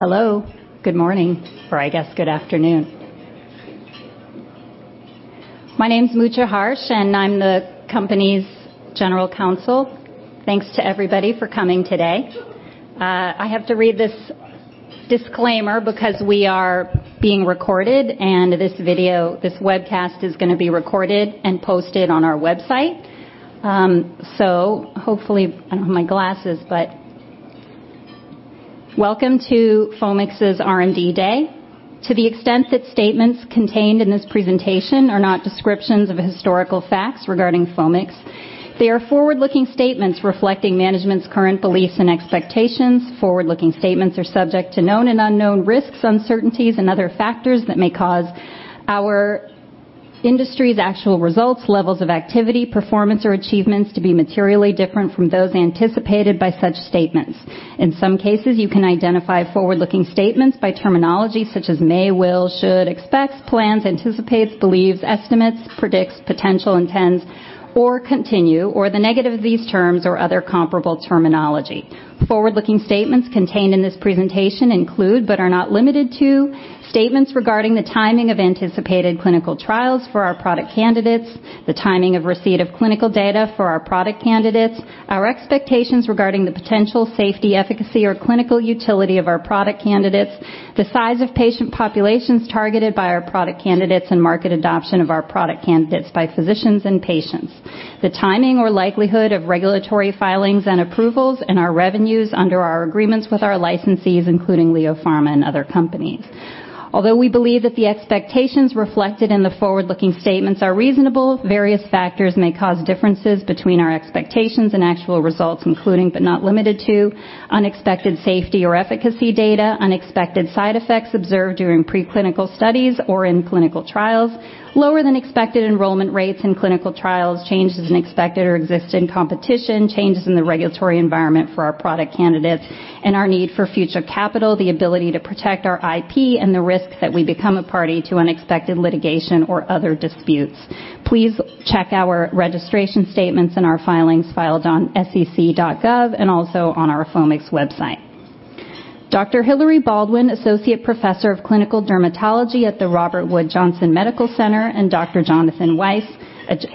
Hello. Good morning, or I guess good afternoon. My name's Mutya Harsch, and I'm the company's General Counsel. Thanks to everybody for coming today. I have to read this disclaimer because we are being recorded, and this webcast is going to be recorded and posted on our website. Hopefully, I don't have my glasses, but welcome to Foamix's R&D Day. To the extent that statements contained in this presentation are not descriptions of historical facts regarding Foamix, they are forward-looking statements reflecting management's current beliefs and expectations. Forward-looking statements are subject to known and unknown risks, uncertainties and other factors that may cause our industry's actual results, levels of activity, performance, or achievements to be materially different from those anticipated by such statements. In some cases, you can identify forward-looking statements by terminology such as may, will, should, expects, plans, anticipates, believes, estimates, predicts, potential, intends, or continue, or the negative of these terms or other comparable terminology. Forward-looking statements contained in this presentation include, but are not limited to, statements regarding the timing of anticipated clinical trials for our product candidates, the timing of receipt of clinical data for our product candidates, our expectations regarding the potential safety, efficacy, or clinical utility of our product candidates, the size of patient populations targeted by our product candidates, and market adoption of our product candidates by physicians and patients, the timing or likelihood of regulatory filings and approvals, and our revenues under our agreements with our licensees, including LEO Pharma and other companies. Although we believe that the expectations reflected in the forward-looking statements are reasonable, various factors may cause differences between our expectations and actual results, including but not limited to unexpected safety or efficacy data, unexpected side effects observed during preclinical studies or in clinical trials, lower than expected enrollment rates in clinical trials, changes in expected or existing competition, changes in the regulatory environment for our product candidates and our need for future capital, the ability to protect our IP, and the risk that we become a party to unexpected litigation or other disputes. Please check our registration statements and our filings filed on sec.gov and also on our Foamix website. Dr. Hilary Baldwin, Associate Professor of Clinical Dermatology at the Robert Wood Johnson Medical Center, and Dr. Jonathan Weiss,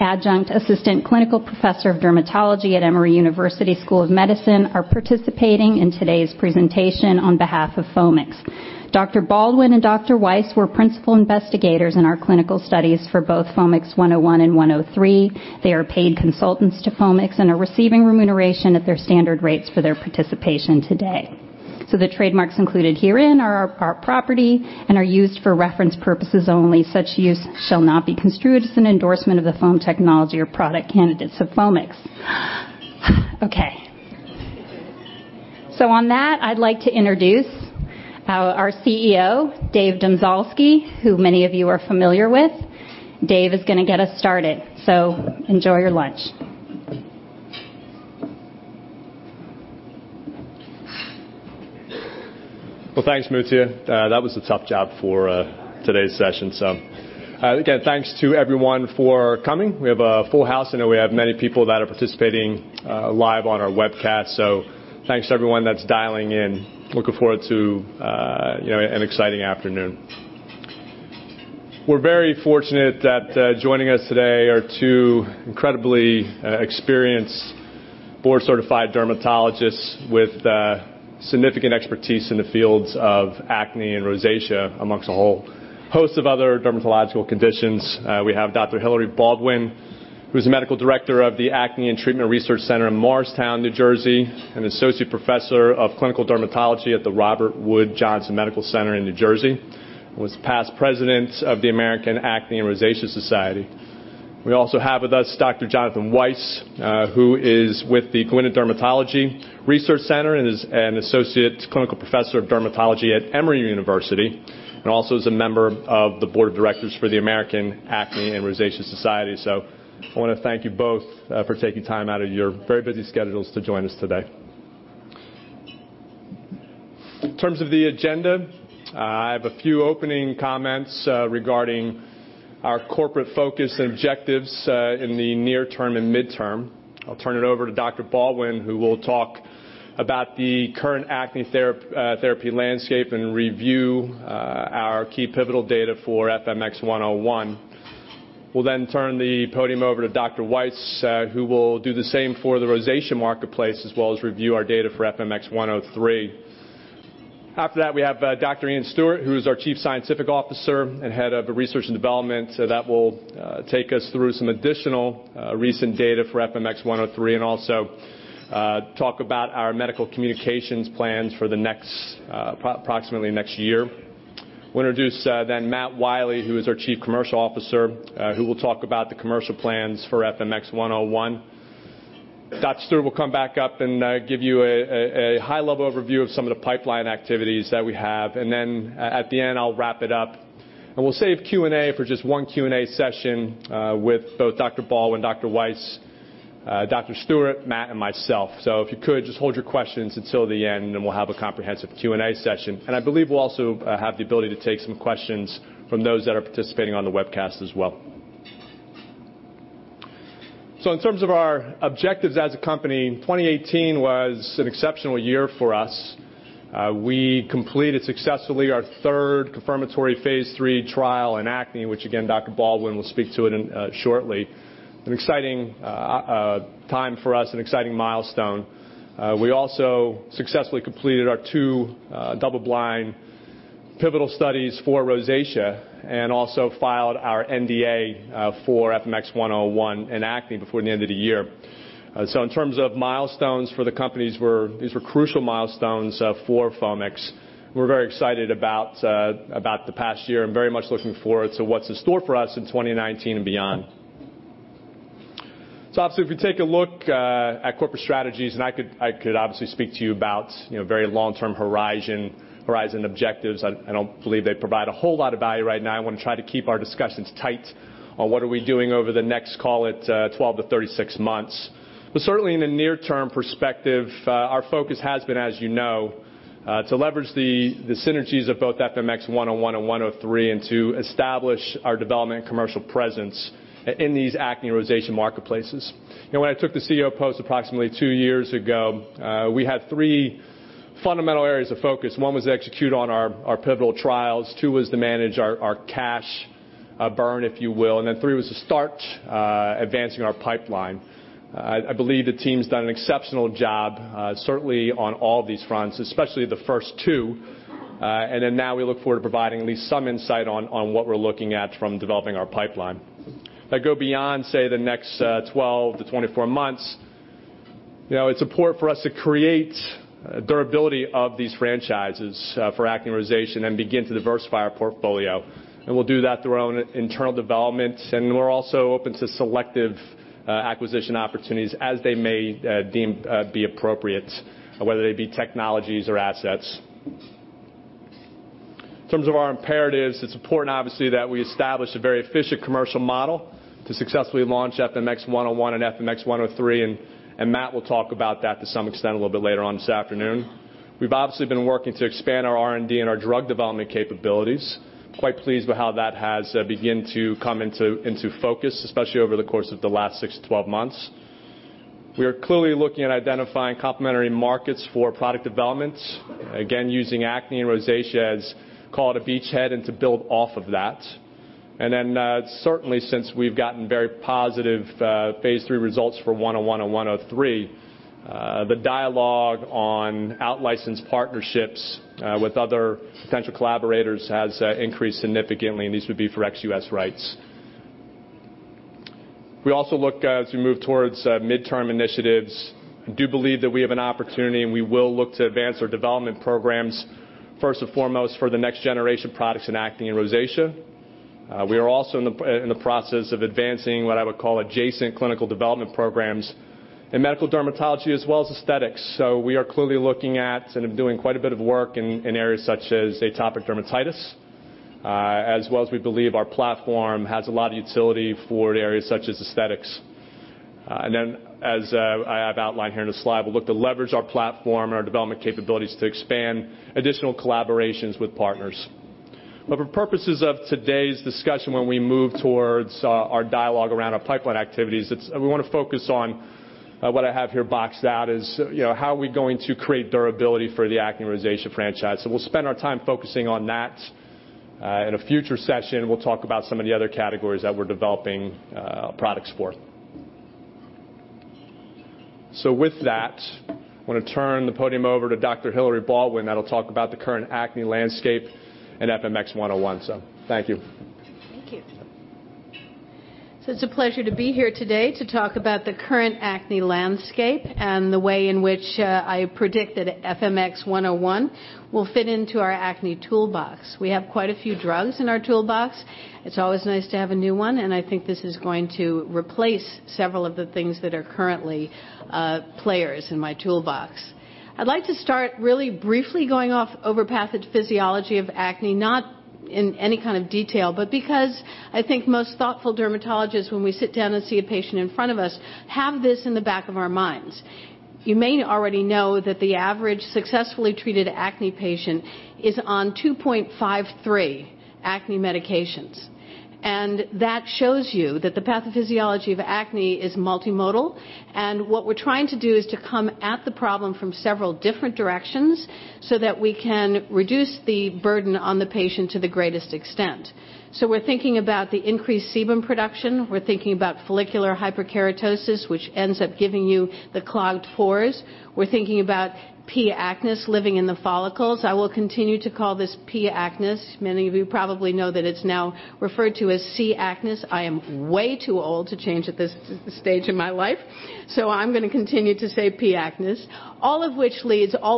Adjunct Assistant Clinical Professor of Dermatology at Emory University School of Medicine, are participating in today's presentation on behalf of Foamix. Dr. Baldwin and Dr. Weiss were principal investigators in our clinical studies for both FMX101 and FMX103. They are paid consultants to Foamix and are receiving remuneration at their standard rates for their participation today. The trademarks included herein are our property and are used for reference purposes only. Such use shall not be construed as an endorsement of the foam technology or product candidates of Foamix. On that, I'd like to introduce our CEO, Dave Domzalski, who many of you are familiar with. Dave is going to get us started, enjoy your lunch. Well, thanks, Mutya. That was a tough job for today's session. Again, thanks to everyone for coming. We have a full house, and we have many people that are participating live on our webcast. Thanks to everyone that's dialing in. Looking forward to an exciting afternoon. We are very fortunate that joining us today are two incredibly experienced board-certified dermatologists with significant expertise in the fields of acne and rosacea, amongst a whole host of other dermatological conditions. We have Dr. Hilary Baldwin, who is the Medical Director of the Acne Treatment and Research Center in Morristown, New Jersey, an Associate Professor of Clinical Dermatology at the Robert Wood Johnson Medical Center New Jersey, and was past President of the American Acne and Rosacea Society. We also have with us Dr. Jonathan Weiss, who is with the Gwinnett Clinical Research Center and is an Associate Clinical Professor of Dermatology at Emory University, and also is a member of the Board of Directors for the American Acne and Rosacea Society. I want to thank you both for taking time out of your very busy schedules to join us today. In terms of the agenda, I have a few opening comments regarding our corporate focus and objectives in the near term and midterm. I will turn it over to Dr. Baldwin, who will talk about the current acne therapy landscape and review our key pivotal data for FMX101. We will then turn the podium over to Dr. Weiss, who will do the same for the rosacea marketplace, as well as review our data for FMX103. After that, we have Dr. Iain Stuart, who is our Chief Scientific Officer and Head of Research and Development, that will take us through some additional recent data for FMX103 and also talk about our medical communications plans for approximately next year. We will introduce then Matt Wiley, who is our Chief Commercial Officer, who will talk about the commercial plans for FMX101. Dr. Stuart will come back up and give you a high-level overview of some of the pipeline activities that we have. At the end, I will wrap it up, and we will save Q&A for just one Q&A session with both Dr. Baldwin, Dr. Weiss, Dr. Stuart, Matt, and myself. If you could just hold your questions until the end, and then we will have a comprehensive Q&A session. I believe we will also have the ability to take some questions from those that are participating on the webcast as well. In terms of our objectives as a company, 2018 was an exceptional year for us. We completed successfully our third confirmatory phase III trial in acne, which again, Dr. Baldwin will speak to it shortly. An exciting time for us, an exciting milestone. We also successfully completed our two double-blind pivotal studies for rosacea, and also filed our NDA for FMX101 in acne before the end of the year. In terms of milestones for the companies, these were crucial milestones for Foamix. We are very excited about the past year and very much looking forward to what is in store for us in 2019 and beyond. Obviously, if you take a look at corporate strategies, and I could obviously speak to you about very long-term horizon objectives. I don't believe they provide a whole lot of value right now. I want to try to keep our discussions tight on what are we doing over the next, call it, 12 to 36 months. Certainly in a near-term perspective, our focus has been, as you know, to leverage the synergies of both FMX101 and FMX103 and to establish our development commercial presence in these acne and rosacea marketplaces. When I took the CEO post approximately two years ago, we had three fundamental areas of focus. One was to execute on our pivotal trials, two was to manage our cash burn, if you will, and then three was to start advancing our pipeline. I believe the team's done an exceptional job, certainly on all of these fronts, especially the first two, and then now we look forward to providing at least some insight on what we're looking at from developing our pipeline. If I go beyond, say, the next 12 to 24 months, it's important for us to create durability of these franchises, for acne-rosacea, and begin to diversify our portfolio. We'll do that through our own internal developments, and we're also open to selective acquisition opportunities as they may deem be appropriate, whether they be technologies or assets. In terms of our imperatives, it's important obviously, that we establish a very efficient commercial model to successfully launch FMX101 and FMX103, and Matt will talk about that to some extent a little bit later on this afternoon. We've obviously been working to expand our R&D and our drug development capabilities. Quite pleased with how that has begin to come into focus, especially over the course of the last 6-12 months. We are clearly looking at identifying complementary markets for product developments, again, using acne and rosacea as, call it, a beachhead and to build off of that. Certainly since we've gotten very positive phase III results for FMX101 and FMX103, the dialogue on out licensed partnerships with other potential collaborators has increased significantly, and these would be for ex-U.S. rights. We also look as we move towards midterm initiatives, I do believe that we have an opportunity, and we will look to advance our development programs, first and foremost, for the next generation products in acne and rosacea. We are also in the process of advancing what I would call adjacent clinical development programs in medical dermatology as well as aesthetics. We are clearly looking at and doing quite a bit of work in areas such as atopic dermatitis, as well as we believe our platform has a lot of utility for areas such as aesthetics. As I have outlined here in the slide, we'll look to leverage our platform and our development capabilities to expand additional collaborations with partners. For purposes of today's discussion, when we move towards our dialogue around our pipeline activities, we want to focus on what I have here boxed out, is how are we going to create durability for the acne rosacea franchise. We'll spend our time focusing on that. In a future session, we'll talk about some of the other categories that we're developing products for. With that, I'm going to turn the podium over to Dr. Hilary Baldwin, that'll talk about the current acne landscape and FMX101. Thank you. Thank you. It's a pleasure to be here today to talk about the current acne landscape and the way in which I predict that FMX101 will fit into our acne toolbox. We have quite a few drugs in our toolbox. It's always nice to have a new one, and I think this is going to replace several of the things that are currently players in my toolbox. I'd like to start really briefly going off over pathophysiology of acne, not in any kind of detail, but because I think most thoughtful dermatologists, when we sit down and see a patient in front of us, have this in the back of our minds. You may already know that the average successfully treated acne patient is on 2.53 acne medications, that shows you that the pathophysiology of acne is multimodal, what we're trying to do is to come at the problem from several different directions so that we can reduce the burden on the patient to the greatest extent. We're thinking about the increased sebum production. We're thinking about follicular hyperkeratosis, which ends up giving you the clogged pores. We're thinking about P. acnes living in the follicles. I will continue to call this P. acnes. Many of you probably know that it's now referred to as C. acnes. I am way too old to change at this stage in my life, I'm going to continue to say P. acnes. All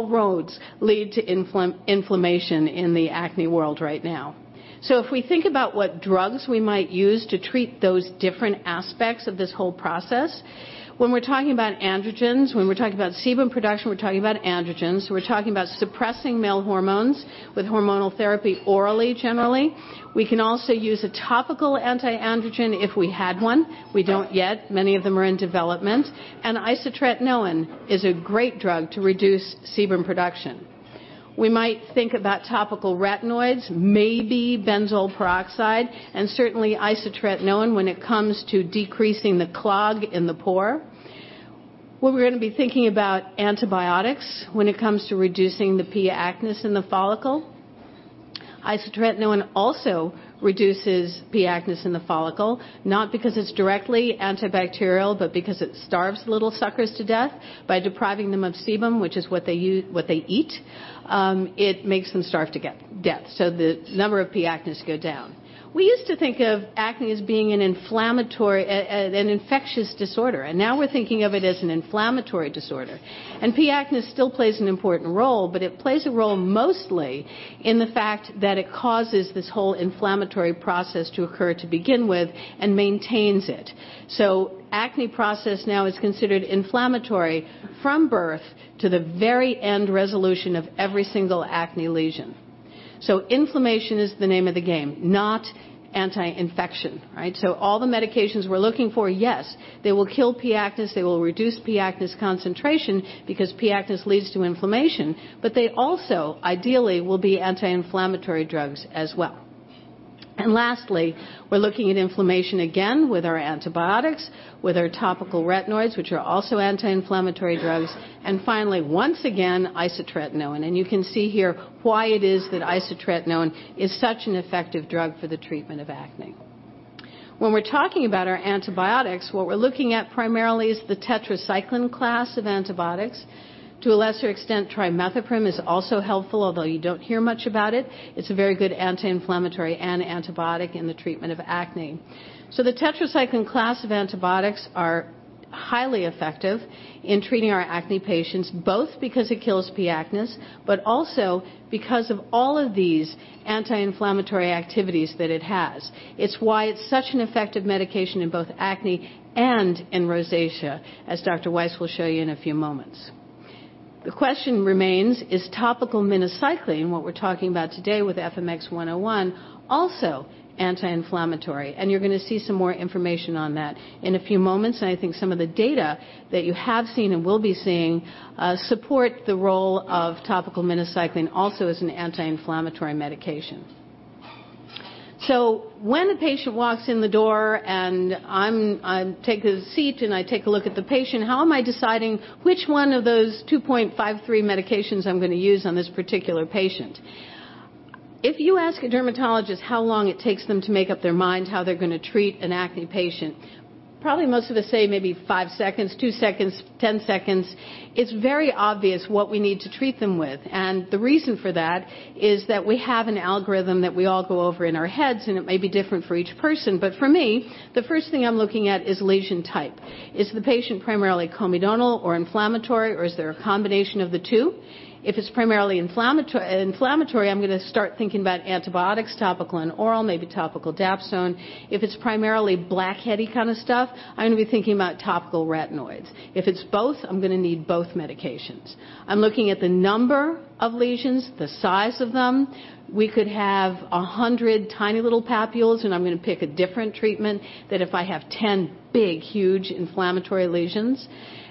roads lead to inflammation in the acne world right now. If we think about what drugs we might use to treat those different aspects of this whole process, when we're talking about androgens, when we're talking about sebum production, we're talking about androgens. We're talking about suppressing male hormones with hormonal therapy orally, generally. We can also use a topical anti-androgen if we had one. We don't yet, many of them are in development. Isotretinoin is a great drug to reduce sebum production. We might think about topical retinoids, maybe benzoyl peroxide, and certainly isotretinoin when it comes to decreasing the clog in the pore. We're going to be thinking about antibiotics when it comes to reducing the P. acnes in the follicle. Isotretinoin also reduces P. acnes in the follicle, not because it's directly antibacterial, but because it starves the little suckers to death by depriving them of sebum, which is what they eat. It makes them starve to death. The number of P. acnes go down. We used to think of acne as being an infectious disorder, and now we're thinking of it as an inflammatory disorder. P. acnes still plays an important role, but it plays a role mostly in the fact that it causes this whole inflammatory process to occur to begin with and maintains it. Acne process now is considered inflammatory from birth to the very end resolution of every single acne lesion. Inflammation is the name of the game, not anti-infection. All the medications we're looking for, yes, they will kill P. acnes, they will reduce P. acnes concentration because P. acnes leads to inflammation, but they also ideally will be anti-inflammatory drugs as well. Lastly, we're looking at inflammation again with our antibiotics, with our topical retinoids, which are also anti-inflammatory drugs, and finally, once again, isotretinoin. You can see here why it is that isotretinoin is such an effective drug for the treatment of acne. When we're talking about our antibiotics, what we're looking at primarily is the tetracycline class of antibiotics. To a lesser extent, trimethoprim is also helpful, although you don't hear much about it. It's a very good anti-inflammatory and antibiotic in the treatment of acne. The tetracycline class of antibiotics are highly effective in treating our acne patients, both because it kills P. acnes, but also because of all of these anti-inflammatory activities that it has. It's why it's such an effective medication in both acne and in rosacea, as Dr. Weiss will show you in a few moments. The question remains, is topical minocycline, what we're talking about today with FMX101, also anti-inflammatory? You're going to see some more information on that in a few moments. I think some of the data that you have seen and will be seeing support the role of topical minocycline also as an anti-inflammatory medication. When a patient walks in the door and I take a seat, and I take a look at the patient, how am I deciding which one of those 2.53 medications I'm going to use on this particular patient? If you ask a dermatologist how long it takes them to make up their mind how they're going to treat an acne patient, probably most of us say maybe five seconds, two seconds, 10 seconds. It's very obvious what we need to treat them with. The reason for that is that we have an algorithm that we all go over in our heads, and it may be different for each person. For me, the first thing I'm looking at is lesion type. Is the patient primarily comedonal or inflammatory, or is there a combination of the two? If it's primarily inflammatory, I'm going to start thinking about antibiotics, topical and oral, maybe topical dapsone. If it's primarily blackheady kind of stuff, I'm going to be thinking about topical retinoids. If it's both, I'm going to need both medications. I'm looking at the number of lesions, the size of them. We could have 100 tiny little papules, and I'm going to pick a different treatment than if I have 10 big, huge inflammatory lesions.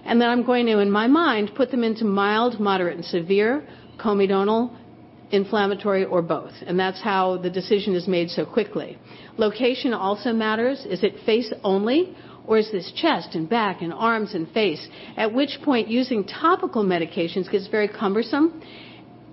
Then I'm going to, in my mind, put them into mild, moderate, and severe, comedonal, inflammatory, or both. That's how the decision is made so quickly. Location also matters. Is it face only, or is this chest and back and arms and face? At which point, using topical medications gets very cumbersome.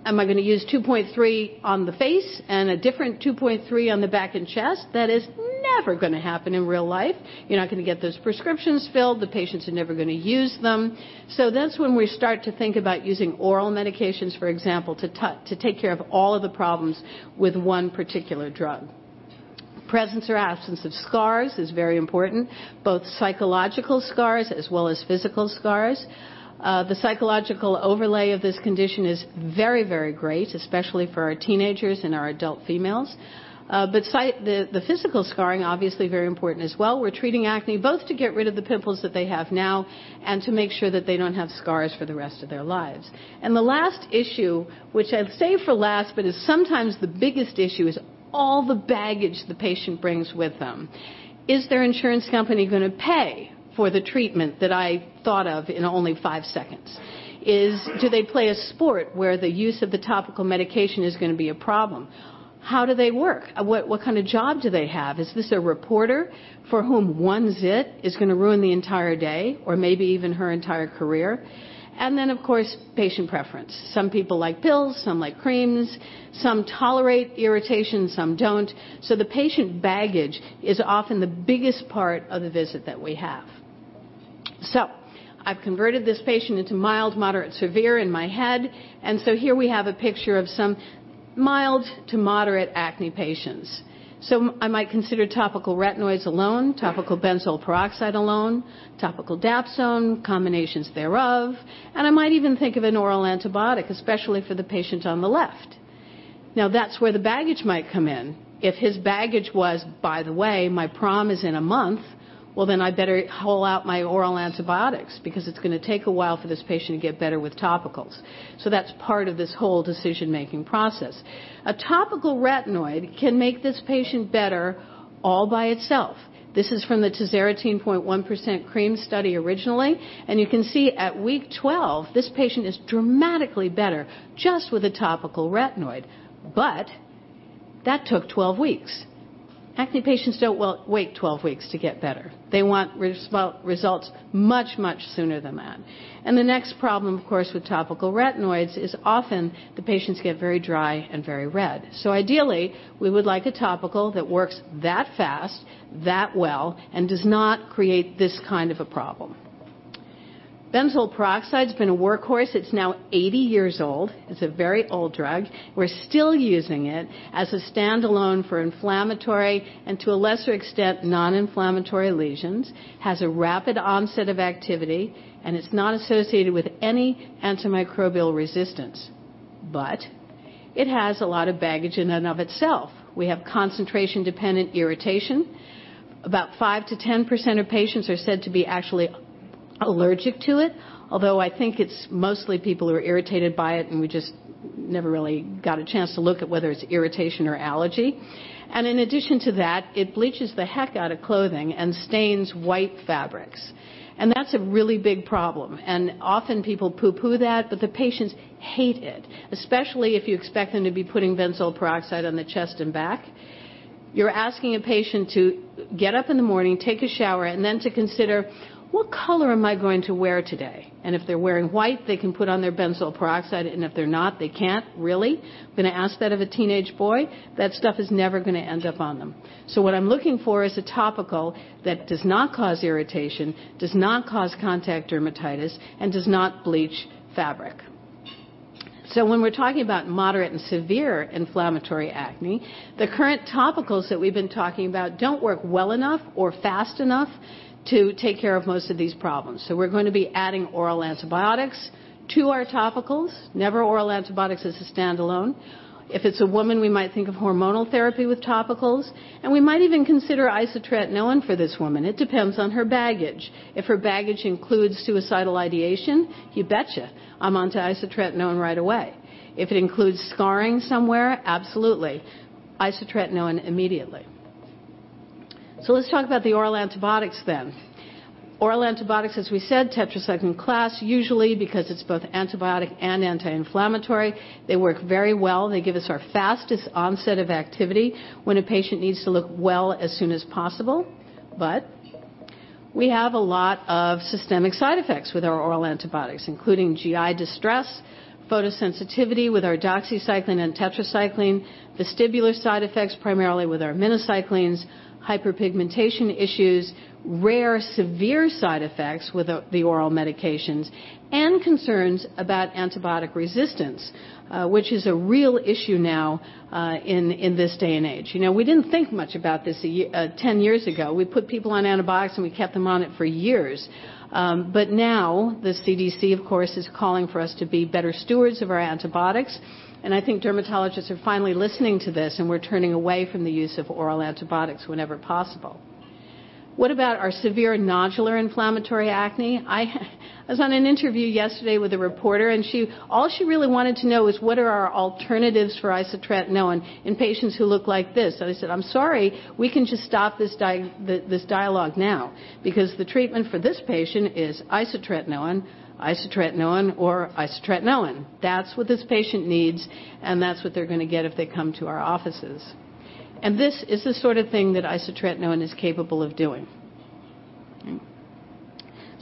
Am I going to use 2.3 on the face and a different 2.3 on the back and chest? That is never going to happen in real life. You're not going to get those prescriptions filled. The patients are never going to use them. That's when we start to think about using oral medications, for example, to take care of all of the problems with one particular drug. Presence or absence of scars is very important, both psychological scars as well as physical scars. The psychological overlay of this condition is very, very great, especially for our teenagers and our adult females. The physical scarring, obviously very important as well. We're treating acne both to get rid of the pimples that they have now and to make sure that they don't have scars for the rest of their lives. The last issue, which I've saved for last but is sometimes the biggest issue, is all the baggage the patient brings with them. Is their insurance company going to pay for the treatment that I thought of in only five seconds? Do they play a sport where the use of the topical medication is going to be a problem? How do they work? What kind of job do they have? Is this a reporter for whom one zit is going to ruin the entire day or maybe even her entire career? Then, of course, patient preference. Some people like pills, some like creams. Some tolerate irritation, some don't. The patient baggage is often the biggest part of the visit that we have. I've converted this patient into mild, moderate, severe in my head. Here we have a picture of some mild to moderate acne patients. I might consider topical retinoids alone, topical benzoyl peroxide alone, topical dapsone, combinations thereof, and I might even think of an oral antibiotic, especially for the patient on the left. Now, that's where the baggage might come in. If his baggage was, "By the way, my prom is in a month," well, then I better haul out my oral antibiotics because it's going to take a while for this patient to get better with topicals. That's part of this whole decision-making process. A topical retinoid can make this patient better all by itself. This is from the tazarotene 0.1% cream study originally. You can see at week 12, this patient is dramatically better just with a topical retinoid. That took 12 weeks. Acne patients don't wait 12 weeks to get better. They want results much sooner than that. The next problem, of course, with topical retinoids is often the patients get very dry and very red. Ideally, we would like a topical that works that fast, that well, and does not create this kind of a problem. Benzoyl peroxide's been a workhorse. It's now 80 years old. It's a very old drug. We're still using it as a standalone for inflammatory and, to a lesser extent, non-inflammatory lesions, has a rapid onset of activity, and it's not associated with any antimicrobial resistance. It has a lot of baggage in and of itself. We have concentration-dependent irritation. About 5%-10% of patients are said to be actually allergic to it, although I think it's mostly people who are irritated by it, we just never really got a chance to look at whether it's irritation or allergy. In addition to that, it bleaches the heck out of clothing and stains white fabrics. That's a really big problem. Often people poo-poo that, but the patients hate it, especially if you expect them to be putting benzoyl peroxide on the chest and back. You're asking a patient to get up in the morning, take a shower, then to consider, "What color am I going to wear today?" If they're wearing white, they can put on their benzoyl peroxide, if they're not, they can't really. I'm going to ask that of a teenage boy. That stuff is never going to end up on them. What I'm looking for is a topical that does not cause irritation, does not cause contact dermatitis, does not bleach fabric. When we're talking about moderate and severe inflammatory acne, the current topicals that we've been talking about don't work well enough or fast enough to take care of most of these problems. We're going to be adding oral antibiotics to our topicals. Never oral antibiotics as a standalone. If it's a woman, we might think of hormonal therapy with topicals, we might even consider isotretinoin for this woman. It depends on her baggage. If her baggage includes suicidal ideation, you betcha, I'm onto isotretinoin right away. If it includes scarring somewhere, absolutely, isotretinoin immediately. Let's talk about the oral antibiotics then. Oral antibiotics, as we said, tetracycline class, usually because it's both antibiotic and anti-inflammatory. They work very well. They give us our fastest onset of activity when a patient needs to look well as soon as possible. We have a lot of systemic side effects with our oral antibiotics, including GI distress, photosensitivity with our doxycycline and tetracycline, vestibular side effects primarily with our minocyclines, hyperpigmentation issues, rare severe side effects with the oral medications, concerns about antibiotic resistance, which is a real issue now in this day and age. We didn't think much about this 10 years ago. We kept them on it for years. Now the CDC, of course, is calling for us to be better stewards of our antibiotics, I think dermatologists are finally listening to this, we're turning away from the use of oral antibiotics whenever possible. What about our severe nodular inflammatory acne? I was on an interview yesterday with a reporter, all she really wanted to know is what are our alternatives for isotretinoin in patients who look like this. I said, "I'm sorry. We can just stop this dialogue now because the treatment for this patient is isotretinoin, or isotretinoin or isotretinoin." That's what this patient needs, that's what they're going to get if they come to our offices. This is the sort of thing that isotretinoin is capable of doing.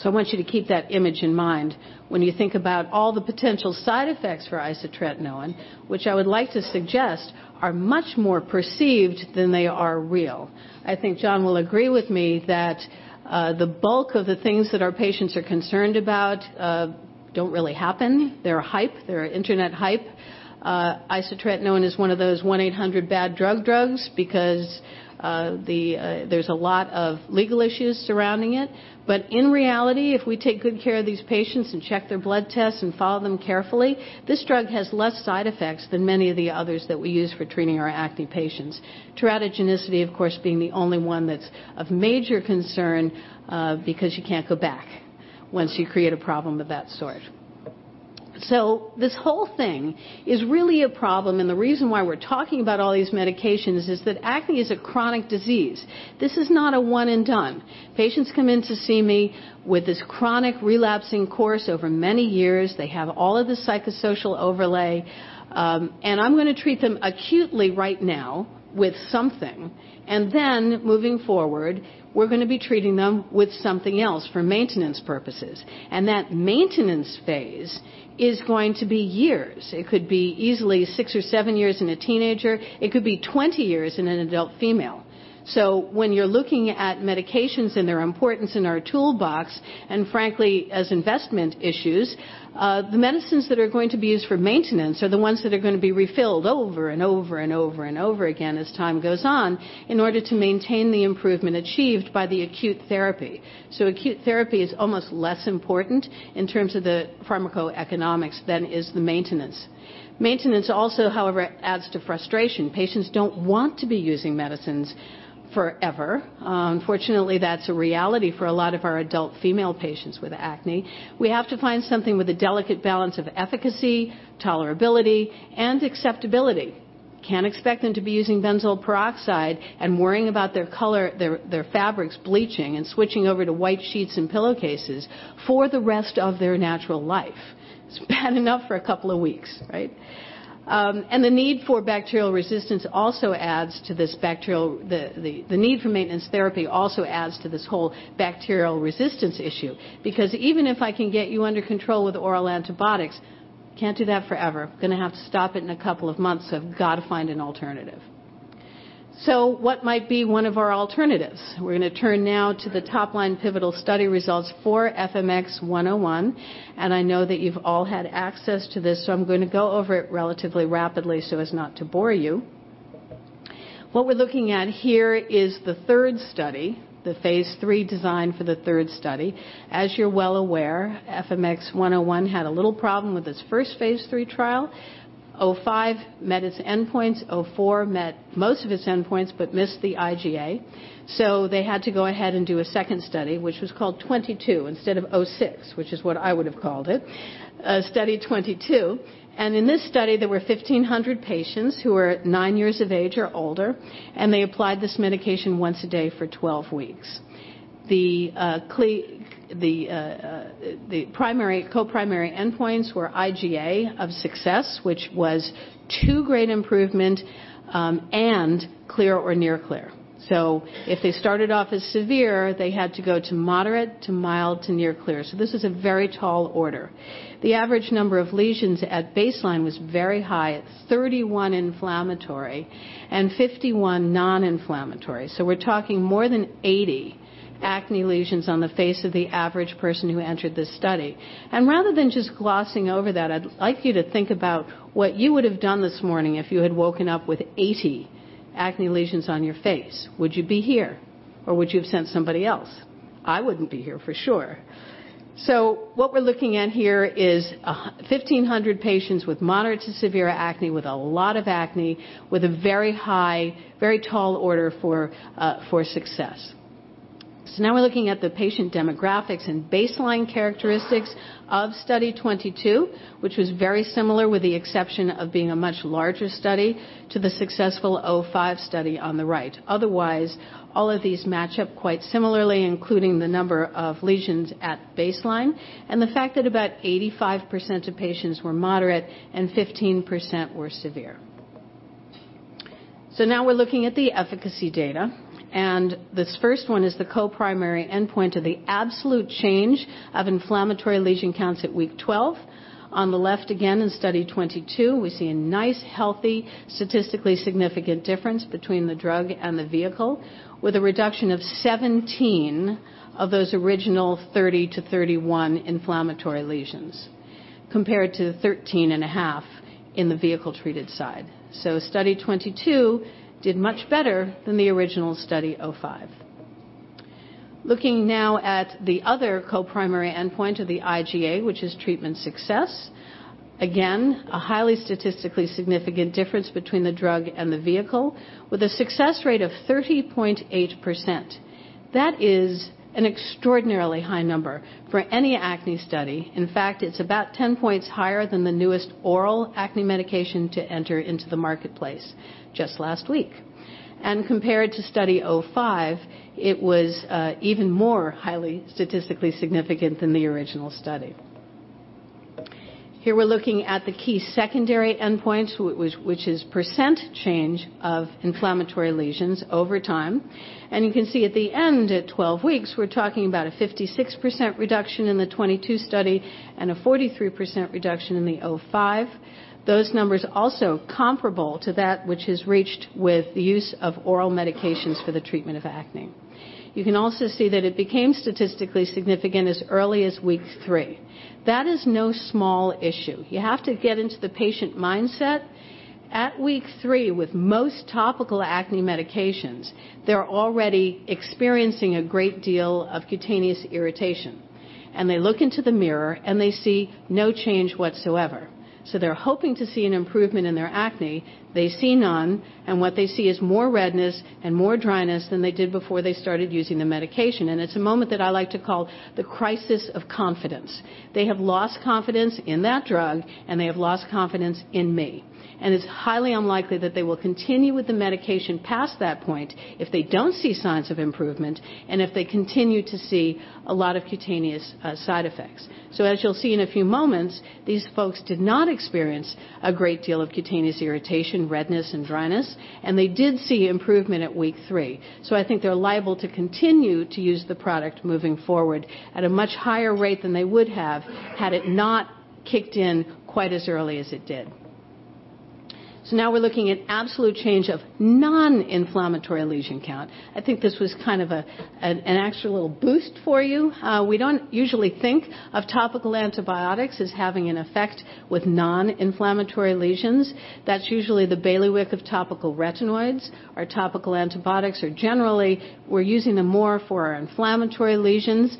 I want you to keep that image in mind when you think about all the potential side effects for isotretinoin, which I would like to suggest are much more perceived than they are real. I think Jon will agree with me that the bulk of the things that our patients are concerned about don't really happen. They're hyped or internet hyped. Isotretinoin is one of those 1-800-bad-drug drugs because there's a lot of legal issues surrounding it. In reality, if we take good care of these patients and check their blood tests and follow them carefully, this drug has less side effects than many of the others that we use for treating our acne patients. Teratogenicity, of course, being the only one that's of major concern because you can't go back once you create a problem of that sort. This whole thing is really a problem, and the reason why we're talking about all these medications is that acne is a chronic disease. This is not a one and done. Patients come in to see me with this chronic relapsing course over many years. They have all of the psychosocial overlay. I'm going to treat them acutely right now with something, and then moving forward, we're going to be treating them with something else for maintenance purposes. That maintenance phase is going to be years. It could be easily six or seven years in a teenager. It could be 20 years in an adult female. When you're looking at medications and their importance in our toolbox, and frankly, as investment issues, the medicines that are going to be used for maintenance are the ones that are going to be refilled over and over again as time goes on in order to maintain the improvement achieved by the acute therapy. Acute therapy is almost less important in terms of the pharmacoeconomics than is the maintenance. Maintenance also, however, adds to frustration. Patients don't want to be using medicines forever. Unfortunately, that's a reality for a lot of our adult female patients with acne. We have to find something with a delicate balance of efficacy, tolerability, and acceptability. Can't expect them to be using benzoyl peroxide and worrying about their fabrics bleaching and switching over to white sheets and pillowcases for the rest of their natural life. It's bad enough for a couple of weeks, right? The need for maintenance therapy also adds to this whole bacterial resistance issue. Even if I can get you under control with oral antibiotics, can't do that forever. Going to have to stop it in a couple of months, so I've got to find an alternative. What might be one of our alternatives? We're going to turn now to the top-line pivotal study results for FMX101, and I know that you've all had access to this, so I'm going to go over it relatively rapidly so as not to bore you. What we're looking at here is the third study, the phase III design for the third study. As you're well aware, FMX101 had a little problem with its first phase III trial. 05 met its endpoints, 04 met most of its endpoints but missed the IGA. They had to go ahead and do a second study, which was called 22 instead of 06, which is what I would have called it. Study 22. In this study, there were 1,500 patients who were nine years of age or older, and they applied this medication once a day for 12 weeks. The co-primary endpoints were IGA of success, which was 2-grade improvement and clear or near clear. If they started off as severe, they had to go to moderate, to mild, to near clear. This is a very tall order. The average number of lesions at baseline was very high at 31 inflammatory and 51 non-inflammatory. We are talking more than 80 acne lesions on the face of the average person who entered this study. Rather than just glossing over that, I would like you to think about what you would have done this morning if you had woken up with 80 acne lesions on your face. Would you be here? Would you have sent somebody else? I would not be here, for sure. What we are looking at here is 1,500 patients with moderate to severe acne, with a lot of acne, with a very high, very tall order for success. Now we are looking at the patient demographics and baseline characteristics of Study 22, which was very similar, with the exception of being a much larger study to the successful 05 study on the right. Otherwise, all of these match up quite similarly, including the number of lesions at baseline and the fact that about 85% of patients were moderate and 15% were severe. Now we are looking at the efficacy data. This first one is the co-primary endpoint of the absolute change of inflammatory lesion counts at week 12. On the left, again, in Study 22, we see a nice, healthy, statistically significant difference between the drug and the vehicle, with a reduction of 17 of those original 30 to 31 inflammatory lesions, compared to 13.5 in the vehicle-treated side. Study 22 did much better than the original Study 05. Looking now at the other co-primary endpoint of the IGA, which is treatment success. Again, a highly statistically significant difference between the drug and the vehicle, with a success rate of 30.8%. That is an extraordinarily high number for any acne study. In fact, it is about 10 points higher than the newest oral acne medication to enter into the marketplace just last week. Compared to Study 05, it was even more highly statistically significant than the original study. Here we are looking at the key secondary endpoint, which is percent change of inflammatory lesions over time. You can see at the end, at 12 weeks, we are talking about a 56% reduction in Study 22 and a 43% reduction in Study 05. Those numbers also comparable to that which is reached with the use of oral medications for the treatment of acne. You can also see that it became statistically significant as early as week three. That is no small issue. You have to get into the patient mindset. At week three, with most topical acne medications, they are already experiencing a great deal of cutaneous irritation, and they look into the mirror, and they see no change whatsoever. They are hoping to see an improvement in their acne. They see none, what they see is more redness and more dryness than they did before they started using the medication. It's a moment that I like to call the crisis of confidence. They have lost confidence in that drug, and they have lost confidence in me. It's highly unlikely that they will continue with the medication past that point if they don't see signs of improvement and if they continue to see a lot of cutaneous side effects. As you'll see in a few moments, these folks did not experience a great deal of cutaneous irritation, redness, and dryness, and they did see improvement at week three. I think they're liable to continue to use the product moving forward at a much higher rate than they would have had it not kicked in quite as early as it did. Now we're looking at absolute change of non-inflammatory lesion count. I think this was kind of an actual little boost for you. We don't usually think of topical antibiotics as having an effect with non-inflammatory lesions. That's usually the bailiwick of topical retinoids. Our topical antibiotics are generally, we're using them more for our inflammatory lesions.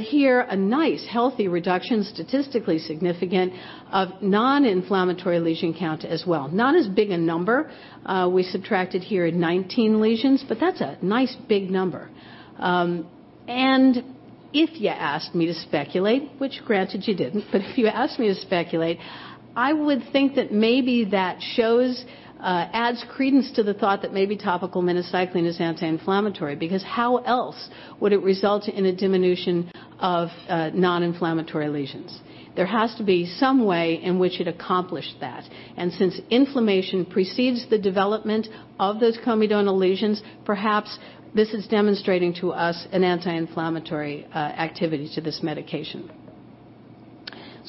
Here, a nice, healthy reduction, statistically significant, of non-inflammatory lesion count as well. Not as big a number. We subtracted here at 19 lesions, but that's a nice big number. If you asked me to speculate, which granted you didn't, but if you asked me to speculate, I would think that maybe that adds credence to the thought that maybe topical minocycline is anti-inflammatory, because how else would it result in a diminution of non-inflammatory lesions? There has to be some way in which it accomplished that. Since inflammation precedes the development of those comedonal lesions, perhaps this is demonstrating to us an anti-inflammatory activity to this medication.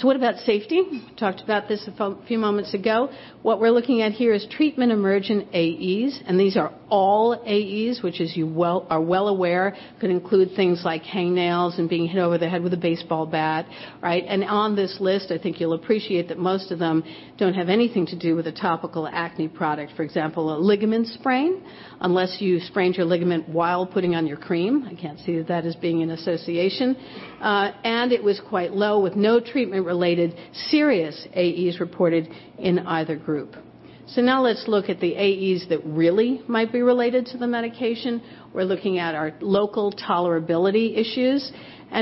What about safety? Talked about this a few moments ago. What we're looking at here is treatment emergent AEs, these are all AEs, which as you are well aware, could include things like hangnails and being hit over the head with a baseball bat. Right? On this list, I think you'll appreciate that most of them don't have anything to do with a topical acne product. For example, a ligament sprain, unless you sprained your ligament while putting on your cream, I can't see that as being an association. It was quite low with no treatment-related serious AEs reported in either group. Now let's look at the AEs that really might be related to the medication. We're looking at our local tolerability issues,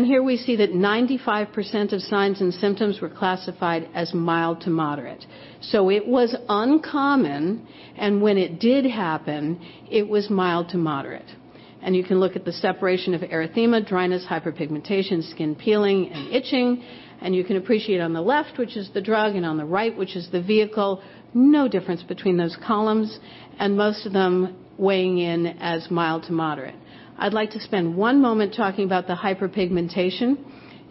here we see that 95% of signs and symptoms were classified as mild to moderate. It was uncommon, and when it did happen, it was mild to moderate. You can look at the separation of erythema, dryness, hyperpigmentation, skin peeling, and itching, and you can appreciate on the left, which is the drug, and on the right, which is the vehicle, no difference between those columns, and most of them weighing in as mild to moderate. I'd like to spend one moment talking about the hyperpigmentation.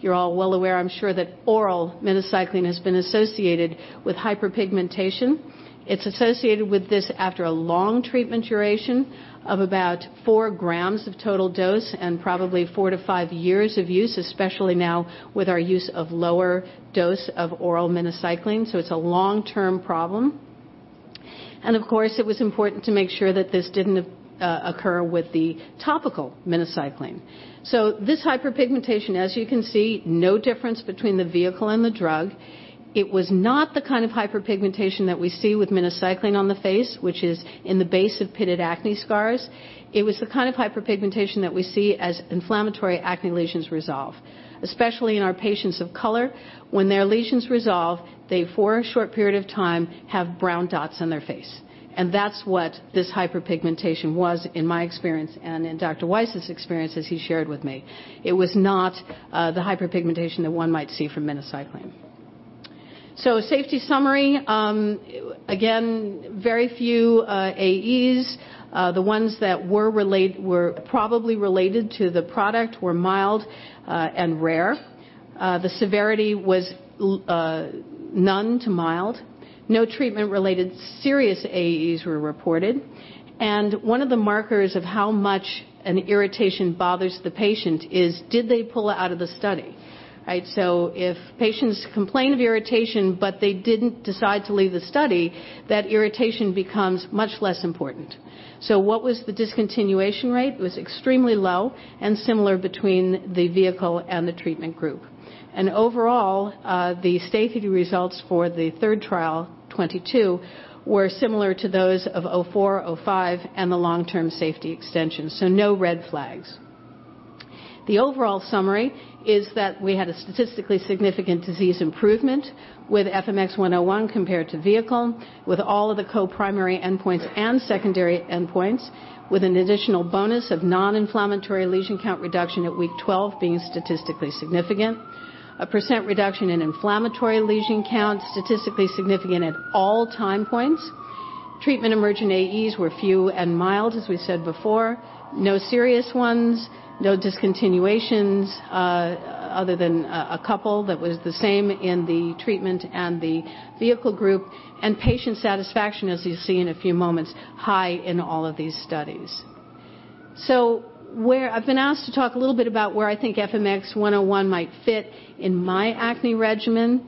You're all well aware, I'm sure, that oral minocycline has been associated with hyperpigmentation. It's associated with this after a long treatment duration of about 4 g of total dose and probably four to five years of use, especially now with our use of lower dose of oral minocycline. It's a long-term problem. Of course, it was important to make sure that this didn't occur with the topical minocycline. This hyperpigmentation, as you can see, no difference between the vehicle and the drug. It was not the kind of hyperpigmentation that we see with minocycline on the face, which is in the base of pitted acne scars. It was the kind of hyperpigmentation that we see as inflammatory acne lesions resolve. Especially in our patients of color, when their lesions resolve, they, for a short period of time, have brown dots on their face. That's what this hyperpigmentation was in my experience and in Dr. Weiss's experience as he shared with me. It was not the hyperpigmentation that one might see from minocycline. Safety summary. Again, very few AEs. The ones that were probably related to the product were mild and rare. The severity was none to mild. No treatment-related serious AEs were reported. One of the markers of how much an irritation bothers the patient is did they pull out of the study? Right? If patients complain of irritation, but they didn't decide to leave the study, that irritation becomes much less important. What was the discontinuation rate? It was extremely low and similar between the vehicle and the treatment group. Overall, the safety results for the third trial, Study 22, were similar to those of Study 04, Study 05, and the long-term safety extension. No red flags. The overall summary is that we had a statistically significant disease improvement with FMX101 compared to vehicle with all of the co-primary endpoints and secondary endpoints, with an additional bonus of non-inflammatory lesion count reduction at week 12 being statistically significant. A percent reduction in inflammatory lesion count, statistically significant at all time points. Treatment emergent AEs were few and mild, as we said before. No serious ones. No discontinuations, other than a couple that was the same in the treatment and the vehicle group. Patient satisfaction, as you'll see in a few moments, high in all of these studies. I've been asked to talk a little bit about where I think FMX101 might fit in my acne regimen.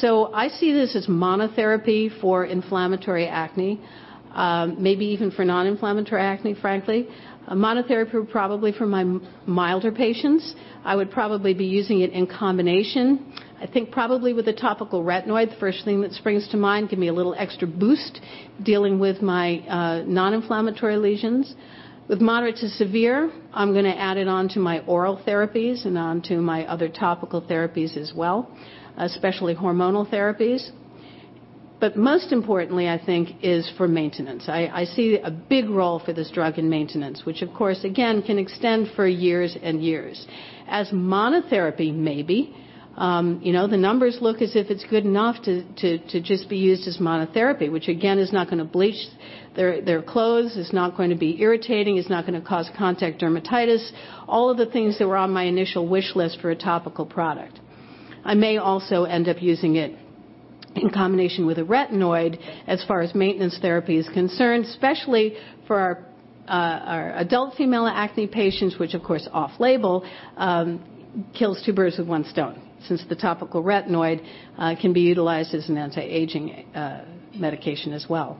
I see this as monotherapy for inflammatory acne. Maybe even for non-inflammatory acne, frankly. Monotherapy probably for my milder patients. I would probably be using it in combination, I think probably with a topical retinoid, the first thing that springs to mind, give me a little extra boost dealing with my non-inflammatory lesions. With moderate to severe, I'm going to add it on to my oral therapies and onto my other topical therapies as well, especially hormonal therapies. Most importantly, I think is for maintenance. I see a big role for this drug in maintenance, which of course, again, can extend for years and years. As monotherapy, maybe. The numbers look as if it's good enough to just be used as monotherapy, which again, is not going to bleach their clothes, it's not going to be irritating, it's not going to cause contact dermatitis. All of the things that were on my initial wish list for a topical product. I may also end up using it in combination with a retinoid as far as maintenance therapy is concerned, especially for our our adult female acne patients, which of course, off-label, kills two birds with one stone, since the topical retinoid can be utilized as an anti-aging medication as well.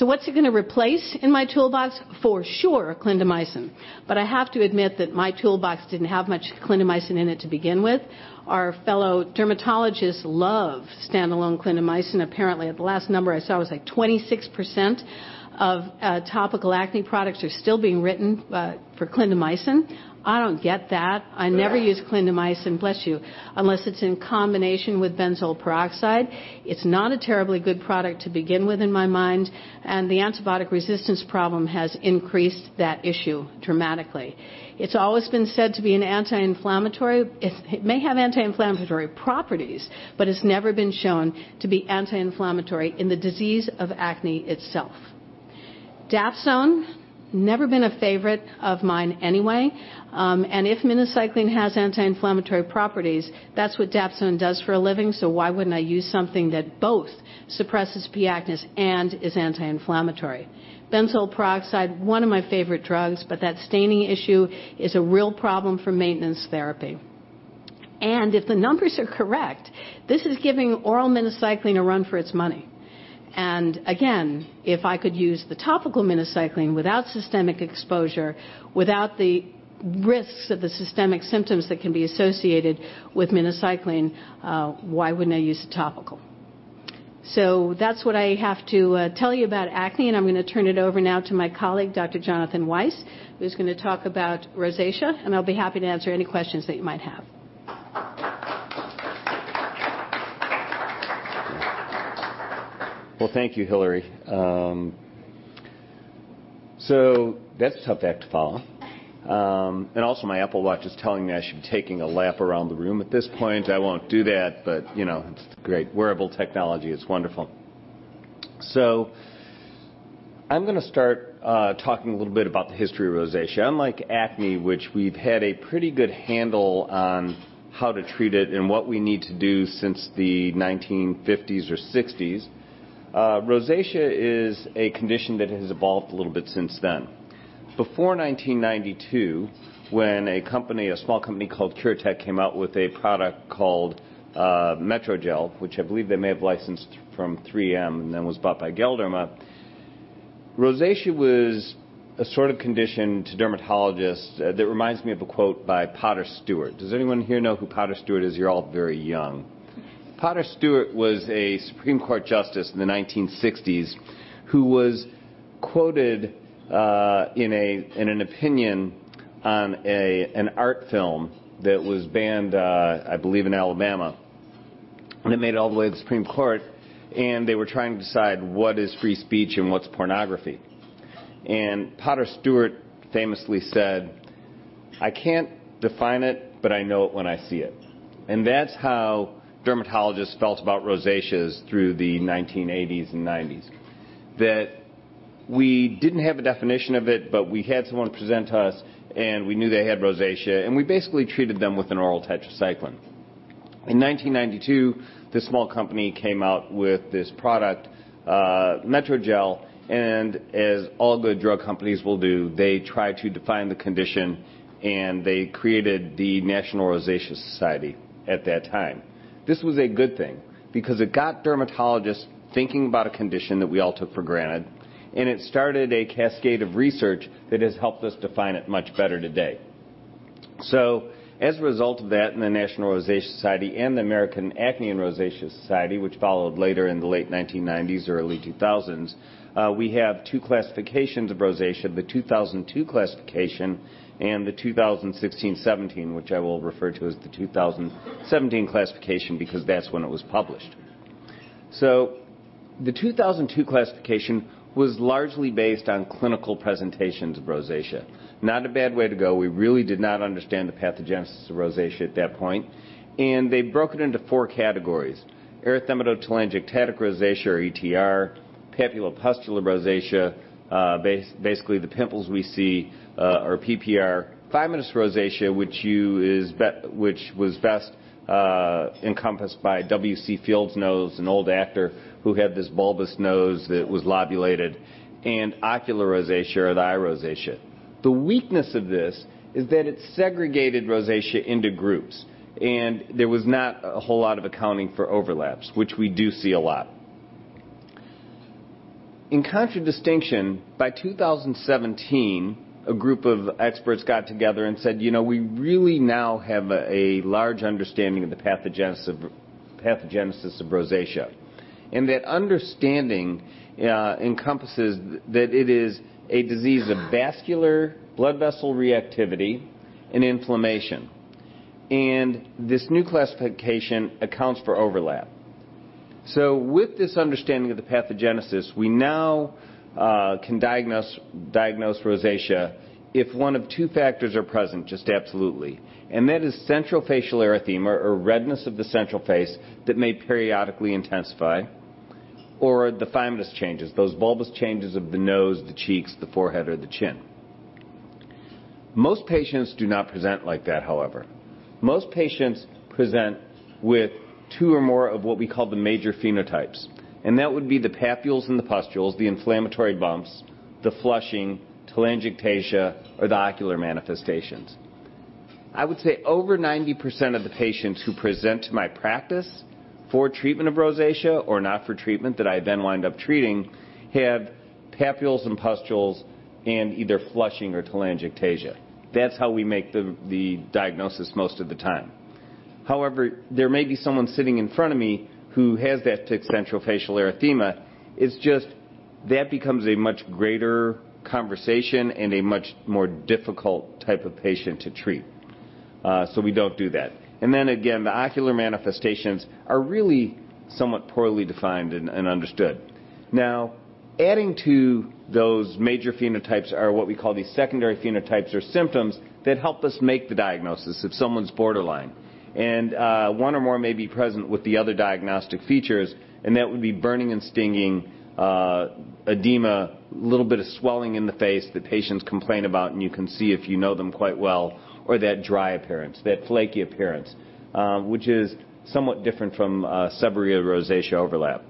What's it going to replace in my toolbox? For sure, clindamycin. I have to admit that my toolbox didn't have much clindamycin in it to begin with. Our fellow dermatologists love standalone clindamycin. Apparently, the last number I saw was like 26% of topical acne products are still being written for clindamycin. I don't get that. I never use clindamycin, bless you, unless it's in combination with benzoyl peroxide. It's not a terribly good product to begin with in my mind, and the antibiotic resistance problem has increased that issue dramatically. It's always been said to be an anti-inflammatory. It may have anti-inflammatory properties, but it's never been shown to be anti-inflammatory in the disease of acne itself. Dapsone, never been a favorite of mine anyway. If minocycline has anti-inflammatory properties, that's what dapsone does for a living, so why wouldn't I use something that both suppresses P. acnes and is anti-inflammatory? Benzoyl peroxide, one of my favorite drugs, that staining issue is a real problem for maintenance therapy. If the numbers are correct, this is giving oral minocycline a run for its money. Again, if I could use the topical minocycline without systemic exposure, without the risks of the systemic symptoms that can be associated with minocycline, why wouldn't I use a topical? That's what I have to tell you about acne, I'm going to turn it over now to my colleague, Dr. Jonathan Weiss, who's going to talk about rosacea. I'll be happy to answer any questions that you might have. Well, thank you, Hilary. That's a tough act to follow. Also my Apple Watch is telling me I should be taking a lap around the room at this point. I won't do that, but it's great. Wearable technology is wonderful. I'm going to start talking a little bit about the history of rosacea. Unlike acne, which we've had a pretty good handle on how to treat it and what we need to do since the 1950s or 1960s, rosacea is a condition that has evolved a little bit since then. Before 1992, when a small company called Curatek came out with a product called MetroGel, which I believe they may have licensed from 3M, and then was bought by Galderma. Rosacea was a sort of condition to dermatologists that reminds me of a quote by Potter Stewart. Does anyone here know who Potter Stewart is? You're all very young. Potter Stewart was a Supreme Court justice in the 1960s who was quoted in an opinion on an art film that was banned, I believe, in Alabama. It made it all the way to the Supreme Court, and they were trying to decide what is free speech and what's pornography. Potter Stewart famously said, "I can't define it, but I know it when I see it." That's how dermatologists felt about rosacea through the 1980s and 1990s. That we didn't have a definition of it, but we had someone present to us, and we knew they had rosacea, and we basically treated them with an oral tetracycline. In 1992, this small company came out with this product, MetroGel, as all good drug companies will do, they try to define the condition, and they created the National Rosacea Society at that time. This was a good thing because it got dermatologists thinking about a condition that we all took for granted, and it started a cascade of research that has helped us define it much better today. As a result of that and the National Rosacea Society and the American Acne and Rosacea Society, which followed later in the late 1990s, early 2000s, we have two classifications of rosacea: the 2002 classification and the 2016/2017, which I will refer to as the 2017 classification because that's when it was published. The 2002 classification was largely based on clinical presentations of rosacea. Not a bad way to go. We really did not understand the pathogenesis of rosacea at that point, and they broke it into four categories. Erythematotelangiectatic rosacea, or ETR. Papulopustular rosacea, basically the pimples we see, or PPR. Phymatous rosacea, which was best encompassed by W. C. Fields. Fields' nose, an old actor who had this bulbous nose that was lobulated. And ocular rosacea or the eye rosacea. The weakness of this is that it segregated rosacea into groups, and there was not a whole lot of accounting for overlaps, which we do see a lot. In contradistinction, by 2017, a group of experts got together and said, "We really now have a large understanding of the pathogenesis of rosacea." And that understanding encompasses that it is a disease of vascular blood vessel reactivity and inflammation. And this new classification accounts for overlap. With this understanding of the pathogenesis, we now can diagnose rosacea if one of two factors are present, just absolutely, and that is central facial erythema or redness of the central face that may periodically intensify, or the phymatous changes, those bulbous changes of the nose, the cheeks, the forehead, or the chin. Most patients do not present like that, however. Most patients present with two or more of what we call the major phenotypes, and that would be the papules and the pustules, the inflammatory bumps, the flushing, telangiectasia, or the ocular manifestations. I would say over 90% of the patients who present to my practice for treatment of rosacea or not for treatment that I then wind up treating have papules and pustules and either flushing or telangiectasia. That's how we make the diagnosis most of the time. However, there may be someone sitting in front of me who has that central facial erythema. It's just that becomes a much greater conversation and a much more difficult type of patient to treat. We don't do that. Again, the ocular manifestations are really somewhat poorly defined and understood. Now, adding to those major phenotypes are what we call the secondary phenotypes or symptoms that help us make the diagnosis if someone's borderline. One or more may be present with the other diagnostic features, and that would be burning and stinging, edema, little bit of swelling in the face that patients complain about, and you can see if you know them quite well, or that dry appearance, that flaky appearance, which is somewhat different from seborrheic rosacea overlap.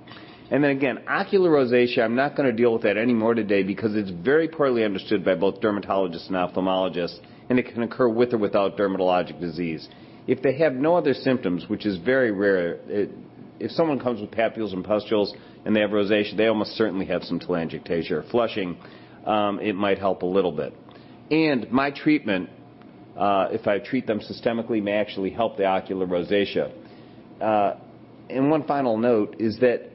Again, ocular rosacea, I'm not going to deal with that anymore today because it's very poorly understood by both dermatologists and ophthalmologists, and it can occur with or without dermatologic disease. If they have no other symptoms, which is very rare, if someone comes with papules and pustules and they have rosacea, they almost certainly have some telangiectasia or flushing. It might help a little bit. My treatment, if I treat them systemically, may actually help the ocular rosacea. One final note is that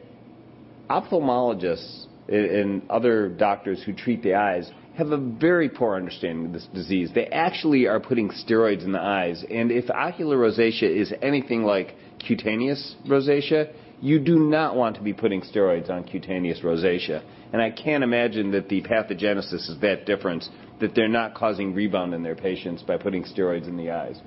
ophthalmologists and other doctors who treat the eyes have a very poor understanding of this disease. They actually are putting steroids in the eyes, and if ocular rosacea is anything like cutaneous rosacea, you do not want to be putting steroids on cutaneous rosacea. I can't imagine that the pathogenesis is that different that they're not causing rebound in their patients by putting steroids in the eyes.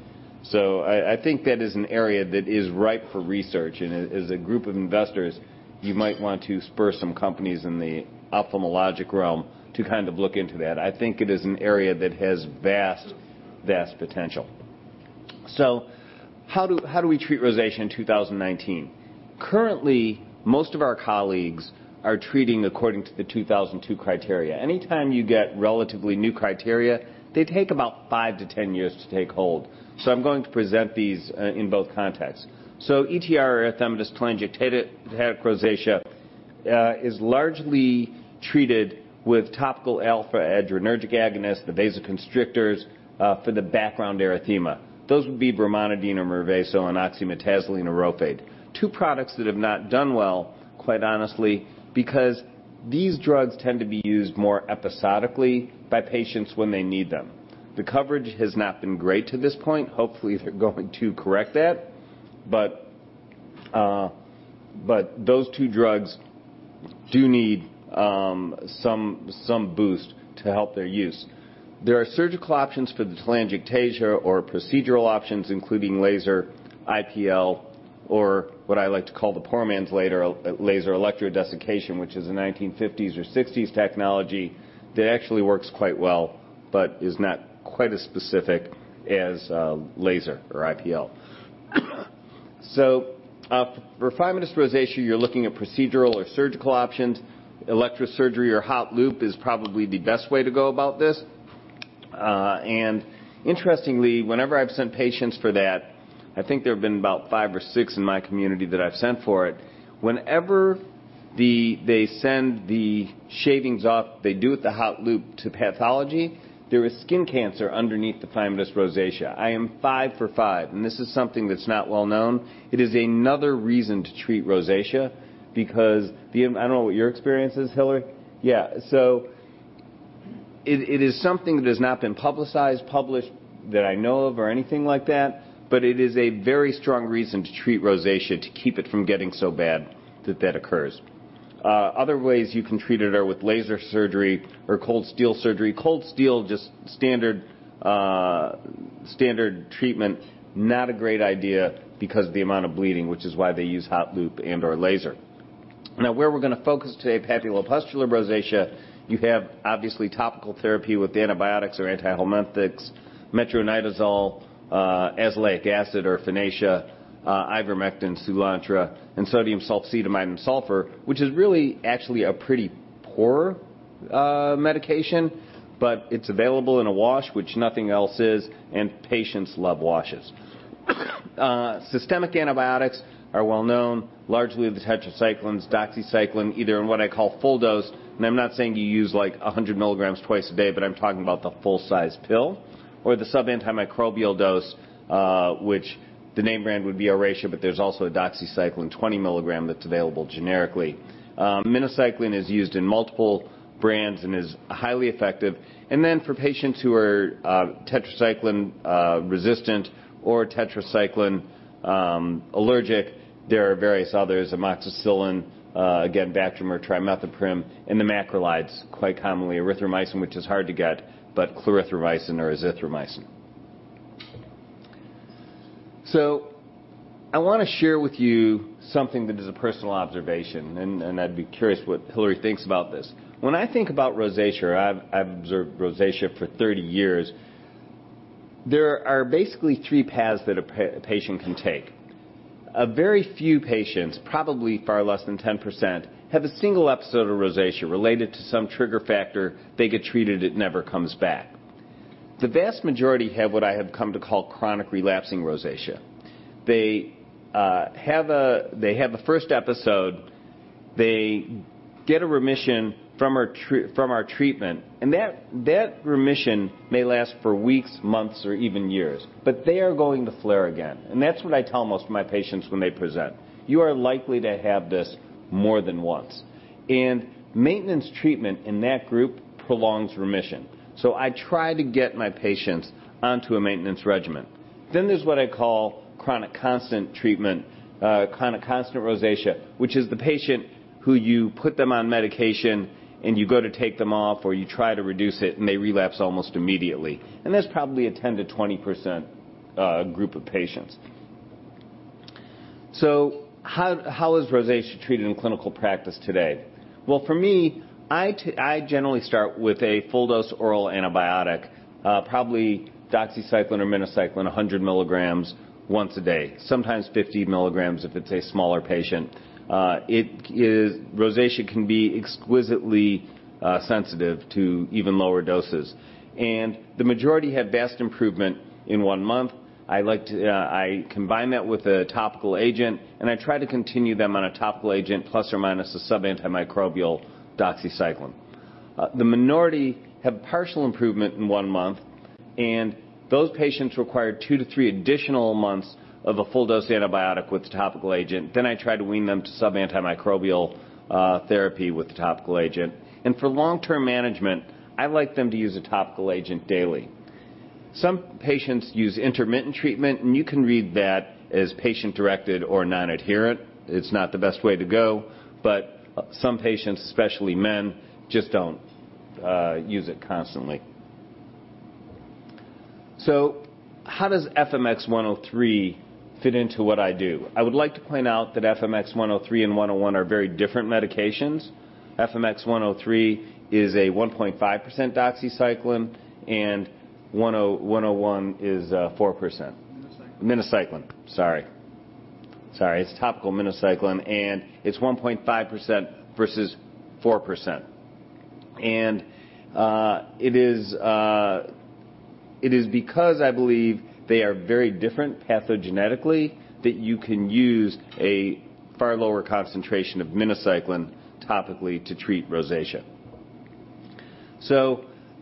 I think that is an area that is ripe for research, and as a group of investors, you might want to spur some companies in the ophthalmologic realm to kind of look into that. I think it is an area that has vast potential. How do we treat rosacea in 2019? Currently, most of our colleagues are treating according to the 2002 criteria. Anytime you get relatively new criteria, they take about 5-10 years to take hold. I'm going to present these in both contexts. ETR, erythematotelangiectatic rosacea is largely treated with topical alpha adrenergic agonists, the vasoconstrictors for the background erythema. Those would be brimonidine or Mirvaso and oxymetazoline or RHOFADE. Two products that have not done well, quite honestly, because these drugs tend to be used more episodically by patients when they need them. The coverage has not been great to this point. Hopefully, they're going to correct that. Those two drugs do need some boost to help their use. There are surgical options for the telangiectasia or procedural options, including laser, IPL or what I like to call the poor man's laser, electrodesiccation, which is a 1950s or 1960s technology that actually works quite well but is not quite as specific as laser or IPL. For phymatous rosacea, you're looking at procedural or surgical options. Electrosurgery or hot loop is probably the best way to go about this. Interestingly, whenever I've sent patients for that, I think there have been about five or six in my community that I've sent for it. Whenever they send the shavings off, they do the hot loop to pathology, there is skin cancer underneath the phymatous rosacea. I am five for five, and this is something that's not well known. It is another reason to treat rosacea because the I don't know what your experience is, Hilary. Yeah. It is something that has not been publicized, published that I know of or anything like that, but it is a very strong reason to treat rosacea to keep it from getting so bad that that occurs. Other ways you can treat it are with laser surgery or cold steel surgery. Cold steel, just standard treatment. Not a great idea because of the amount of bleeding, which is why they use hot loop and/or laser. Where we're going to focus today, papulopustular rosacea, you have obviously topical therapy with antibiotics or antihelminthics, metronidazole, azelaic acid or Finacea, ivermectin, Soolantra, and sodium sulfacetamide sulfur, which is really actually a pretty poor medication. It's available in a wash, which nothing else is, and patients love washes. Systemic antibiotics are well known, largely the tetracyclines, doxycycline, either in what I call full dose, and I'm not saying you use 100 mg twice a day, but I'm talking about the full-size pill or the sub-antimicrobial dose, which the name brand would be ORACEA but there's also a doxycycline 20 mg that's available generically. Minocycline is used in multiple brands and is highly effective. For patients who are tetracycline resistant or tetracycline allergic, there are various others, amoxicillin, again, Bactrim or trimethoprim, and the macrolides, quite commonly erythromycin, which is hard to get, but clarithromycin or azithromycin. I want to share with you something that is a personal observation, and I'd be curious what Hilary thinks about this. When I think about rosacea, I've observed rosacea for 30 years, there are basically three paths that a patient can take. A very few patients, probably far less than 10%, have a single episode of rosacea related to some trigger factor. They get treated, it never comes back. The vast majority have what I have come to call chronic relapsing rosacea. They have a first episode, they get a remission from our treatment, and that remission may last for weeks, months, or even years, but they are going to flare again. That's what I tell most of my patients when they present. "You are likely to have this more than once." Maintenance treatment in that group prolongs remission. I try to get my patients onto a maintenance regimen. There's what I call chronic constant treatment, chronic constant rosacea, which is the patient who you put them on medication and you go to take them off, or you try to reduce it, and they relapse almost immediately. That's probably a 10%-20% group of patients. How is rosacea treated in clinical practice today? Well, for me, I generally start with a full-dose oral antibiotic, probably doxycycline or minocycline, 100 mg once a day, sometimes 50 mg if it's a smaller patient. Rosacea can be exquisitely sensitive to even lower doses, and the majority have vast improvement in one month. I combine that with a topical agent, I try to continue them on a topical agent, plus or minus a sub-antimicrobial doxycycline. The minority have partial improvement in one month, and those patients require two to three additional months of a full-dose antibiotic with the topical agent. I try to wean them to sub-antimicrobial therapy with the topical agent. For long-term management, I like them to use a topical agent daily. Some patients use intermittent treatment, and you can read that as patient-directed or non-adherent. It's not the best way to go, but some patients, especially men, just don't use it constantly. How does FMX103 fit into what I do? I would like to point out that FMX103 and FMX101 are very different medications. FMX103 is a 1.5% doxycycline and FMX101 is 4%. Minocycline. Minocycline. Sorry. It's topical minocycline. It's 1.5% versus 4%. It is because I believe they are very different pathogenetically that you can use a far lower concentration of minocycline topically to treat rosacea.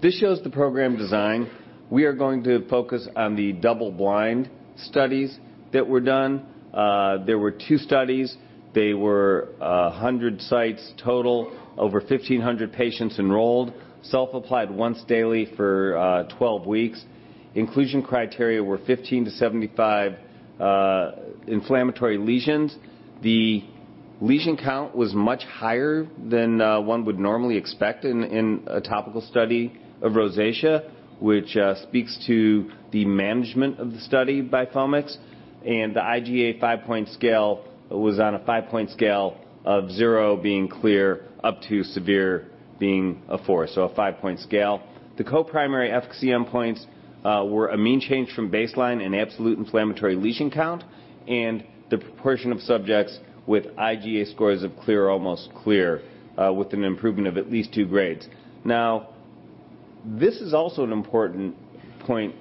This shows the program design. We are going to focus on the double-blind studies that were done. There were two studies. They were 100 sites total. Over 1,500 patients enrolled. Self-applied once daily for 12 weeks. Inclusion criteria were 15 to 75 inflammatory lesions. The lesion count was much higher than one would normally expect in a topical study of rosacea, which speaks to the management of the study by Foamix. The IGA five-point scale was on a five-point scale of zero being clear, up to severe being a four, a five-point scale. The co-primary efficacy endpoints were a mean change from baseline and absolute inflammatory lesion count and the proportion of subjects with IGA scores of clear or almost clear with an improvement of at least two grades. This is also an important point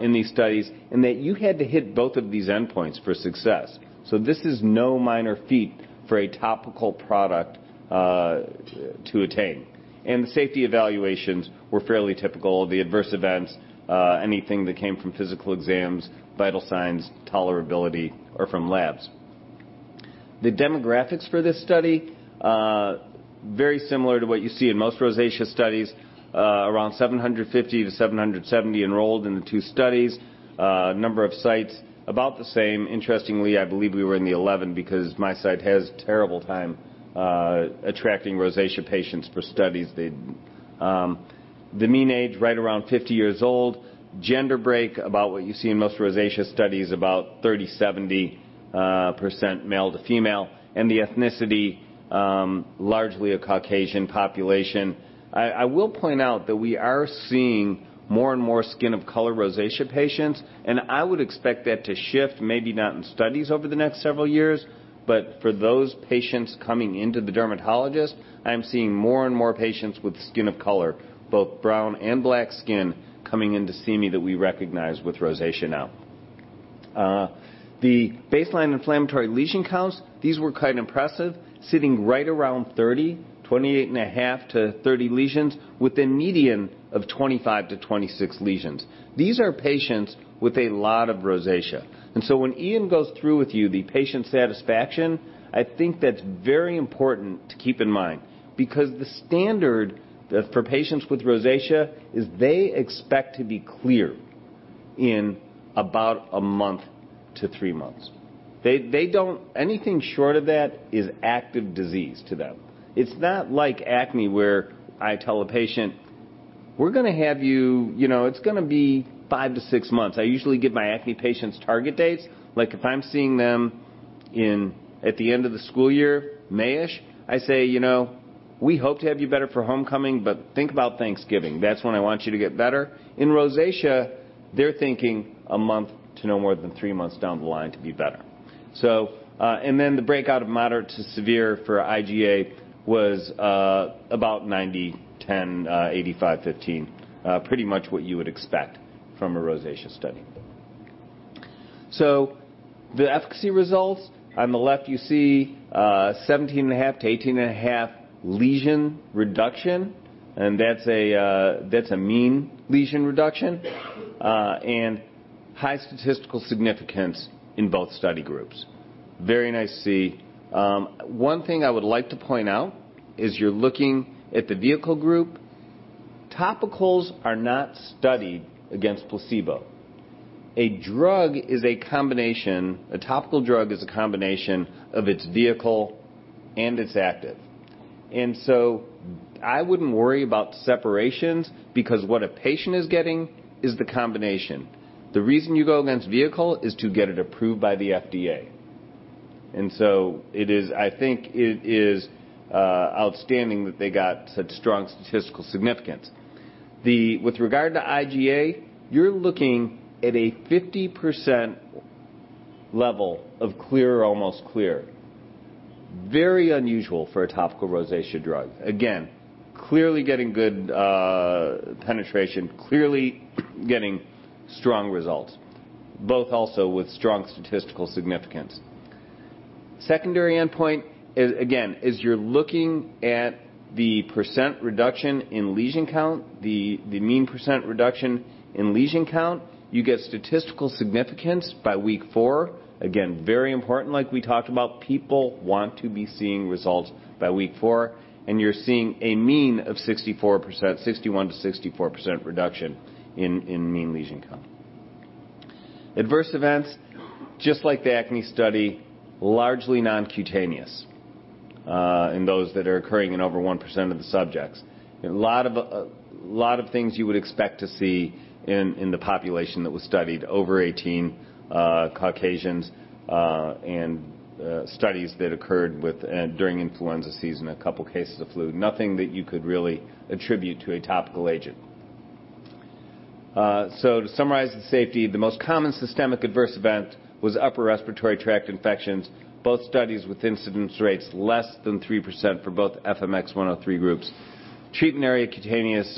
in these studies in that you had to hit both of these endpoints for success. This is no minor feat for a topical product to attain. The safety evaluations were fairly typical of the adverse events, anything that came from physical exams, vital signs, tolerability, or from labs. The demographics for this study, very similar to what you see in most rosacea studies. Around 750 to 770 enrolled in the two studies. Number of sites, about the same. Interestingly, I believe we were in the 11 because my site has terrible time attracting rosacea patients for studies. The mean age, right around 50 years old. Gender break, about what you see in most rosacea studies, about 30%, 70% male to female. The ethnicity, largely a Caucasian population. I will point out that we are seeing more and more skin of color rosacea patients, and I would expect that to shift, maybe not in studies over the next several years, but for those patients coming into the dermatologist, I am seeing more and more patients with skin of color, both brown and black skin coming in to see me that we recognize with rosacea now. The baseline inflammatory lesion counts, these were quite impressive, sitting right around 30, 28.5-30 lesions, with a median of 25-26 lesions. These are patients with a lot of rosacea. When Iain goes through with you the patient satisfaction, I think that's very important to keep in mind because the standard for patients with rosacea is they expect to be clear in about a month to three months. Anything short of that is active disease to them. It's not like acne, where I tell a patient "We're going to have you, it's going to be five to six months." I usually give my acne patients target dates. If I'm seeing them at the end of the school year, May-ish, I say, "We hope to have you better for homecoming, but think about Thanksgiving." That's when I want you to get better. In rosacea, they're thinking a month to no more than three months down the line to be better. The breakout of moderate to severe for IGA was about 90/10, 85/15. The efficacy results, on the left you see 17.5-18.5 lesion reduction, and that's a mean lesion reduction, and high statistical significance in both study groups. Very nice to see. One thing I would like to point out is you're looking at the vehicle group. Topicals are not studied against placebo. A topical drug is a combination of its vehicle and its active. I wouldn't worry about separations, because what a patient is getting is the combination. The reason you go against vehicle is to get it approved by the FDA. I think it is outstanding that they got such strong statistical significance. With regard to IGA, you're looking at a 50% level of clear or almost clear. Very unusual for a topical rosacea drug. Again, clearly getting good penetration, clearly getting strong results, both also with strong statistical significance. Secondary endpoint, again, is you're looking at the percent reduction in lesion count, the mean percent reduction in lesion count. You get statistical significance by week four. Again, very important, like we talked about, people want to be seeing results by week four, and you're seeing a mean of 64%, 61%-64% reduction in mean lesion count. Adverse events, just like the acne study, largely non-cutaneous in those that are occurring in over 1% of the subjects. A lot of things you would expect to see in the population that was studied, over 18 Caucasians, and studies that occurred during influenza season, a couple cases of flu. Nothing that you could really attribute to a topical agent. To summarize the safety, the most common systemic adverse event was upper respiratory tract infections, both studies with incidence rates less than 3% for both FMX103 groups. Treatment area cutaneous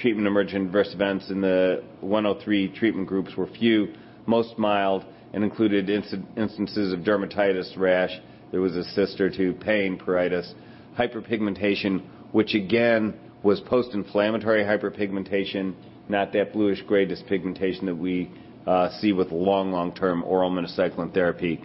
treatment emergent adverse events in the FMX103 treatment groups were few, most mild, and included instances of dermatitis rash. There was a cyst or two, pain, pruritus, hyperpigmentation, which again, was post-inflammatory hyperpigmentation, not that bluish gray dyspigmentation that we see with long, long-term oral minocycline therapy.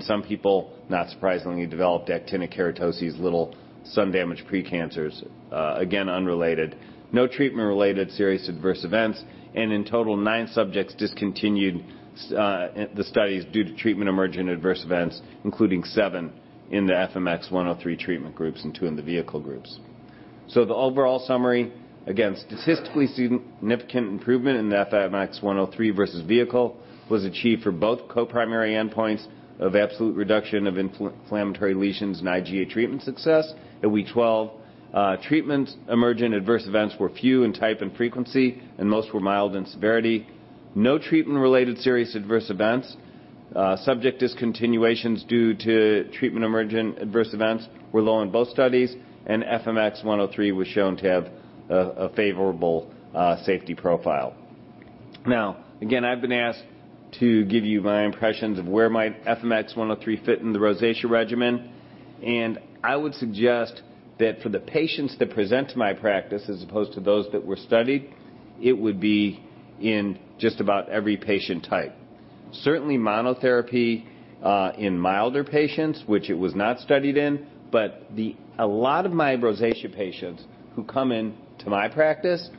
Some people, not surprisingly, developed actinic keratosis, little sun damage precancers. Again, unrelated. No treatment-related serious adverse events. In total, nine subjects discontinued the studies due to treatment emergent adverse events, including seven in the FMX103 treatment groups and two in the vehicle groups. The overall summary, again, statistically significant improvement in the FMX103 versus vehicle was achieved for both co-primary endpoints of absolute reduction of inflammatory lesions and IGA treatment success at week 12. Treatment emergent adverse events were few in type and frequency, and most were mild in severity. No treatment-related serious adverse events. Subject discontinuations due to treatment emergent adverse events were low in both studies, and FMX103 was shown to have a favorable safety profile. Now, again, I've been asked to give you my impressions of where might FMX103 fit in the rosacea regimen, and I would suggest that for the patients that present to my practice, as opposed to those that were studied, it would be in just about every patient type. Certainly monotherapy in milder patients, which it was not studied in, a lot of my rosacea patients who come into my practice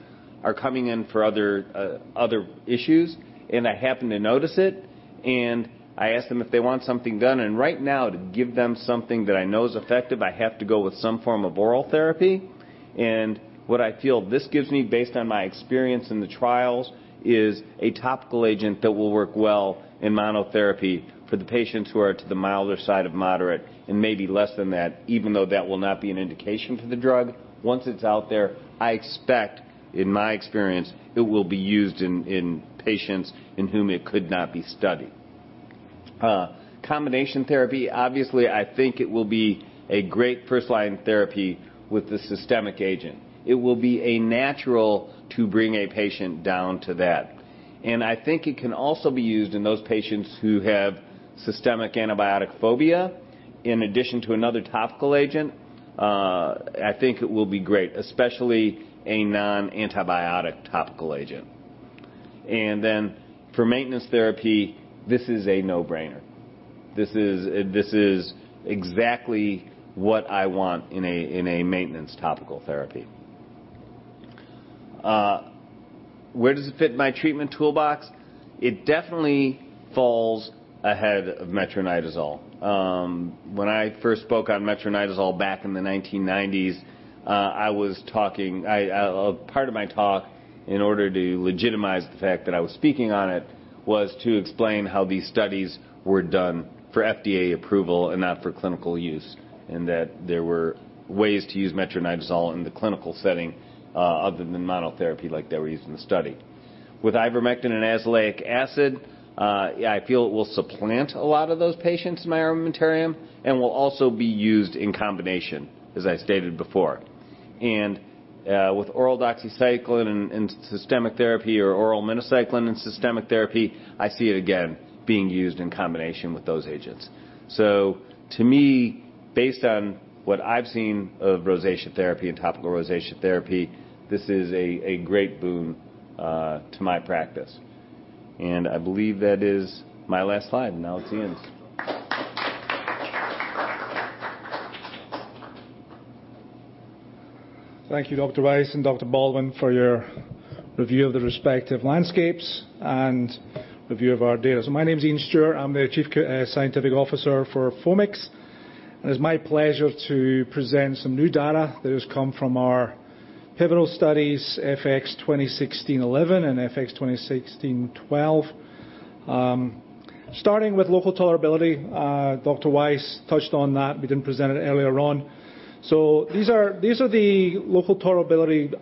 are coming in for other issues, and I happen to notice it, and I ask them if they want something done. Right now, to give them something that I know is effective, I have to go with some form of oral therapy. What I feel this gives me, based on my experience in the trials, is a topical agent that will work well in monotherapy for the patients who are to the milder side of moderate and maybe less than that, even though that will not be an indication for the drug. Once it's out there, I expect in my experience, it will be used in patients in whom it could not be studied. Combination therapy, obviously, I think it will be a great first-line therapy with the systemic agent. It will be natural to bring a patient down to that. I think it can also be used in those patients who have systemic antibiotic phobia in addition to another topical agent. I think it will be great, especially a non-antibiotic topical agent. Then for maintenance therapy, this is a no-brainer. This is exactly what I want in a maintenance topical therapy. Where does it fit in my treatment toolbox? It definitely falls ahead of metronidazole. When I first spoke on metronidazole back in the 1990s, part of my talk, in order to legitimize the fact that I was speaking on it, was to explain how these studies were done for FDA approval and not for clinical use, and that there were ways to use metronidazole in the clinical setting other than monotherapy like they were used in the study. With ivermectin and azelaic acid, I feel it will supplant a lot of those patients in my armamentarium and will also be used in combination, as I stated before. With oral doxycycline and systemic therapy or oral minocycline and systemic therapy, I see it again being used in combination with those agents. To me, based on what I've seen of rosacea therapy and topical rosacea therapy, this is a great boon to my practice. I believe that is my last slide. Now, it's Iain's. Thank you, Dr. Weiss and Dr. Baldwin, for your review of the respective landscapes and review of our data. My name's Iain Stuart. I'm the Chief Scientific Officer for Foamix, and it's my pleasure to present some new data that has come from our pivotal studies, FX2016-11 and FX2016-12. Starting with local tolerability, Dr. Weiss touched on that. We didn't present it earlier on. These are the local tolerability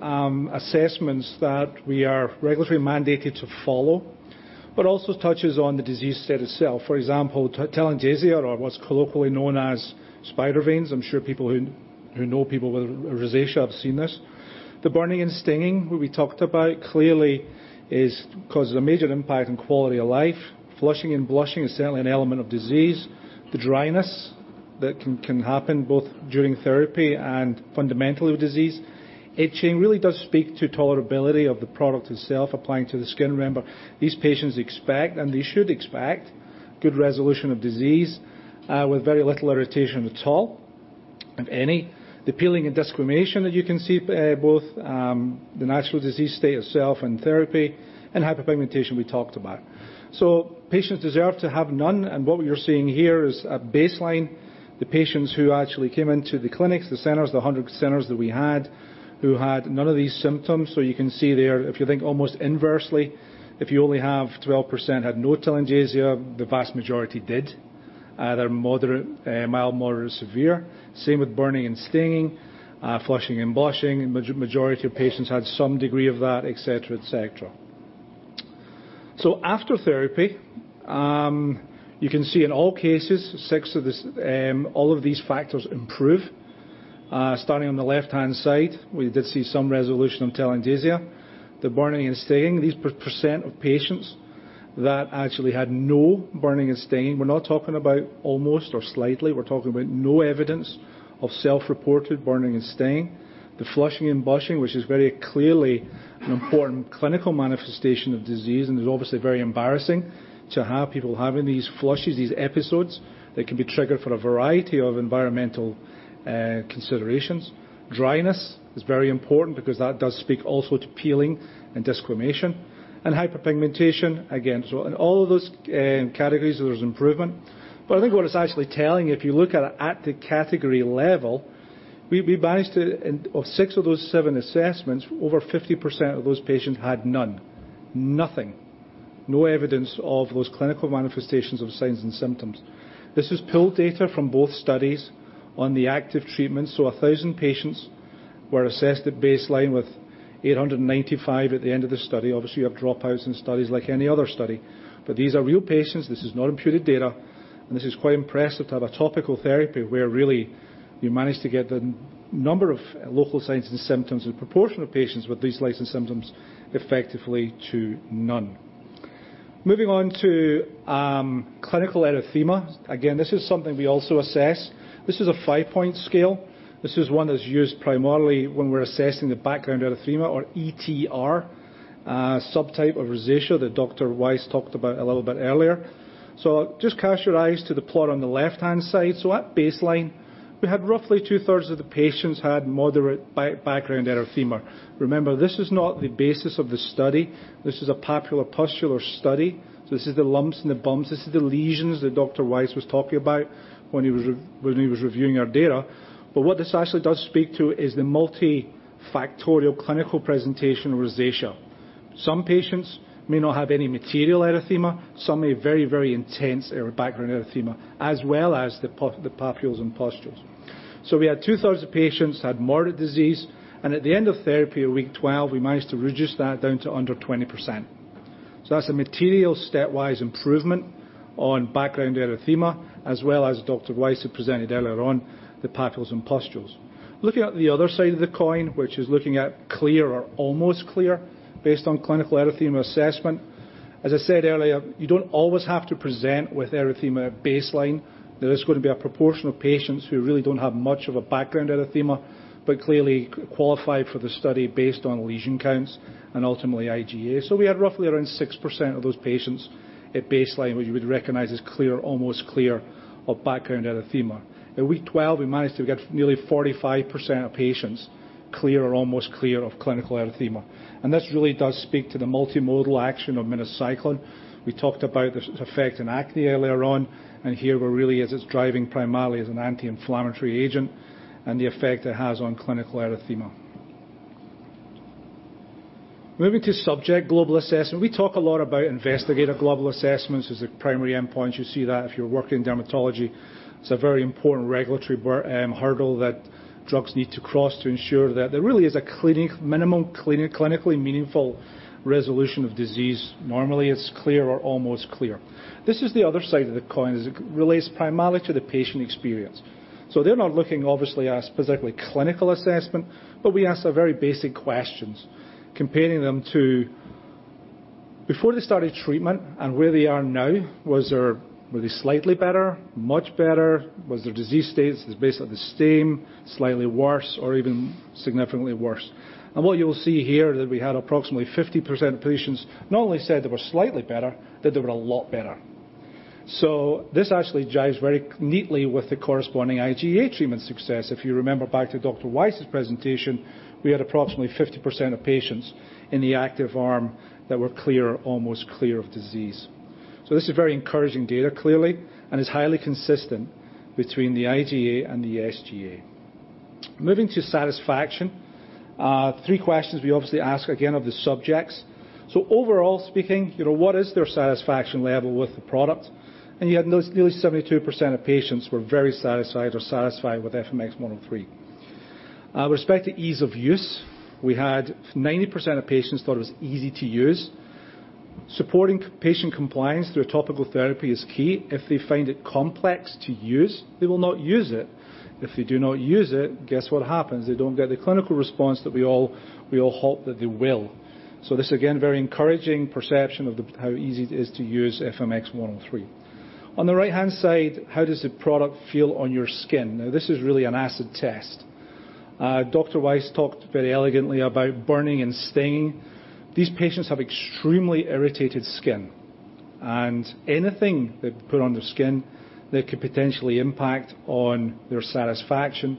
assessments that we are regulatory mandated to follow, but also touches on the disease state itself. For example, telangiectasia, or what's colloquially known as spider veins. I'm sure people who know people with rosacea have seen this. The burning and stinging, what we talked about clearly causes a major impact on quality of life. Flushing and blushing is certainly an element of disease. The dryness that can happen both during therapy and fundamentally with disease. Itching really does speak to tolerability of the product itself applying to the skin. Remember, these patients expect, and they should expect, good resolution of disease with very little irritation at all, if any. The peeling and desquamation that you can see, both the natural disease state itself and therapy, and hyperpigmentation we talked about. Patients deserve to have none, and what we are seeing here is a baseline. The patients who actually came into the clinics, the centers, the 100 centers that we had, who had none of these symptoms. You can see there, if you think almost inversely, if you only have 12% had no telangiectasia, the vast majority did. They're mild, moderate, or severe. Same with burning and stinging, flushing and blushing. Majority of patients had some degree of that, et cetera. After therapy, you can see in all cases, all of these factors improve. Starting on the left-hand side, we did see some resolution on telangiectasia. The burning and stinging, these percent of patients that actually had no burning and stinging. We're not talking about almost or slightly, we're talking about no evidence of self-reported burning and stinging. The flushing and blushing, which is very clearly an important clinical manifestation of disease and is obviously very embarrassing to have people having these flushes, these episodes that can be triggered for a variety of environmental considerations. Dryness is very important because that does speak also to peeling and desquamation. Hyperpigmentation, again. In all of those categories, there's improvement. I think what it's actually telling you, if you look at it at the category level, we managed to, of six of those seven assessments, over 50% of those patients had none. Nothing. No evidence of those clinical manifestations of signs and symptoms. This is pooled data from both studies on the active treatment. 1,000 patients were assessed at baseline, with 895 at the end of the study. Obviously, you have dropouts in studies like any other study. These are real patients. This is not imputed data, and this is quite impressive to have a topical therapy where really you managed to get the number of local signs and symptoms and proportion of patients with these signs and symptoms effectively to none. Moving on to clinical erythema. Again, this is something we also assess. This is a 5-point scale. This is one that's used primarily when we're assessing the background erythema, or ETR, a subtype of rosacea that Dr. Weiss talked about a little bit earlier. Just cast your eyes to the plot on the left-hand side. At baseline, we had roughly two-thirds of the patients had moderate background erythema. Remember, this is not the basis of the study. This is a papulopustular study. This is the lumps and the bumps. This is the lesions that Dr. Weiss was talking about when he was reviewing our data. What this actually does speak to is the multifactorial clinical presentation of rosacea. Some patients may not have any material erythema, some may have very intense background erythema, as well as the papules and pustules. We had two-thirds of patients had moderate disease, and at the end of therapy at week 12, we managed to reduce that down to under 20%. That's a material stepwise improvement on background erythema, as well as Dr. Weiss had presented earlier on, the papules and pustules. Looking at the other side of the coin, which is looking at clear or almost clear based on clinical erythema assessment. As I said earlier, you don't always have to present with erythema at baseline. There is going to be a proportion of patients who really don't have much of a background erythema, but clearly qualify for the study based on lesion counts and ultimately IGA. We had roughly around 6% of those patients at baseline, which you would recognize as clear, almost clear of background erythema. At week 12, we managed to get nearly 45% of patients clear or almost clear of clinical erythema. This really does speak to the multimodal action of minocycline. We talked about its effect on acne earlier on, and here we're really as it's driving primarily as an anti-inflammatory agent and the effect it has on clinical erythema. Moving to subject global assessment. We talk a lot about investigator global assessments as the primary endpoint. You see that if you work in dermatology. It's a very important regulatory hurdle that drugs need to cross to ensure that there really is a minimum clinically meaningful resolution of disease. Normally, it's clear or almost clear. This is the other side of the coin, as it relates primarily to the patient experience. They're not looking, obviously, at specifically clinical assessment, but we ask very basic questions comparing them to before they started treatment and where they are now. Were they slightly better? Much better? Was their disease status basically the same, slightly worse, or even significantly worse? What you will see here, that we had approximately 50% of patients not only say they were slightly better, that they were a lot better. This actually jives very neatly with the corresponding IGA treatment success. If you remember back to Dr. Weiss's presentation, we had approximately 50% of patients in the active arm that were clear or almost clear of disease. This is very encouraging data, clearly, and is highly consistent between the IGA and the SGA. Moving to satisfaction. Three questions we obviously ask, again, of the subjects. Overall speaking, what is their satisfaction level with the product? You had nearly 72% of patients were very satisfied or satisfied with FMX103. With respect to ease of use, we had 90% of patients thought it was easy to use. Supporting patient compliance through a topical therapy is key. If they find it complex to use, they will not use it. If they do not use it, guess what happens? They don't get the clinical response that we all hope that they will. This, again, very encouraging perception of how easy it is to use FMX103. On the right-hand side, "How does the product feel on your skin?" This is really an acid test. Dr. Weiss talked very elegantly about burning and stinging. These patients have extremely irritated skin, and anything they put on their skin that could potentially impact on their satisfaction,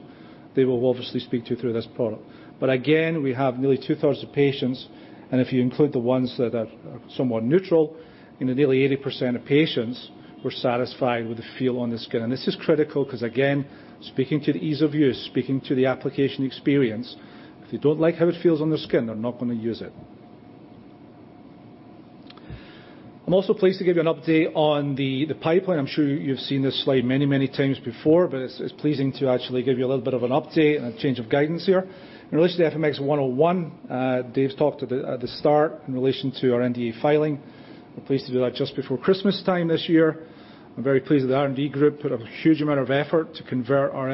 they will obviously speak to through this product. Again, we have nearly 2/3 of patients, and if you include the ones that are somewhat neutral, nearly 80% of patients were satisfied with the feel on the skin. This is critical because, again, speaking to the ease of use, speaking to the application experience. If they don't like how it feels on their skin, they're not going to use it. I'm also pleased to give you an update on the pipeline. I'm sure you've seen this slide many times before, but it's pleasing to actually give you a little bit of an update and a change of guidance here. In relation to FMX101, Dave Domzalski's talk at the start in relation to our NDA filing. We're pleased to do that just before Christmas time this year. I'm very pleased that the R&D group put up a huge amount of effort to convert our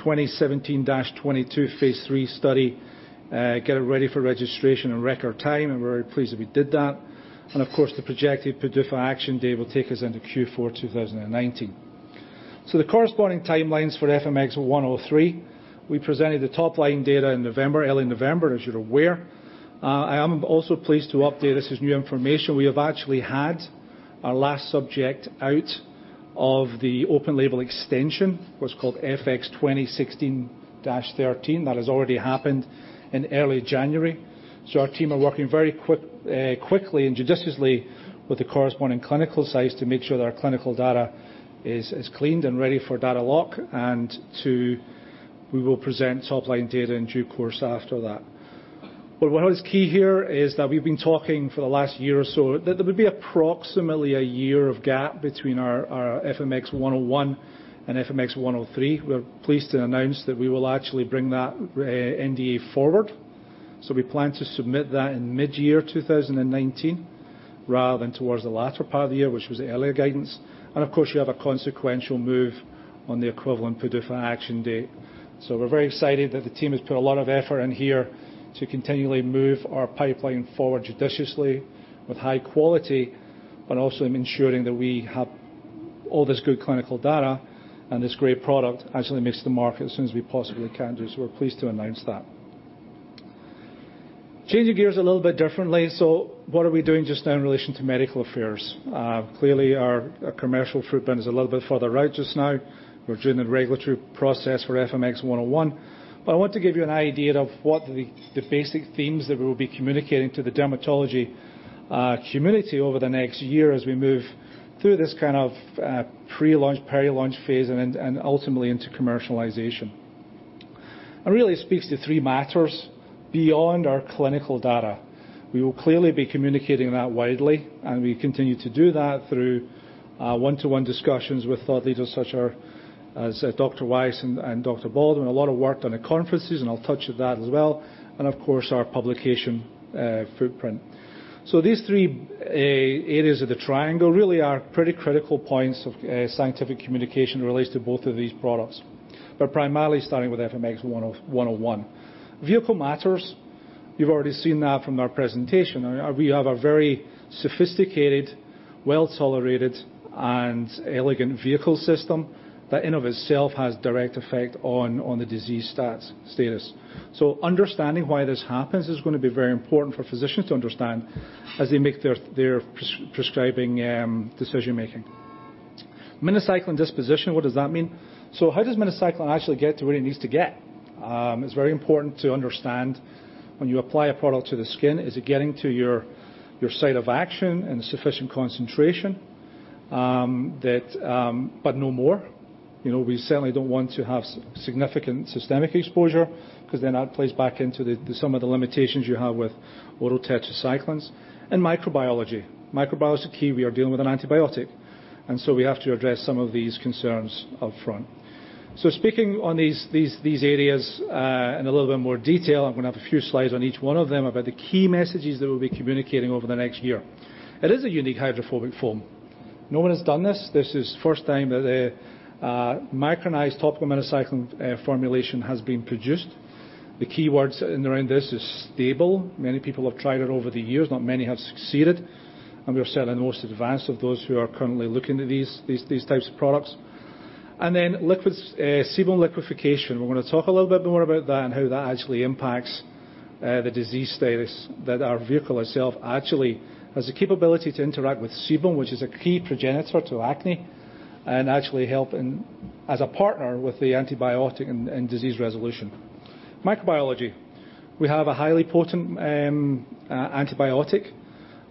FX2017-22 phase III study, get it ready for registration in record time, we're very pleased that we did that. Of course, the projected PDUFA action date will take us into Q4 2019. The corresponding timelines for FMX103, we presented the top-line data in early November, as you're aware. I am also pleased to update, this is new information, we have actually had our last subject out of the open label extension, what's called FX2016-13. That has already happened in early January. Our team are working very quickly and judiciously with the corresponding clinical sites to make sure that our clinical data is cleaned and ready for data lock, and we will present top-line data in due course after that. What is key here is that we've been talking for the last year or so that there would be approximately a year of gap between our FMX101 and FMX103. We're pleased to announce that we will actually bring that NDA forward. We plan to submit that in mid-year 2019 rather than towards the latter part of the year, which was the earlier guidance. Of course, you have a consequential move on the equivalent PDUFA action date. We're very excited that the team has put a lot of effort in here to continually move our pipeline forward judiciously with high quality, but also ensuring that we have all this good clinical data and this great product actually makes the market as soon as we possibly can do. We're pleased to announce that. Changing gears a little bit differently. What are we doing just now in relation to medical affairs? Clearly, our commercial footprint is a little bit further out just now. We are doing the regulatory process for FMX101. I want to give you an idea of what the basic themes that we will be communicating to the dermatology community over the next year as we move through this kind of pre-launch, peri-launch phase, and ultimately into commercialization. Really, it speaks to three matters beyond our clinical data. We will clearly be communicating that widely, and we continue to do that through one-to-one discussions with thought leaders such as Dr. Weiss and Dr. Baldwin. A lot of work done at conferences, and I will touch on that as well, and of course, our publication footprint. These three areas of the triangle really are pretty critical points of scientific communication in relation to both of these products, but primarily starting with FMX101. Vehicle matters. You have already seen that from our presentation. We have a very sophisticated, well-tolerated, and elegant vehicle system that in of itself has direct effect on the disease status. Understanding why this happens is going to be very important for physicians to understand as they make their prescribing decision making. Minocycline disposition, what does that mean? How does minocycline actually get to where it needs to get? It is very important to understand when you apply a product to the skin, is it getting to your site of action in sufficient concentration, but no more? We certainly do not want to have significant systemic exposure because then that plays back into some of the limitations you have with oral tetracyclines. Microbiology. Microbiology is a key. We are dealing with an antibiotic, we have to address some of these concerns upfront. Speaking on these areas in a little bit more detail, I am going to have a few slides on each one of them about the key messages that we will be communicating over the next year. It is a unique hydrophobic form. No one has done this. This is first time that a micronized topical minocycline formulation has been produced. The key words in and around this is stable. Many people have tried it over the years, not many have succeeded, and we are certainly the most advanced of those who are currently looking at these types of products. Sebum liquification. We are going to talk a little bit more about that and how that actually impacts the disease status, that our vehicle itself actually has the capability to interact with sebum, which is a key progenitor to acne, and actually help as a partner with the antibiotic and disease resolution. Microbiology. We have a highly potent antibiotic.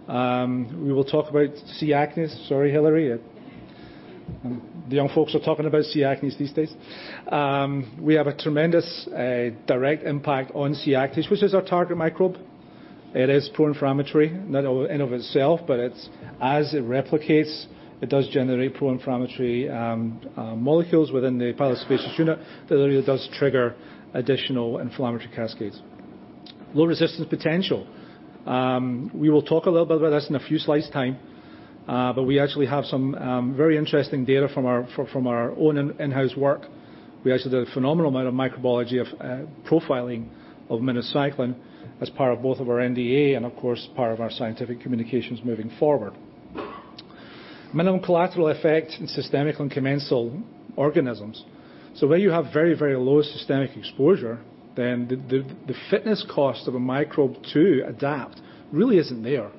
We will talk about C. acnes. Sorry, Hilary. The young folks are talking about C. acnes these days. We have a tremendous direct impact on C. acnes, which is our target microbe. It is pro-inflammatory, not in of itself, but as it replicates, it does generate pro-inflammatory molecules within the pilosebaceous unit that really does trigger additional inflammatory cascades. Low resistance potential. We will talk a little bit about this in a few slides time. We actually have some very interesting data from our own in-house work. We actually did a phenomenal amount of microbiology of profiling of minocycline as part of both of our NDA and of course, part of our scientific communications moving forward. Minimum collateral effect in systemic and commensal organisms. Where you have very low systemic exposure, then the fitness cost of a microbe to adapt really isn't there.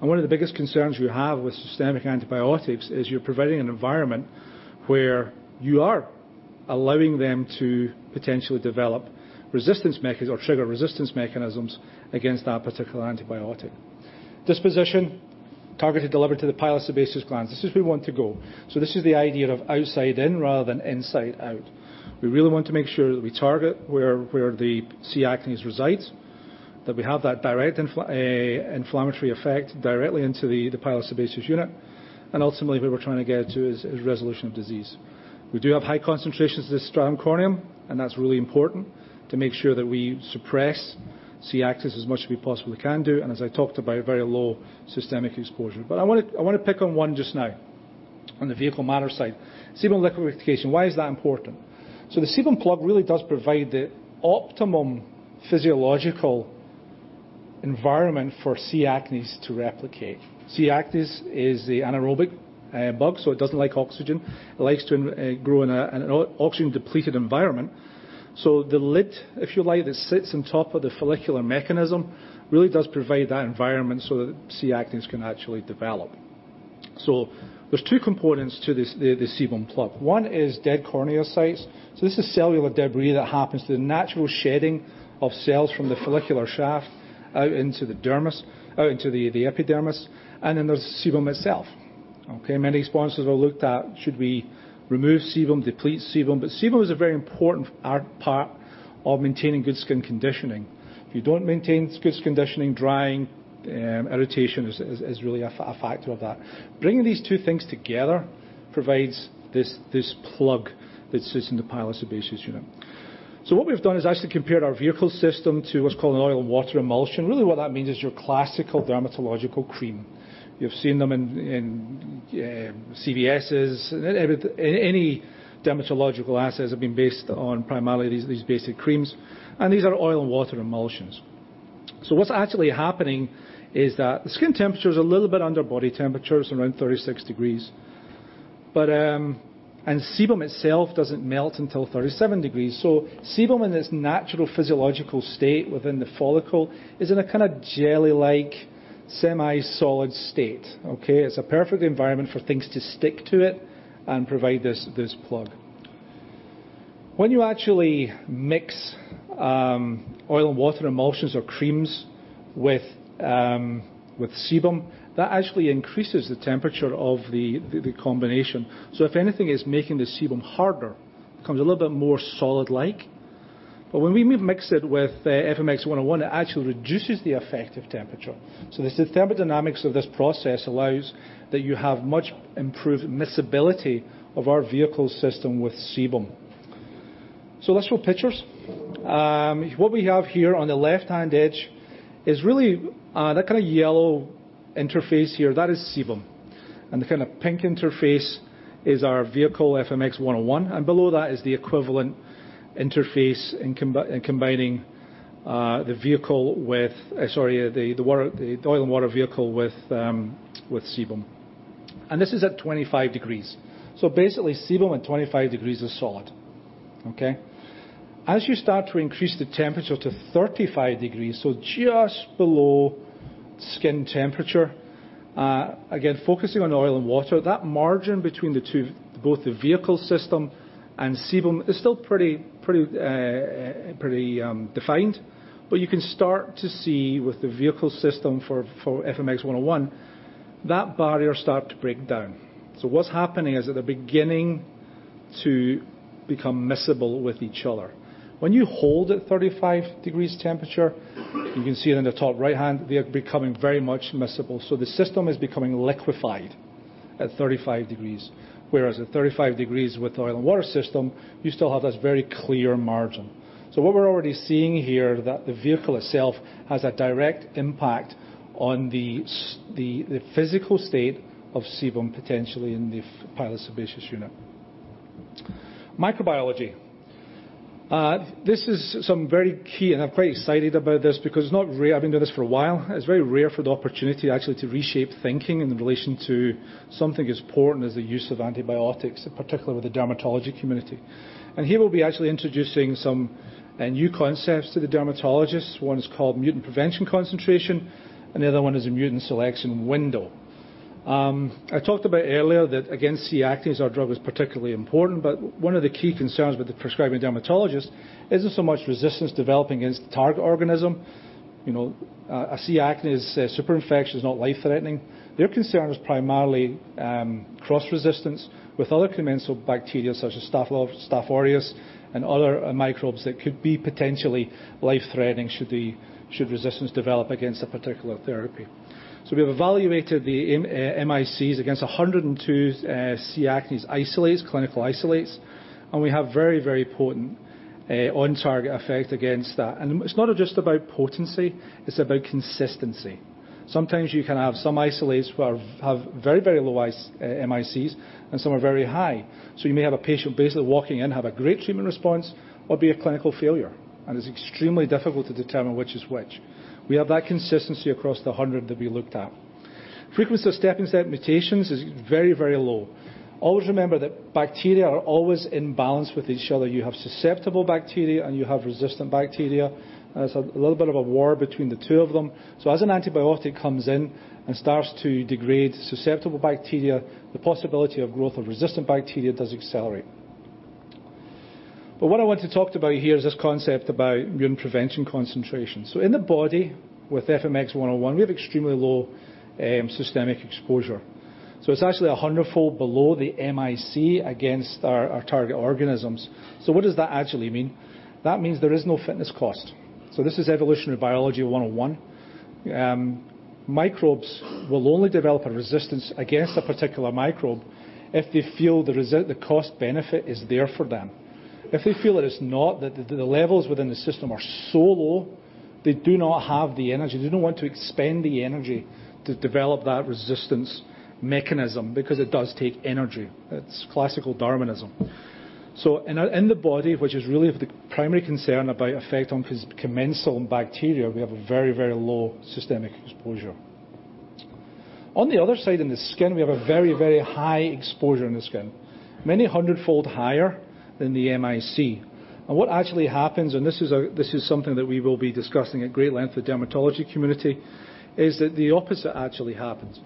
One of the biggest concerns we have with systemic antibiotics is you're providing an environment where you are allowing them to potentially develop or trigger resistance mechanisms against that particular antibiotic. Disposition. Targeted delivery to the pilosebaceous glands. This is where we want to go. This is the idea of outside in rather than inside out. We really want to make sure that we target where the C. acnes resides, that we have that direct inflammatory effect directly into the pilosebaceous unit. Ultimately, where we're trying to get to is resolution of disease. We do have high concentrations in the stratum corneum, and that's really important to make sure that we suppress C. acnes as much as we possibly can do, and as I talked about, a very low systemic exposure. I want to pick on one just now on the vehicle/matter side. Sebum liquification, why is that important? The sebum plug really does provide the optimum physiological environment for C. acnes to replicate. C. acnes is the anaerobic bug, so it doesn't like oxygen. It likes to grow in an oxygen-depleted environment. The lid, if you like, that sits on top of the follicular mechanism really does provide that environment so that C. acnes can actually develop. There's two components to the sebum plug. One is dead corneocytes. This is cellular debris that happens, the natural shedding of cells from the follicular shaft out into the epidermis, and then there's sebum itself. Okay. Many sponsors have looked at should we remove sebum, deplete sebum is a very important part of maintaining good skin conditioning. If you don't maintain good skin conditioning, drying, irritation is really a factor of that. Bringing these two things together provides this plug that sits in the pilosebaceous unit. What we've done is actually compared our vehicle system to what's called an oil-in-water emulsion. Really what that means is your classical dermatological cream. You've seen them in CVS's. Any dermatological acids have been based on primarily these basic creams, these are oil-in-water emulsions. What's actually happening is that the skin temperature is a little bit under body temperature. It's around 36 degrees. Sebum itself doesn't melt until 37 degrees. Sebum in its natural physiological state within the follicle is in a kind of jelly-like semi-solid state. Okay. It's a perfect environment for things to stick to it and provide this plug. When you actually mix oil-in-water emulsions or creams with sebum, that actually increases the temperature of the combination. If anything, it's making the sebum harder, becomes a little bit more solid-like. When we mix it with FMX101, it actually reduces the effect of temperature. The thermodynamics of this process allows that you have much improved miscibility of our vehicle system with sebum. Let's show pictures. What we have here on the left-hand edge is really that kind of yellow interface here, that is sebum. The kind of pink interface is our vehicle, FMX101, and below that is the equivalent interface in combining the oil-in-water vehicle with sebum. This is at 25 degrees. Basically, sebum at 25 degrees is solid. As you start to increase the temperature to 35 degrees, so just below skin temperature, again, focusing on oil and water, that margin between the two, both the vehicle system and sebum, is still pretty defined. You can start to see with the vehicle system for FMX101, that barrier start to break down. What's happening is they're beginning to become miscible with each other. When you hold at 35 degrees temperature, you can see it in the top right-hand, they are becoming very much miscible. The system is becoming liquefied at 35 degrees. Whereas at 35 degrees with the oil and water system, you still have this very clear margin. What we're already seeing here, that the vehicle itself has a direct impact on the physical state of sebum, potentially in the pilosebaceous unit. Microbiology. This is some very key, and I'm quite excited about this because I've been doing this for a while. It's very rare for the opportunity actually to reshape thinking in relation to something as important as the use of antibiotics, particularly with the dermatology community. Here we'll be actually introducing some new concepts to the dermatologists. One is called mutant prevention concentration, and the other one is a mutant selection window. I talked about earlier that against C. acnes, our drug is particularly important, one of the key concerns with the prescribing dermatologist isn't so much resistance developing against the target organism. A C. acnes superinfection is not life-threatening. Their concern is primarily cross-resistance with other commensal bacteria such as Staph aureus and other microbes that could be potentially life-threatening should resistance develop against a particular therapy. We have evaluated the MICs against 102 C. acnes isolates, clinical isolates, and we have very, very potent on-target effect against that. It's not just about potency, it's about consistency. Sometimes you can have some isolates have very, very low MICs, and some are very high. You may have a patient basically walking in, have a great treatment response or be a clinical failure, and it's extremely difficult to determine which is which. We have that consistency across the 100 that we looked at. Frequency of step and step mutations is very, very low. Always remember that bacteria are always in balance with each other. You have susceptible bacteria and you have resistant bacteria, and it's a little bit of a war between the two of them. As an antibiotic comes in and starts to degrade susceptible bacteria, the possibility of growth of resistant bacteria does accelerate. What I want to talk about here is this concept about mutant prevention concentration. In the body with FMX101, we have extremely low systemic exposure. It's actually 100-fold below the MIC against our target organisms. What does that actually mean? That means there is no fitness cost. This is evolutionary biology 101. Microbes will only develop a resistance against a particular microbe if they feel the cost benefit is there for them. If they feel that it's not, that the levels within the system are so low, they do not have the energy, they do not want to expend the energy to develop that resistance mechanism because it does take energy. It's classical Darwinism. In the body, which is really the primary concern about effect on commensal bacteria, we have a very, very low systemic exposure. On the other side, in the skin, we have a very, very high exposure in the skin. Many hundredfold higher than the MIC. What actually happens, and this is something that we will be discussing at great length with dermatology community, is that the opposite actually happens.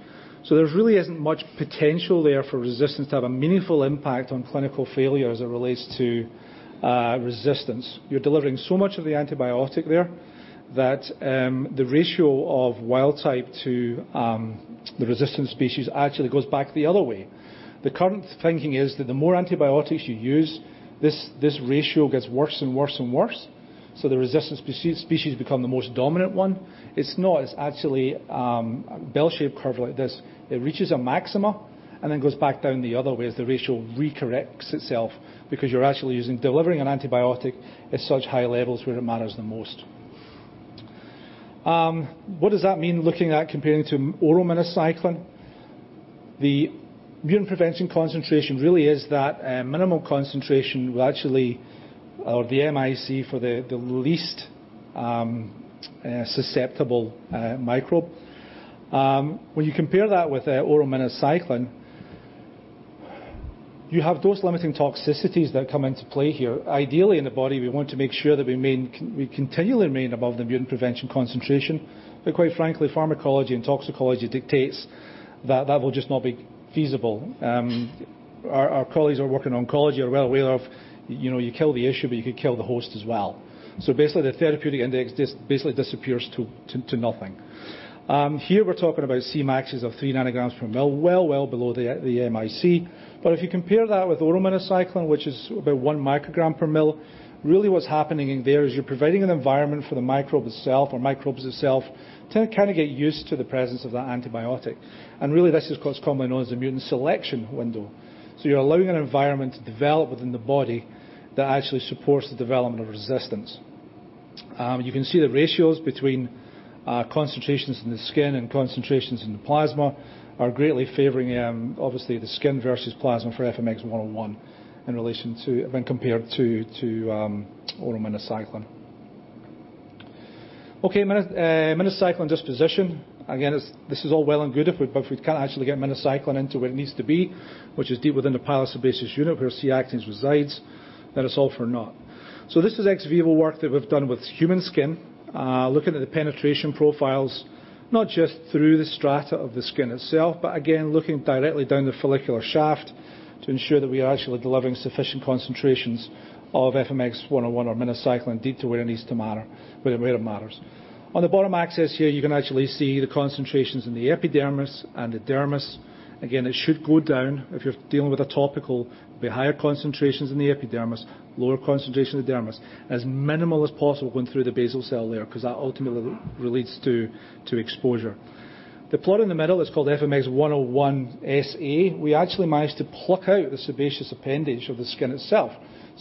There really isn't much potential there for resistance to have a meaningful impact on clinical failure as it relates to resistance. You're delivering so much of the antibiotic there that the ratio of wild type to the resistant species actually goes back the other way. The current thinking is that the more antibiotics you use, this ratio gets worse and worse and worse, the resistant species become the most dominant one. It's not, it's actually a bell-shaped curve like this. It reaches a maxima and then goes back down the other way as the ratio re-corrects itself because you're actually delivering an antibiotic at such high levels where it matters the most. What does that mean looking at comparing to oral minocycline? The mutant prevention concentration really is that minimal concentration will actually, or the MIC for the least susceptible microbe. When you compare that with oral minocycline, you have dose-limiting toxicities that come into play here. Ideally, in the body, we want to make sure that we continually remain above the mutant prevention concentration. Quite frankly, pharmacology and toxicology dictates that that will just not be feasible. Our colleagues who are working on oncology are well aware of you kill the issue, but you could kill the host as well. Basically, the therapeutic index just basically disappears to nothing. Here we're talking about Cmaxes of 3 ng per mil, well below the MIC. If you compare that with oral minocycline, which is about 1 μg per mil, really what's happening in there is you're providing an environment for the microbe itself or microbes itself to kind of get used to the presence of that antibiotic. Really, this is what's commonly known as the mutant selection window. You're allowing an environment to develop within the body that actually supports the development of resistance. You can see the ratios between concentrations in the skin and concentrations in the plasma are greatly favoring, obviously, the skin versus plasma for FMX101 in relation to when compared to oral minocycline. Okay, minocycline disposition. Again, this is all well and good, if we can't actually get minocycline into where it needs to be, which is deep within the pilosebaceous unit where C. acnes resides, then it's all for naught. This is ex vivo work that we've done with human skin, looking at the penetration profiles, not just through the strata of the skin itself, but again, looking directly down the follicular shaft to ensure that we are actually delivering sufficient concentrations of FMX101 or minocycline deep to where it matters. On the bottom axis here, you can actually see the concentrations in the epidermis and the dermis. Again, it should go down. If you're dealing with a topical, it'll be higher concentrations in the epidermis, lower concentration in the dermis, as minimal as possible going through the basal cell layer, because that ultimately relates to exposure. The plot in the middle is called FMX101SA. We actually managed to pluck out the sebaceous appendage of the skin itself.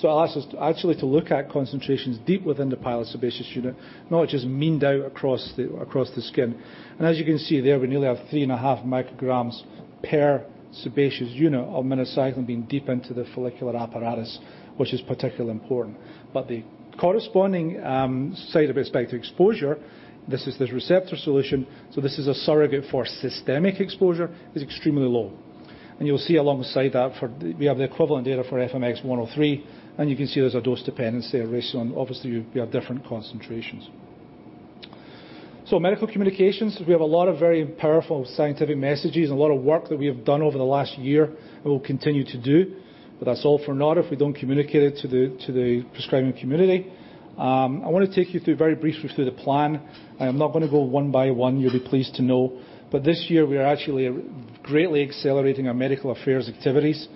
Allows us actually to look at concentrations deep within the pilosebaceous unit, not just meaned out across the skin. As you can see there, we nearly have 3.5 μg per sebaceous unit of minocycline being deep into the follicular apparatus, which is particularly important. The corresponding side of it, exposure, this is the receptor solution, so this is a surrogate for systemic exposure, is extremely low. You'll see alongside that, we have the equivalent data for FMX103, and you can see there's a dose dependency, a ratio, and obviously we have different concentrations. Medical communications. We have a lot of very powerful scientific messages and a lot of work that we have done over the last year and will continue to do, but that's all for naught if we don't communicate it to the prescribing community. I want to take you very briefly through the plan. I am not going to go one by one, you'll be pleased to know. This year, we are actually greatly accelerating our medical affairs activities,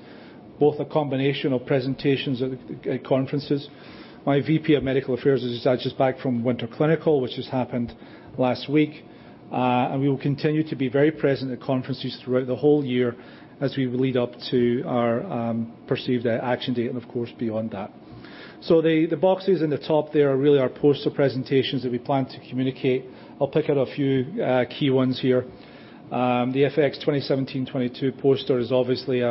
both a combination of presentations at conferences. My VP of medical affairs is actually back from Winter Clinical, which has happened last week. We will continue to be very present at conferences throughout the whole year as we lead up to our perceived action date and of course, beyond that. The boxes in the top there are really our poster presentations that we plan to communicate. I'll pick out a few key ones here. The FX2017-22 poster is obviously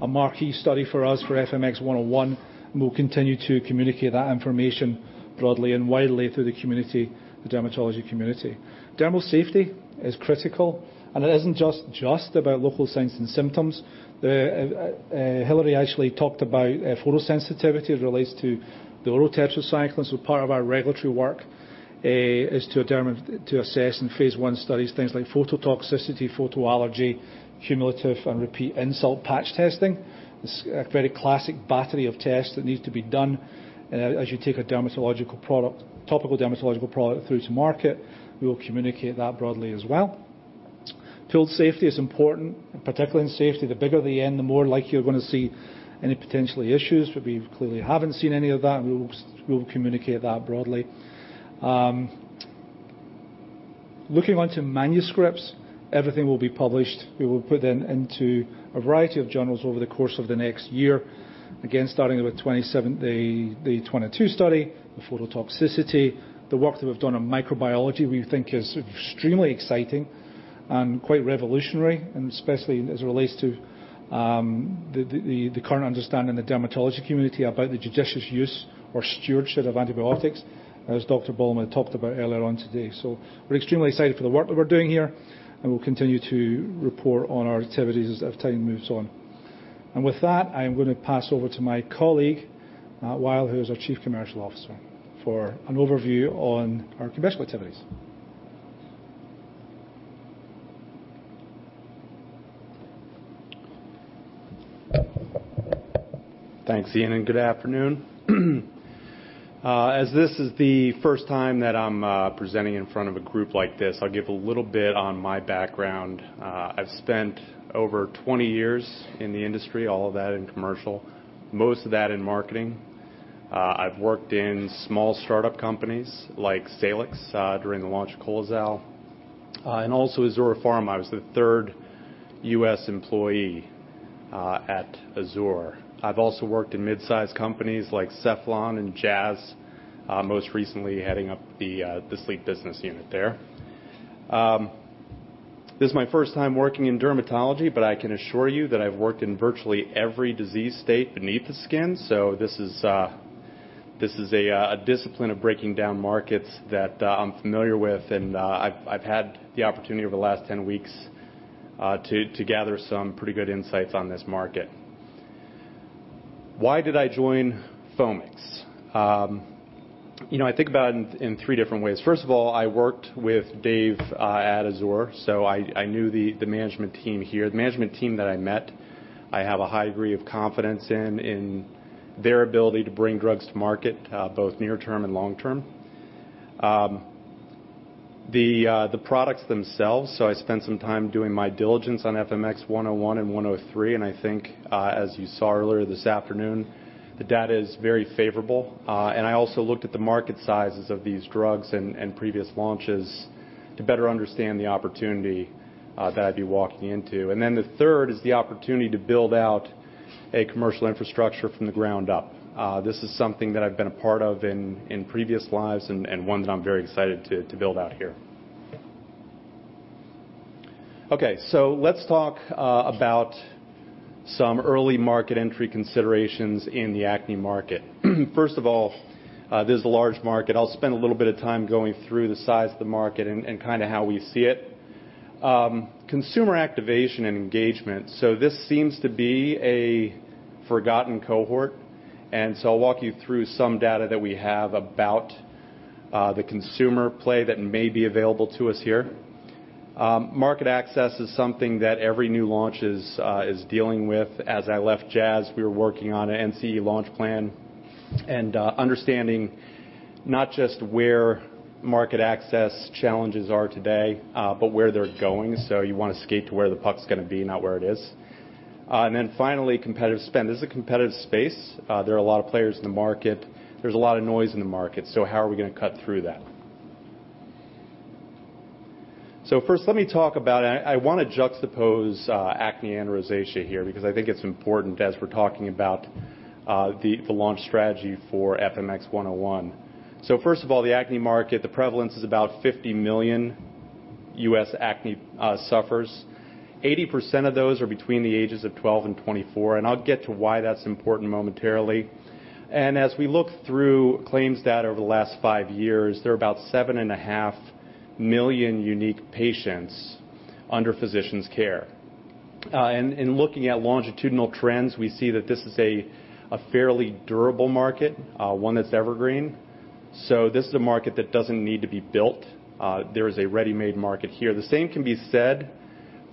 a marquee study for us for FMX101, and we'll continue to communicate that information broadly and widely through the dermatology community. Dermal safety is critical, and it isn't just about local signs and symptoms. Hilary actually talked about photosensitivity as it relates to the oral tetracyclines, so part of our regulatory work is to assess in phase I studies things like phototoxicity, photoallergy, cumulative and repeat insult patch testing. It's a very classic battery of tests that need to be done as you take a topical dermatological product through to market. We will communicate that broadly as well. Pill safety is important, particularly in safety. The bigger the N, the more likely you're going to see any potential issues. We clearly haven't seen any of that, and we will communicate that broadly. Looking onto manuscripts, everything will be published. We will put them into a variety of journals over the course of the next year. Again, starting with the 22 study, the phototoxicity. The work that we've done on microbiology, we think is extremely exciting and quite revolutionary, and especially as it relates to the current understanding in the dermatology community about the judicious use or stewardship of antibiotics, as Dr. Baldwin talked about earlier on today. We're extremely excited for the work that we're doing here, and we'll continue to report on our activities as time moves on. I am going to pass over to my colleague, Matt Wiley, who is our Chief Commercial Officer, for an overview on our commercial activities. Thanks, Iain, good afternoon. As this is the first time that I'm presenting in front of a group like this, I'll give a little bit on my background. I've spent over 20 years in the industry, all of that in commercial, most of that in marketing. I've worked in small startup companies like Salix during the launch of COLAZAL, and also Azure Pharma. I was the third U.S. employee at Azure. I've also worked in mid-size companies like Cephalon and Jazz, most recently heading up the sleep business unit there. This is my first time working in dermatology, but I can assure you that I've worked in virtually every disease state beneath the skin. This is a discipline of breaking down markets that I'm familiar with, and I've had the opportunity over the last 10 weeks to gather some pretty good insights on this market. Why did I join Foamix? I think about it in three different ways. First of all, I worked with Dave at Azure, I knew the management team here. The management team that I met, I have a high degree of confidence in their ability to bring drugs to market, both near term and long term. The products themselves, I spent some time doing my diligence on FMX101 and FMX103, I think, as you saw earlier this afternoon, the data is very favorable. I also looked at the market sizes of these drugs and previous launches to better understand the opportunity that I'd be walking into. The third is the opportunity to build out a commercial infrastructure from the ground up. This is something that I've been a part of in previous lives and one that I'm very excited to build out here. Okay. Let's talk about some early market entry considerations in the acne market. First of all, this is a large market. I'll spend a little bit of time going through the size of the market and how we see it. Consumer activation and engagement. This seems to be a forgotten cohort, I'll walk you through some data that we have about the consumer play that may be available to us here. Market access is something that every new launch is dealing with. As I left Jazz, we were working on an NCE launch plan and understanding not just where market access challenges are today, but where they're going. You want to skate to where the puck's going to be, not where it is. Finally, competitive spend. This is a competitive space. There are a lot of players in the market. There's a lot of noise in the market. How are we going to cut through that? First, let me talk about I want to juxtapose acne and rosacea here because I think it's important as we're talking about the launch strategy for FMX101. First of all, the acne market, the prevalence is about 50 million U.S. acne sufferers. 80% of those are between the ages of 12 and 24, and I'll get to why that's important momentarily. As we look through claims data over the last five years, there are about 7.5 million unique patients under physicians' care. In looking at longitudinal trends, we see that this is a fairly durable market, one that's evergreen. This is a market that doesn't need to be built. There is a ready-made market here. The same can be said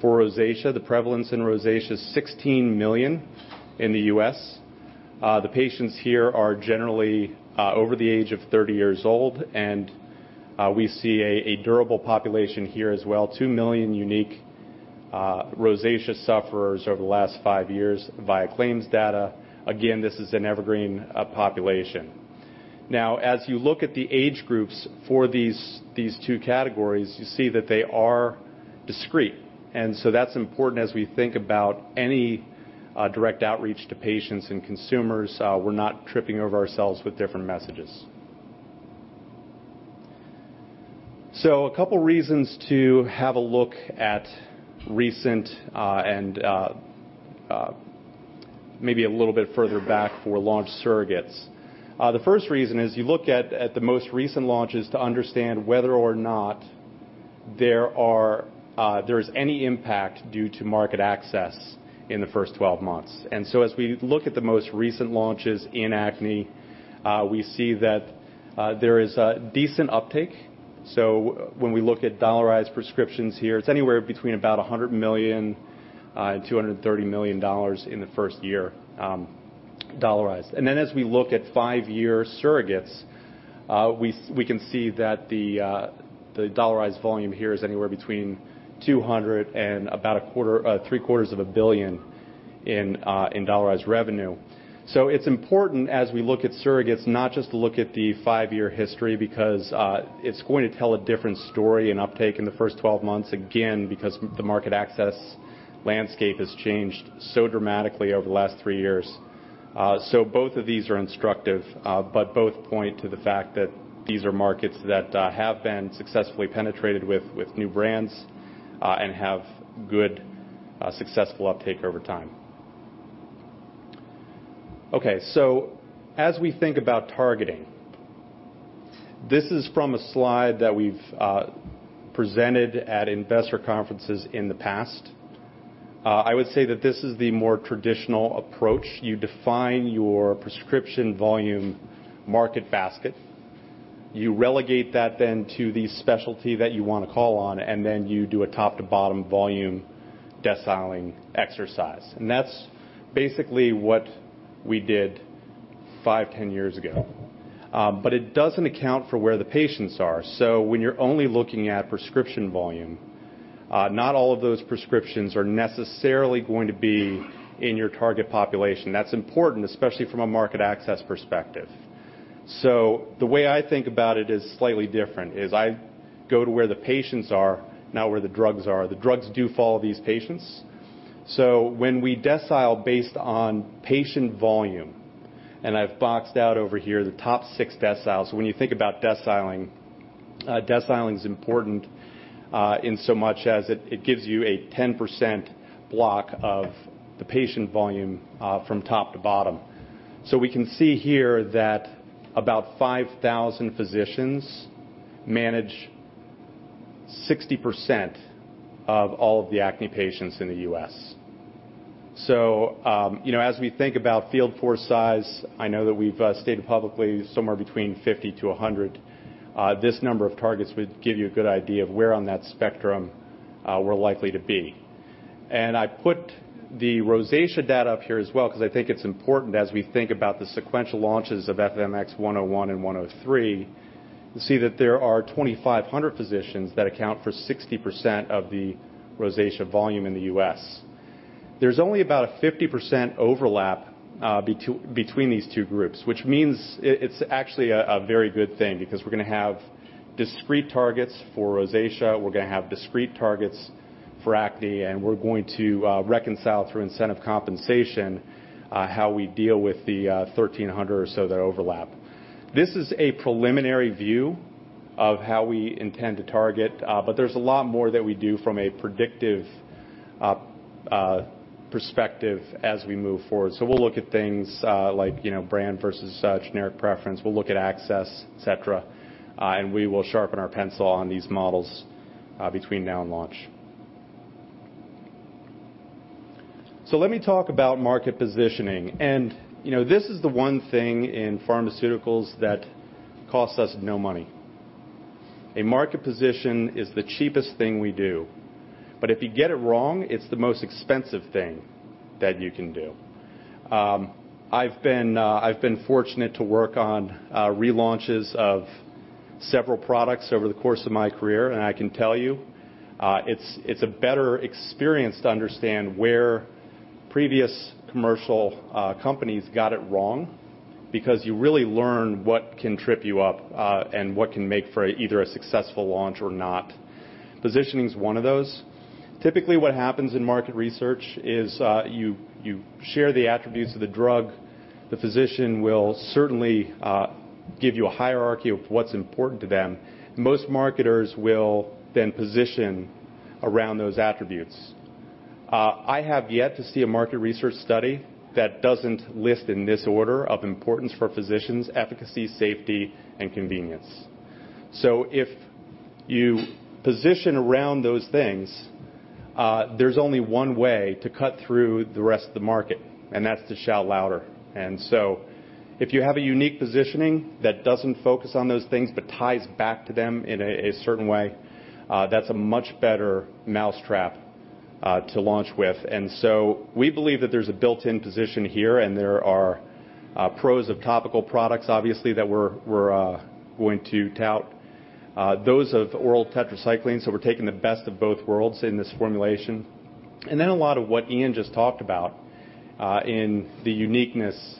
for rosacea. The prevalence in rosacea is 16 million in the U.S. The patients here are generally over the age of 30 years old, and we see a durable population here as well, 2 million unique rosacea sufferers over the last five years via claims data. Again, this is an evergreen population. As you look at the age groups for these two categories, you see that they are discrete. That's important as we think about any direct outreach to patients and consumers. We're not tripping over ourselves with different messages. A couple of reasons to have a look at recent and maybe a little bit further back for launch surrogates. The first reason is you look at the most recent launches to understand whether or not there is any impact due to market access in the first 12 months. As we look at the most recent launches in acne, we see that there is a decent uptake. When we look at dollarized prescriptions here, it's anywhere between about $100 million-$230 million in the first year, dollarized. As we look at five-year surrogates, we can see that the dollarized volume here is anywhere between $200 million and about three-quarters of a billion in dollarized revenue. It's important as we look at surrogates, not just to look at the five-year history because it's going to tell a different story in uptake in the first 12 months, again, because the market access landscape has changed so dramatically over the last three years. Both of these are instructive, but both point to the fact that these are markets that have been successfully penetrated with new brands and have good, successful uptake over time. Okay. As we think about targeting, this is from a slide that we've presented at investor conferences in the past. I would say that this is the more traditional approach. You define your prescription volume market basket, you relegate that then to the specialty that you want to call on, and then you do a top-to-bottom volume decile exercise. That's basically what we did five, 10 years ago. It doesn't account for where the patients are. When you're only looking at prescription volume, not all of those prescriptions are necessarily going to be in your target population. That's important, especially from a market access perspective. The way I think about it is slightly different, is I go to where the patients are, not where the drugs are. The drugs do follow these patients. When we decile based on patient volume, I've boxed out over here the top six deciles. When you think about deciling is important in so much as it gives you a 10% block of the patient volume from top to bottom. We can see here that about 5,000 physicians manage 60% of all of the acne patients in the U.S. As we think about field force size, I know that we've stated publicly somewhere between 50 to 100. This number of targets would give you a good idea of where on that spectrum we're likely to be. I put the rosacea data up here as well because I think it's important as we think about the sequential launches of FMX101 and FMX103, to see that there are 2,500 physicians that account for 60% of the rosacea volume in the U.S. There's only about a 50% overlap between these two groups, which means it's actually a very good thing because we're going to have discrete targets for rosacea, we're going to have discrete targets for acne, and we're going to reconcile through incentive compensation how we deal with the 1,300 or so that overlap. This is a preliminary view of how we intend to target, but there's a lot more that we do from a predictive perspective as we move forward. We'll look at things like brand versus generic preference. We'll look at access, et cetera, and we will sharpen our pencil on these models between now and launch. Let me talk about market positioning. This is the one thing in pharmaceuticals that costs us no money. A market position is the cheapest thing we do. If you get it wrong, it's the most expensive thing that you can do. I've been fortunate to work on relaunches of several products over the course of my career, and I can tell you, it's a better experience to understand where previous commercial companies got it wrong, because you really learn what can trip you up, and what can make for either a successful launch or not. Positioning is one of those. Typically, what happens in market research is you share the attributes of the drug. The physician will certainly give you a hierarchy of what's important to them. Most marketers will then position around those attributes. I have yet to see a market research study that doesn't list in this order of importance for physicians, efficacy, safety, and convenience. If you position around those things, there's only one way to cut through the rest of the market, and that's to shout louder. If you have a unique positioning that doesn't focus on those things but ties back to them in a certain way, that's a much better mousetrap to launch with. We believe that there's a built-in position here, and there are pros of topical products, obviously, that we're going to tout. Those of oral tetracyclines, we're taking the best of both worlds in this formulation. A lot of what Iain just talked about in the uniqueness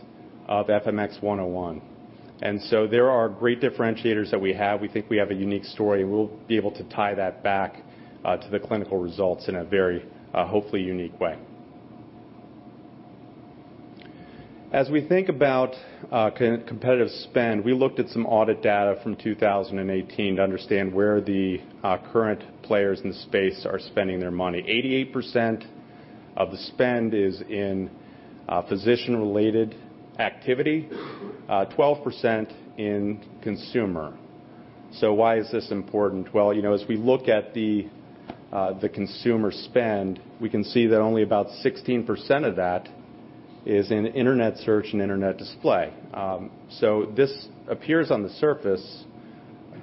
of FMX101. There are great differentiators that we have. We think we have a unique story, and we'll be able to tie that back to the clinical results in a very hopefully unique way. We think about competitive spend, we looked at some audit data from 2018 to understand where the current players in the space are spending their money. 88% of the spend is in physician-related activity, 12% in consumer. Why is this important? Well, as we look at the consumer spend, we can see that only about 16% of that is in internet search and internet display. This appears on the surface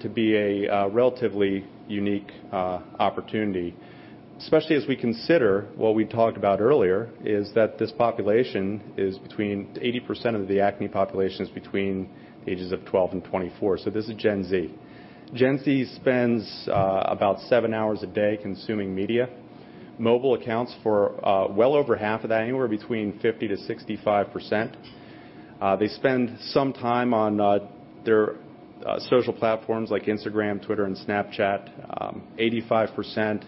to be a relatively unique opportunity, especially as we consider what we talked about earlier, is that this population is between 80% of the acne population is between ages of 12 and 24. This is Gen Z. Gen Z spends about seven hours a day consuming media. Mobile accounts for well over half of that, anywhere between 50%-65%. They spend some time on their social platforms like Instagram, Twitter, and Snapchat. 85%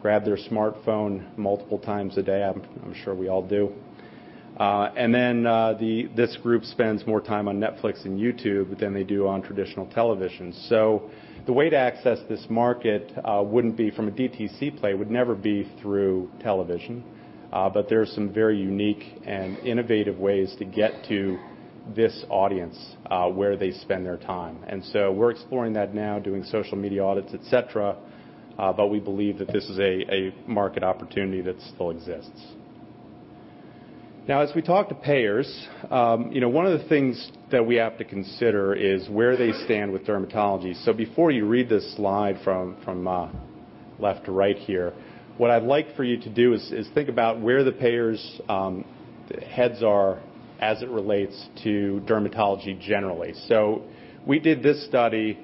grab their smartphone multiple times a day. I'm sure we all do. This group spends more time on Netflix and YouTube than they do on traditional television. The way to access this market wouldn't be from a DTC play, would never be through television. There are some very unique and innovative ways to get to this audience, where they spend their time. We're exploring that now, doing social media audits, et cetera. We believe that this is a market opportunity that still exists. As we talk to payers, one of the things that we have to consider is where they stand with dermatology. Before you read this slide from left to right here, what I'd like for you to do is think about where the payers' heads are as it relates to dermatology generally. We did this study,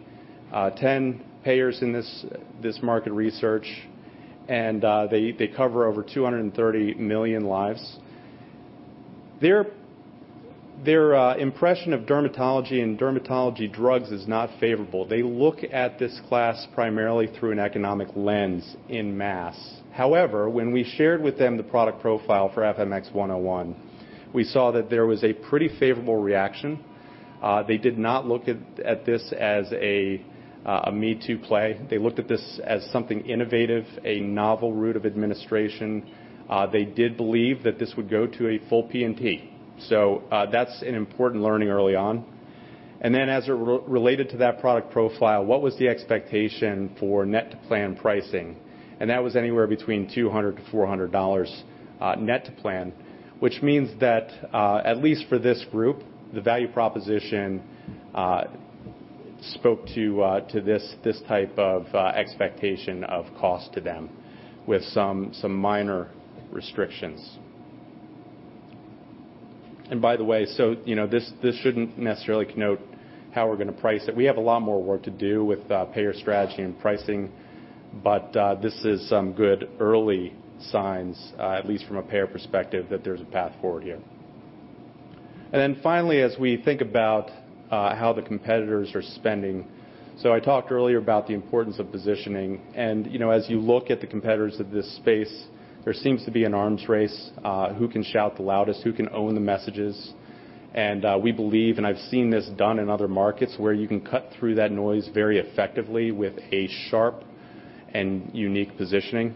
10 payers in this market research, and they cover over 230 million lives. Their impression of dermatology and dermatology drugs is not favorable. They look at this class primarily through an economic lens en masse. However, when we shared with them the product profile for FMX101, we saw that there was a pretty favorable reaction. They did not look at this as a me-too play. They looked at this as something innovative, a novel route of administration. They did believe that this would go to a full P&T. That's an important learning early on. As it related to that product profile, what was the expectation for net-to-plan pricing? That was anywhere between $200-$400 net to plan, which means that, at least for this group, the value proposition spoke to this type of expectation of cost to them with some minor restrictions. And by the way, this shouldn't necessarily connote how we're going to price it. We have a lot more work to do with payer strategy and pricing. This is some good early signs, at least from a payer perspective, that there's a path forward here. Finally, as we think about how the competitors are spending. I talked earlier about the importance of positioning, as you look at the competitors of this space, there seems to be an arms race, who can shout the loudest, who can own the messages. We believe, and I've seen this done in other markets, where you can cut through that noise very effectively with a sharp and unique positioning,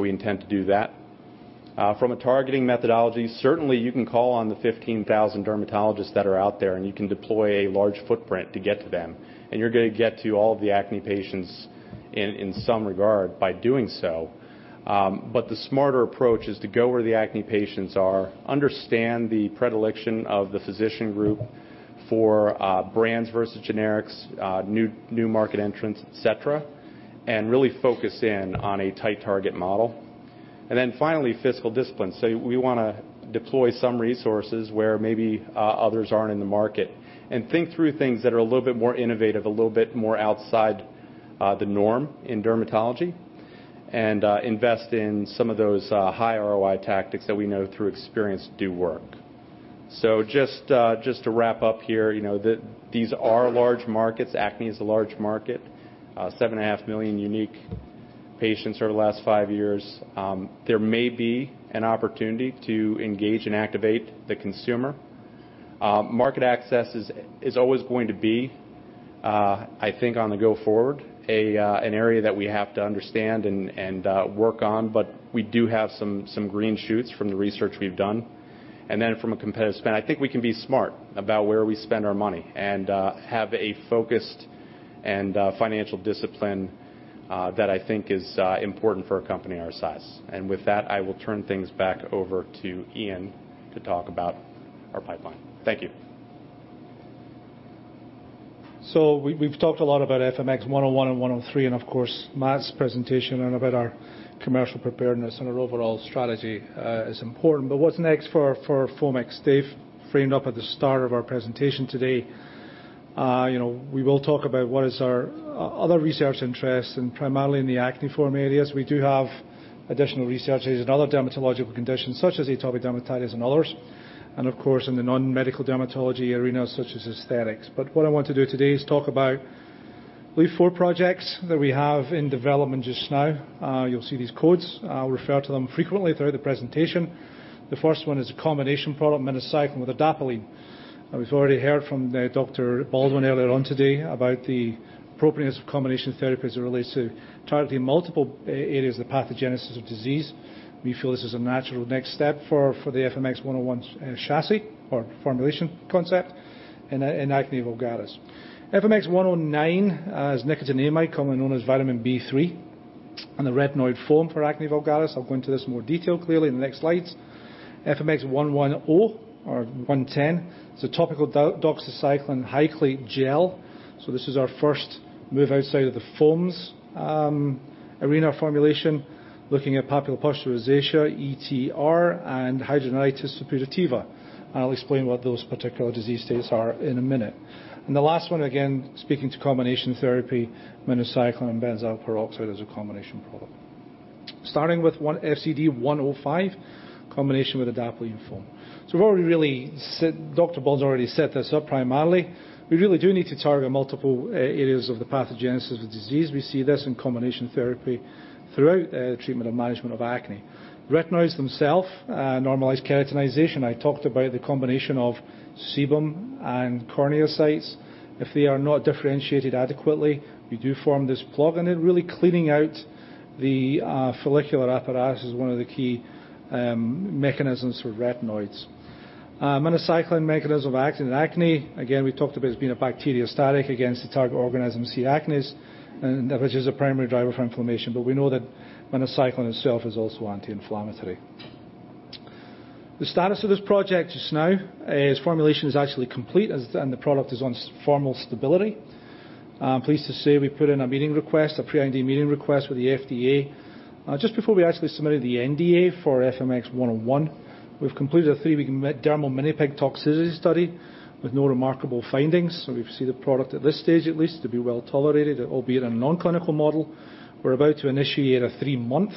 we intend to do that. From a targeting methodology, certainly you can call on the 15,000 dermatologists that are out there, you can deploy a large footprint to get to them, you're going to get to all of the acne patients in some regard by doing so. The smarter approach is to go where the acne patients are, understand the predilection of the physician group for brands versus generics, new market entrants, et cetera, and really focus in on a tight target model. Finally, fiscal discipline. We want to deploy some resources where maybe others aren't in the market and think through things that are a little bit more innovative, a little bit more outside the norm in dermatology, and invest in some of those high ROI tactics that we know through experience do work. Just to wrap up here, these are large markets. Acne is a large market, 7.5 million unique patients over the last five years. There may be an opportunity to engage and activate the consumer. Market access is always going to be, I think on the go forward, an area that we have to understand and work on, we do have some green shoots from the research we've done. From a competitive spend, I think we can be smart about where we spend our money and have a focused and financial discipline that I think is important for a company our size. With that, I will turn things back over to Iain to talk about our pipeline. Thank you. We've talked a lot about FMX101 and FMX103 and of course, Matt's presentation and about our commercial preparedness and our overall strategy is important. What's next for Foamix? Dave framed up at the start of our presentation today. We will talk about what is our other research interests and primarily in the acne foam areas. We do have additional researches in other dermatological conditions such as atopic dermatitis and others, of course, in the non-medical dermatology arena such as aesthetics. What I want to do today is talk about lead four projects that we have in development just now. You'll see these codes. I'll refer to them frequently throughout the presentation. The first one is a combination product, minocycline with adapalene. We've already heard from Dr. Baldwin earlier on today about the appropriateness of combination therapy as it relates to targeting multiple areas of pathogenesis of disease. We feel this is a natural next step for the FMX101 chassis or formulation concept in acne vulgaris. FMX109 is nicotinamide, commonly known as vitamin B3, and the retinoid foam for acne vulgaris. I'll go into this in more detail clearly in the next slides. FMX110 is a topical doxycycline hyclate gel. This is our first move outside of the foams arena formulation, looking at papulopustular rosacea, ETR, and hidradenitis suppurativa. I'll explain what those particular disease states are in a minute. The last one, again, speaking to combination therapy, minocycline and benzoyl peroxide as a combination product. Starting with FCD105, combination with adapalene foam. Dr. Baldwin's already set this up primarily. We really do need to target multiple areas of the pathogenesis of disease. We see this in combination therapy throughout the treatment and management of acne. Retinoids themself normalize keratinization. I talked about the combination of sebum and corneocytes. If they are not differentiated adequately, we do form this plug, and then really cleaning out the follicular apparatus is one of the key mechanisms for retinoids. Minocycline mechanism of action in acne, again, we talked about as being a bacteriostatic against the target organism C. acnes, which is a primary driver for inflammation. But we know that minocycline itself is also anti-inflammatory. The status of this project just now is formulation is actually complete, and the product is on formal stability. I'm pleased to say we put in a meeting request, a pre-NDA meeting request with the FDA. Before we actually submitted the NDA for FMX101, we've completed a three-week dermal mini pig toxicity study with no remarkable findings. So we see the product at this stage at least to be well-tolerated, albeit a non-clinical model. We're about to initiate a three-month,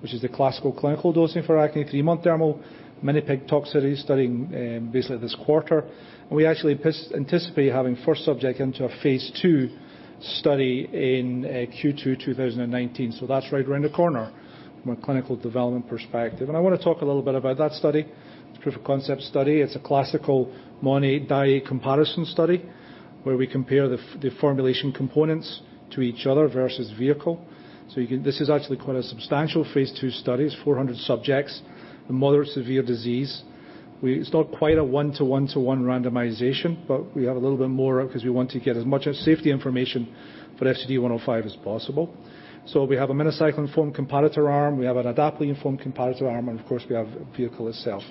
which is the classical clinical dosing for acne, three-month dermal mini pig toxicity study basically this quarter. We actually anticipate having first subject into a phase II study in Q2 2019. So that's right around the corner from a clinical development perspective. I want to talk a little bit about that study. It's a proof of concept study. It's a classical monadic comparison study, where we compare the formulation components to each other versus vehicle. This is actually quite a substantial phase II study. It's 400 subjects, the moderate-severe disease. It's not quite a one-to-one-to-one randomization, but we have a little bit more because we want to get as much safety information for FCD105 as possible. So we have a minocycline foam comparator arm, we have an adapalene foam comparator arm, and of course, we have vehicle itself.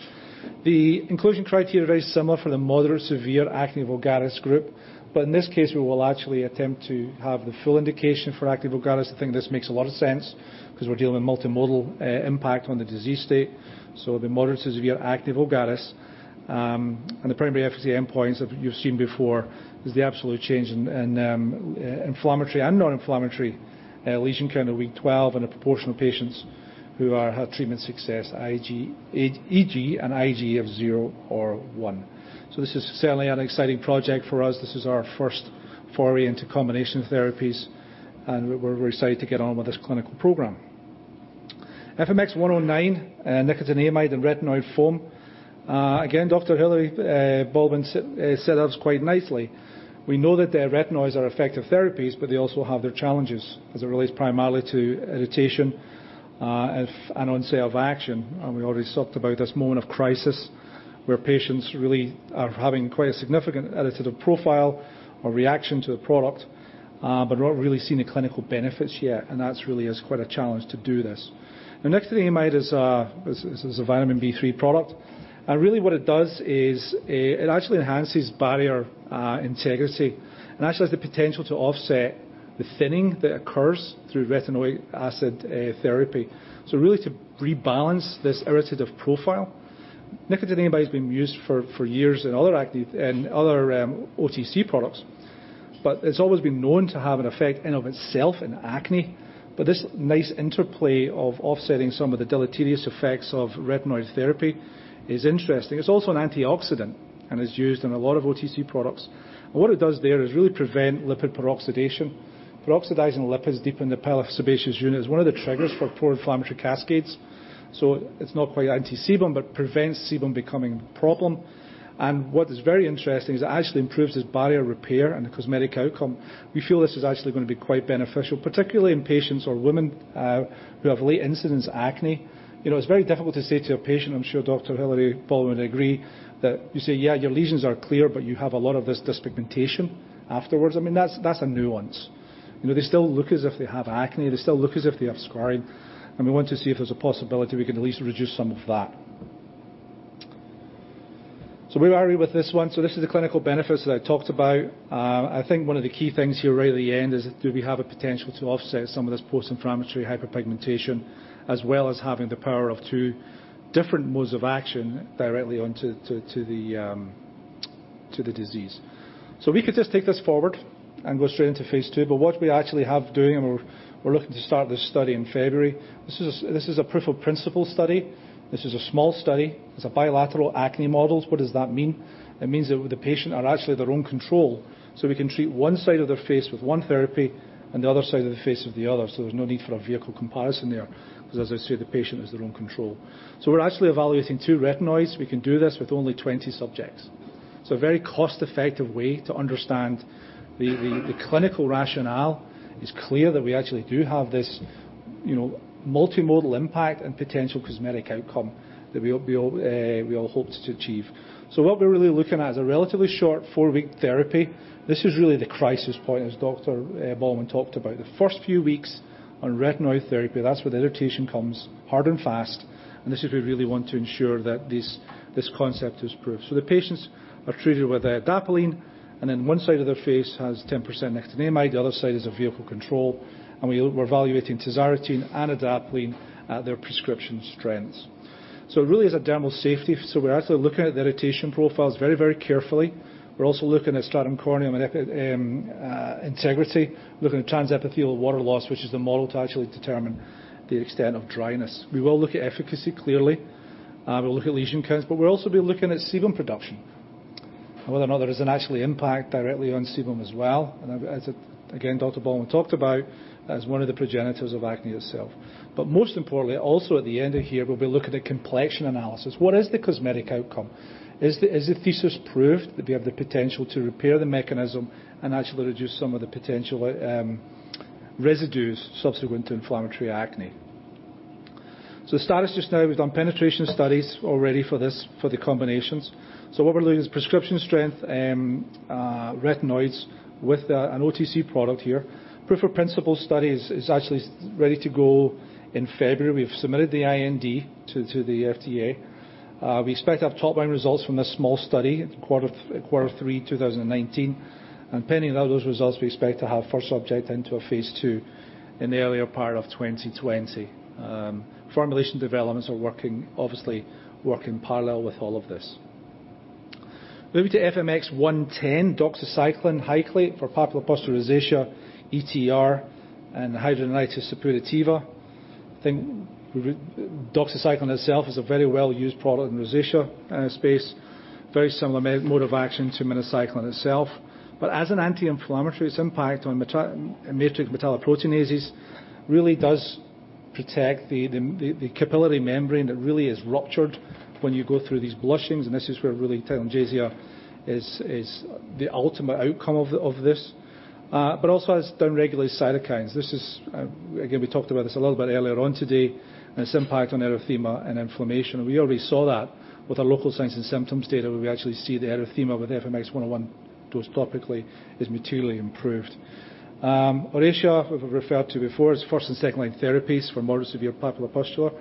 The inclusion criteria are very similar for the moderate-severe acne vulgaris group. In this case, we will actually attempt to have the full indication for acne vulgaris. I think this makes a lot of sense because we're dealing with multimodal impact on the disease state. So the moderate to severe acne vulgaris, and the primary efficacy endpoints that you've seen before is the absolute change in inflammatory and non-inflammatory lesion count at week 12, and a proportion of patients who have had treatment success, EG and IG of zero or one. This is certainly an exciting project for us. This is our first foray into combination therapies, we're excited to get on with this clinical program FMX109, nicotinamide and retinoid foam. Again, Dr. Hilary Baldwin set us quite nicely. We know that the retinoids are effective therapies, but they also have their challenges as it relates primarily to irritation, onset of action. We already talked about this moment of crisis, where patients really are having quite a significant irritative profile or reaction to the product, but we're not really seeing the clinical benefits yet. That really is quite a challenge to do this. Nicotinamide is a vitamin B3 product. Really what it does is it actually enhances barrier integrity and actually has the potential to offset the thinning that occurs through retinoic acid therapy. Really to rebalance this irritative profile. Nicotinamide has been used for years in other OTC products. It's always been known to have an effect in of itself in acne, but this nice interplay of offsetting some of the deleterious effects of retinoid therapy is interesting. It's also an antioxidant and is used in a lot of OTC products. What it does there is really prevent lipid peroxidation. Peroxidizing lipids deep in the pilosebaceous unit is one of the triggers for poor inflammatory cascades. It's not quite anti-sebum, but prevents sebum becoming a problem. What is very interesting is it actually improves this barrier repair and the cosmetic outcome. We feel this is actually going to be quite beneficial, particularly in patients or women who have late incidence acne. It's very difficult to say to your patient, I'm sure Dr. Hilary Baldwin would agree, that you say, "Yeah, your lesions are clear, but you have a lot of this dyspigmentation afterwards." I mean, that's a nuance. They still look as if they have acne. They still look as if they have scarring. We want to see if there's a possibility we can at least reduce some of that. Where are we with this one? This is the clinical benefits that I talked about. I think one of the key things here right at the end is do we have a potential to offset some of this post-inflammatory hyperpigmentation, as well as having the power of two different modes of action directly onto the disease. We could just take this forward and go straight into phase II, but what we actually have doing, we're looking to start this study in February. This is a proof-of-principle study. This is a small study. It's a bilateral acne models. What does that mean? It means that the patient are actually their own control. We can treat one side of their face with one therapy and the other side of the face with the other. There's no need for a vehicle comparison there, because as I say, the patient is their own control. We're actually evaluating two retinoids. We can do this with only 20 subjects. A very cost-effective way to understand the clinical rationale. It's clear that we actually do have this multimodal impact and potential cosmetic outcome that we all hope to achieve. What we're really looking at is a relatively short four-week therapy. This is really the crisis point, as Dr. Baldwin talked about. The first few weeks on retinoid therapy, that's where the irritation comes hard and fast, and this is we really want to ensure that this concept is proved. The patients are treated with adapalene, and then one side of their face has 10% nicotinamide, the other side is a vehicle control. We're evaluating tazarotene and adapalene at their prescription strengths. It really is a dermal safety. We're actually looking at the irritation profiles very, very carefully. We're also looking at stratum corneum integrity, looking at transepidermal water loss, which is the model to actually determine the extent of dryness. We will look at efficacy, clearly. We'll look at lesion counts, we'll also be looking at sebum production, and whether or not there is an actually impact directly on sebum as well. As, again, Dr. Baldwin talked about, that is one of the progenitors of acne itself. Most importantly, also at the end of here, we'll be looking at complexion analysis. What is the cosmetic outcome? Is the thesis proved that we have the potential to repair the mechanism and actually reduce some of the potential residues subsequent to inflammatory acne? The status just now, we've done penetration studies already for this, for the combinations. What we're looking at is prescription strength retinoids with an OTC product here. Proof of principle study is actually ready to go in February. We've submitted the IND to the FDA. We expect to have top-line results from this small study Q3 2019. Pending all those results, we expect to have first subject into a phase II in the earlier part of 2020. Formulation developments are obviously work in parallel with all of this. Moving to FMX110, doxycycline hyclate for papulopustular rosacea, ETR, and hidradenitis suppurativa. I think doxycycline itself is a very well-used product in rosacea space. Very similar mode of action to minocycline itself. As an anti-inflammatory, its impact on matrix metalloproteinases really does protect the capillary membrane that really is ruptured when you go through these blushings, and this is where really telangiectasia is the ultimate outcome of this. Also has down-regulated cytokines. Again, we talked about this a little bit earlier on today, and its impact on erythema and inflammation. We already saw that with our local signs and symptoms data, where we actually see the erythema with FMX101 dosed topically is materially improved. Oracea, we've referred to before, is first and second-line therapies for more severe papulopustular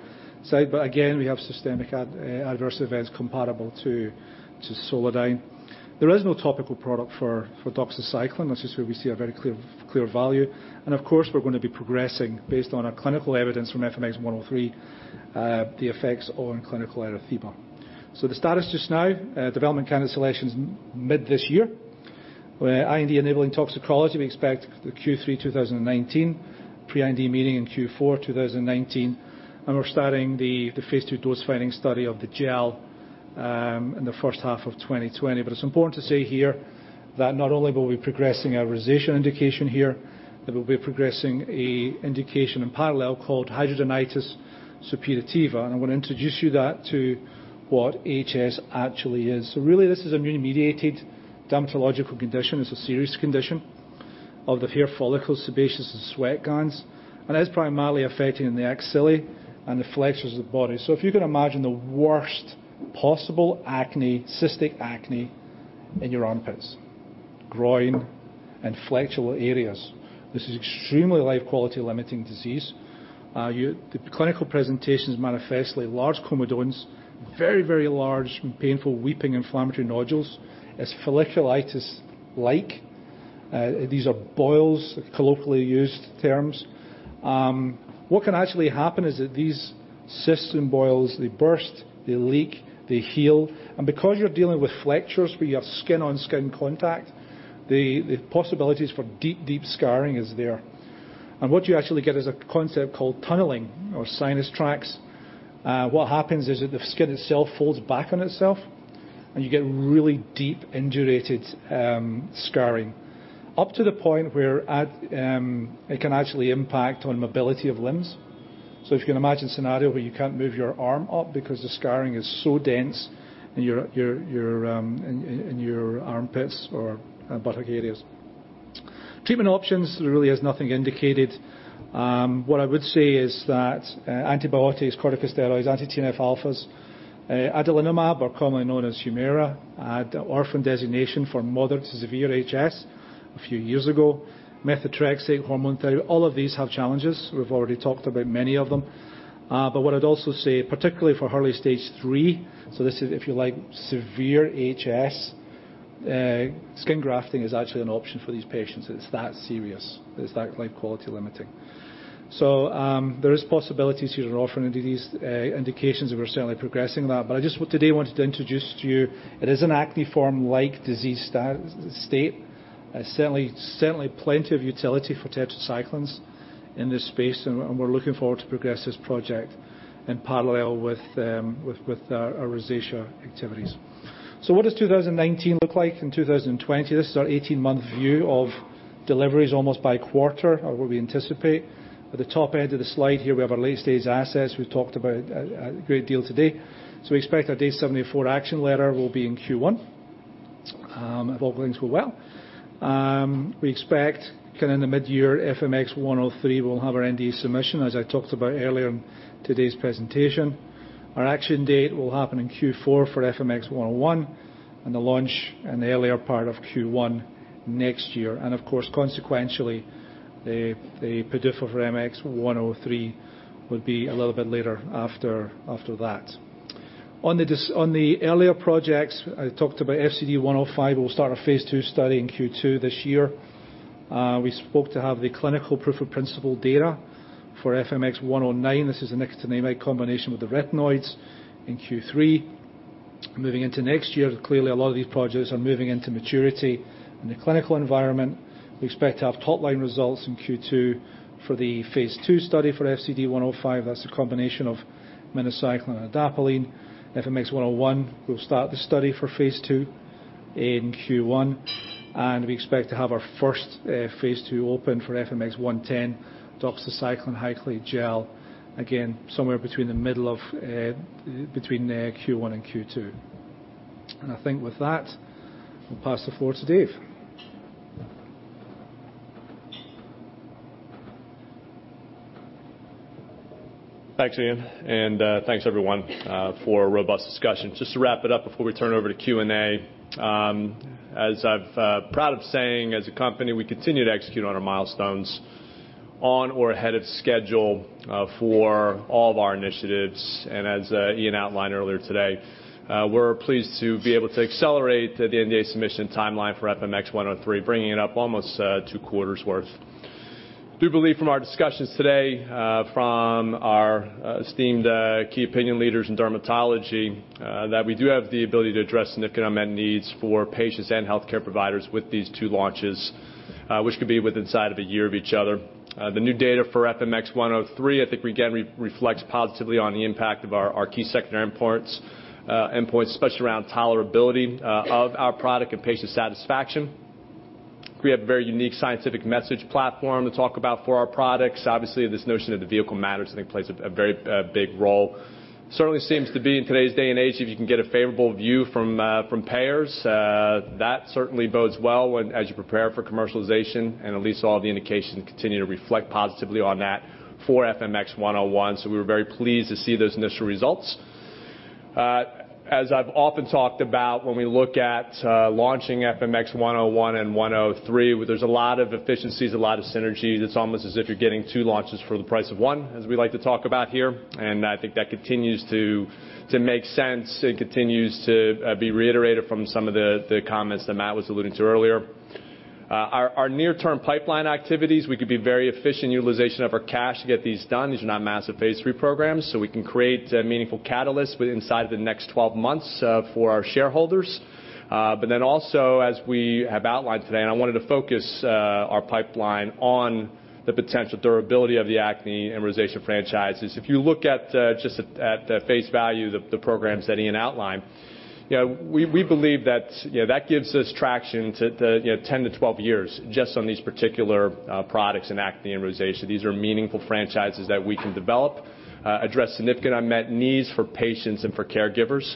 side, again, we have systemic adverse events comparable to SOLODYN. There is no topical product for doxycycline, which is where we see a very clear value. Of course, we're going to be progressing based on our clinical evidence from FMX103, the effects on clinical erythema. The status just now, development candidate selection is mid this year, where IND-enabling toxicology, we expect the Q3 2019, pre-IND meeting in Q4 2019, and we're starting the phase II dose finding study of the gel in the first half of 2020. It's important to say here that not only will we be progressing our rosacea indication here, we'll be progressing a indication in parallel called hidradenitis suppurativa. I want to introduce you that to what HS actually is. Really this is immune-mediated dermatological condition. It is a serious condition of the hair follicle, sebaceous and sweat glands, and it is primarily affecting the axillae and the flexures of the body. If you can imagine the worst possible cystic acne in your armpits, groin, and flexural areas. This is extremely life quality limiting disease. The clinical presentation is manifestly large comedones, very large and painful weeping inflammatory nodules. It is folliculitis-like. These are boils, colloquially used terms. What can actually happen is that these cysts and boils, they burst, they leak, they heal. And because you are dealing with flexures where you have skin-on-skin contact, the possibilities for deep scarring is there. And what you actually get is a concept called tunneling or sinus tracts. What happens is that the skin itself folds back on itself and you get really deep indurated scarring, up to the point where it can actually impact on mobility of limbs. If you can imagine scenario where you can't move your arm up because the scarring is so dense in your armpits or buttock areas. Treatment options, there really is nothing indicated. What I would say is that antibiotics, corticosteroids, anti-TNF alphas, adalimumab or commonly known as HUMIRA, had orphan designation for moderate to severe HS a few years ago. Methotrexate, hormone therapy, all of these have challenges. We have already talked about many of them. What I would also say, particularly for early stage 3, this is, if you like, severe HS, skin grafting is actually an option for these patients. It is that serious. It is that life quality limiting. There is possibilities here in orphan and these indications, and we are certainly progressing that. I just today wanted to introduce to you, it is an acne form like disease state. Certainly plenty of utility for tetracyclines in this space, and we are looking forward to progress this project in parallel with our rosacea activities. What does 2019 look like and 2020? This is our 18-month view of deliveries almost by quarter or what we anticipate. At the top end of the slide here, we have our late-stage assets we have talked about a great deal today. We expect our Day 74 action letter will be in Q1, if all things go well. We expect kind of in the mid-year FMX103 will have our NDA submission, as I talked about earlier in today's presentation. Our action date will happen in Q4 for FMX101, and the launch in the earlier part of Q1 next year. Of course, consequentially, the PDUFA for FMX103 would be a little bit later after that. On the earlier projects, I talked about FCD105 will start our phase II study in Q2 this year. We spoke to have the clinical proof of principle data for FMX109. This is a nicotinamide combination with the retinoids in Q3. Moving into next year, clearly a lot of these projects are moving into maturity in the clinical environment. We expect to have top-line results in Q2 for the phase II study for FCD105. That is a combination of minocycline and adapalene. FMX101, we will start the study for phase II in Q1, and we expect to have our first phase II open for FMX110, doxycycline hyclate gel, again, somewhere between Q1 and Q2. I think with that, I will pass the floor to Dave. Thanks, Iain, and thanks everyone for a robust discussion. Just to wrap it up before we turn over to Q&A. As I'm proud of saying, as a company, we continue to execute on our milestones on or ahead of schedule for all of our initiatives. As Iain outlined earlier today, we're pleased to be able to accelerate the NDA submission timeline for FMX103, bringing it up almost two quarters worth. We do believe from our discussions today, from our esteemed key opinion leaders in dermatology, that we do have the ability to address significant unmet needs for patients and healthcare providers with these two launches, which could be within inside of a year of each other. The new data for FMX103, I think again reflects positively on the impact of our key secondary endpoints, especially around tolerability of our product and patient satisfaction. We have a very unique scientific message platform to talk about for our products. Obviously, this notion of the vehicle matters, I think plays a very big role. Certainly seems to be in today's day and age, if you can get a favorable view from payers, that certainly bodes well as you prepare for commercialization. At least all the indications continue to reflect positively on that for FMX101. We were very pleased to see those initial results. As I've often talked about, when we look at launching FMX101 and FMX103, there's a lot of efficiencies, a lot of synergy. That's almost as if you're getting two launches for the price of one, as we like to talk about here. I think that continues to make sense. It continues to be reiterated from some of the comments that Matt was alluding to earlier. Our near-term pipeline activities, we could be very efficient utilization of our cash to get these done. These are not massive phase III programs, we can create meaningful catalysts inside the next 12 months for our shareholders. Also, as we have outlined today, I wanted to focus our pipeline on the potential durability of the acne and rosacea franchises. If you look just at face value, the programs that Iain outlined, we believe that gives us traction to 10-12 years just on these particular products in acne and rosacea. These are meaningful franchises that we can develop, address significant unmet needs for patients and for caregivers.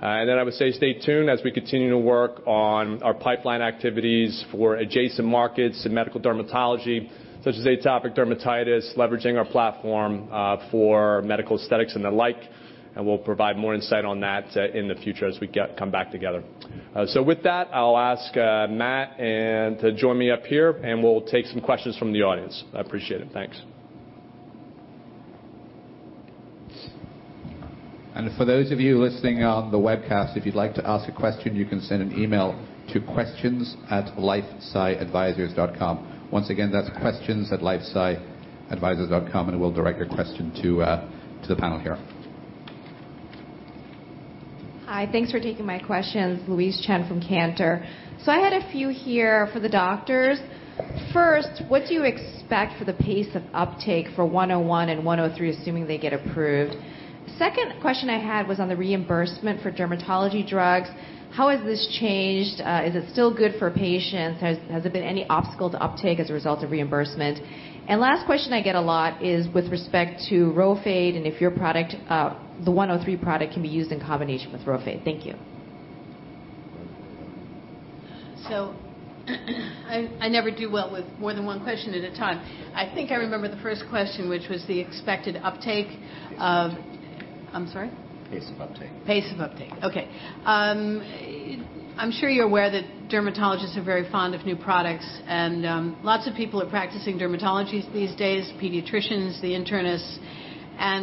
I would say stay tuned as we continue to work on our pipeline activities for adjacent markets in medical dermatology, such as atopic dermatitis, leveraging our platform for medical aesthetics and the like, we'll provide more insight on that in the future as we come back together. With that, I'll ask Matt to join me up here, and we'll take some questions from the audience. I appreciate it. Thanks. For those of you listening on the webcast, if you'd like to ask a question, you can send an email to questions@lifesciadvisors.com. Once again, that's questions@lifesciadvisors.com, and we'll direct your question to the panel here. Hi. Thanks for taking my questions. Louise Chen from Cantor. I had a few here for the doctors. First, what do you expect for the pace of uptake for FMX101 and FMX103, assuming they get approved? Second question I had was on the reimbursement for dermatology drugs. How has this changed? Is it still good for patients? Has there been any obstacle to uptake as a result of reimbursement? Last question I get a lot is with respect to RHOFADE and if your product, the FMX103 product, can be used in combination with RHOFADE. Thank you. I never do well with more than one question at a time. I think I remember the first question, which was the expected uptake..., I'm sorry? Pace of uptake. Pace of uptake. Okay. I'm sure you're aware that dermatologists are very fond of new products. Lots of people are practicing dermatology these days, pediatricians, the internists.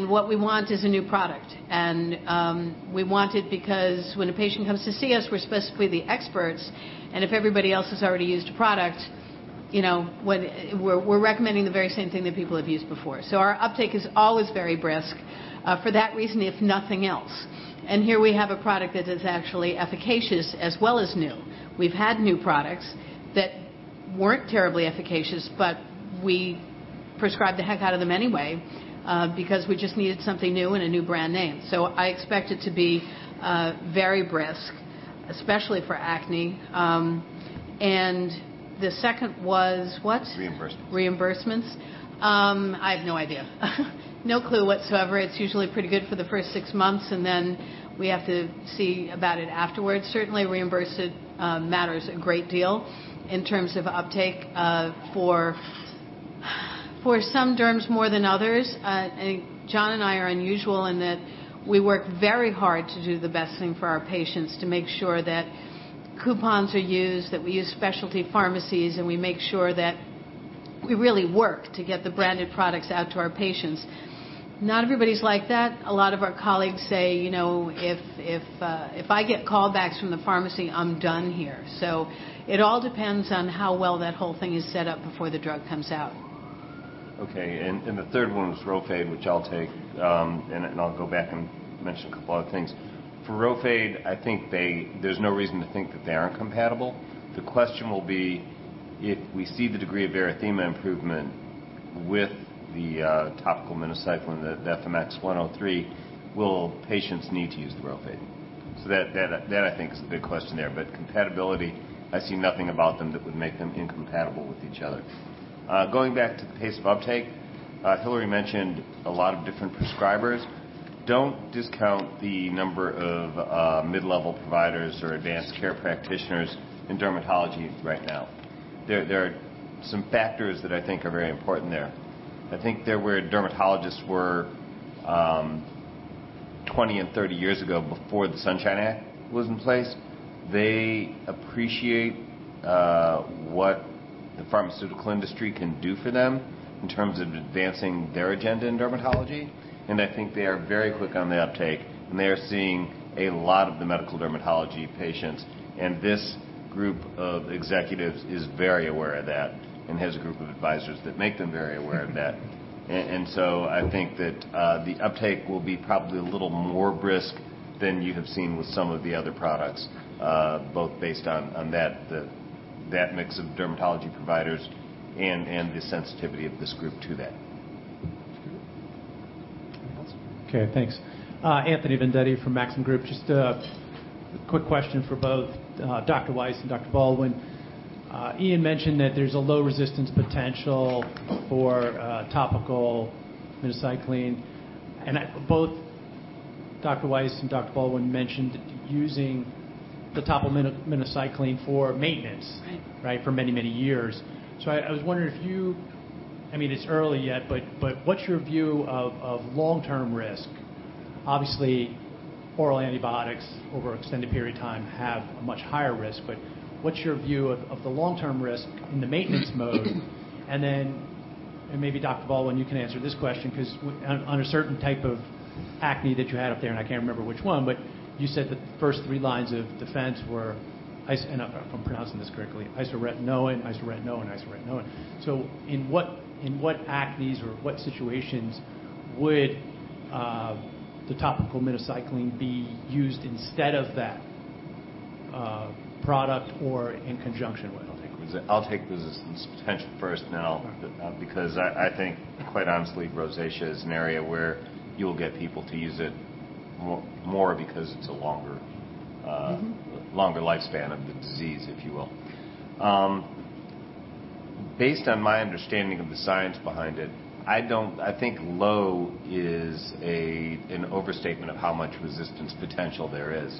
What we want is a new product. We want it because when a patient comes to see us, we're supposedly the experts, and if everybody else has already used a product, we're recommending the very same thing that people have used before. Our uptake is always very brisk, for that reason, if nothing else. Here we have a product that is actually efficacious as well as new. We've had new products that weren't terribly efficacious, but we prescribed the heck out of them anyway, because we just needed something new and a new brand name. I expect it to be very brisk, especially for acne. The second was what? Reimbursements. Reimbursements? I have no idea. No clue whatsoever. It's usually pretty good for the first six months, and then we have to see about it afterwards. Certainly, reimbursement matters a great deal in terms of uptake for some derms more than others. I think Jon and I are unusual in that we work very hard to do the best thing for our patients to make sure that coupons are used, that we use specialty pharmacies, and we make sure that we really work to get the branded products out to our patients. Not everybody's like that. A lot of our colleagues say, "If I get callbacks from the pharmacy, I'm done here." It all depends on how well that whole thing is set up before the drug comes out. Okay. The third one was RHOFADE, which I'll take. I'll go back and mention a couple other things. For RHOFADE, I think there's no reason to think that they aren't compatible. The question will be, if we see the degree of erythema improvement with the topical minocycline, the FMX103, will patients need to use the RHOFADE? That, I think, is the big question there. Compatibility, I see nothing about them that would make them incompatible with each other. Going back to the pace of uptake, Hilary mentioned a lot of different prescribers. Don't discount the number of mid-level providers or advanced care practitioners in dermatology right now. There are some factors that I think are very important there. I think where dermatologists were 20 and 30 years ago before the Sunshine Act was in place, they appreciate what the pharmaceutical industry can do for them in terms of advancing their agenda in dermatology. I think they are very quick on the uptake. They are seeing a lot of the medical dermatology patients. This group of executives is very aware of that and has a group of advisors that make them very aware of that. I think that the uptake will be probably a little more brisk than you have seen with some of the other products, both based on that mix of dermatology providers and the sensitivity of this group to that. That's good. Anything else? Okay. Thanks. Anthony Vendetti from Maxim Group. Just a quick question for both Dr. Weiss and Dr. Baldwin. Iain mentioned that there's a low resistance potential for topical minocycline. Both Dr. Weiss and Dr. Baldwin mentioned using the topical minocycline for maintenance. Right Right, for many, many years. I was wondering if you It's early yet, what's your view of long-term risk? Obviously, oral antibiotics over an extended period of time have a much higher risk, what's your view of the long-term risk in the maintenance mode? Maybe Dr. Baldwin, you can answer this question, because on a certain type of acne that you had up there, and I can't remember which one, you said the first three lines of defense were, if I'm pronouncing this correctly, isotretinoin, isotretinoin. In what acnes or what situations would the topical minocycline be used instead of that product or in conjunction with? I'll take resistance potential first. I think quite honestly, rosacea is an area where you'll get people to use it more because it's a longer lifespan of the disease, if you will. Based on my understanding of the science behind it, I think low is an overstatement of how much resistance potential there is.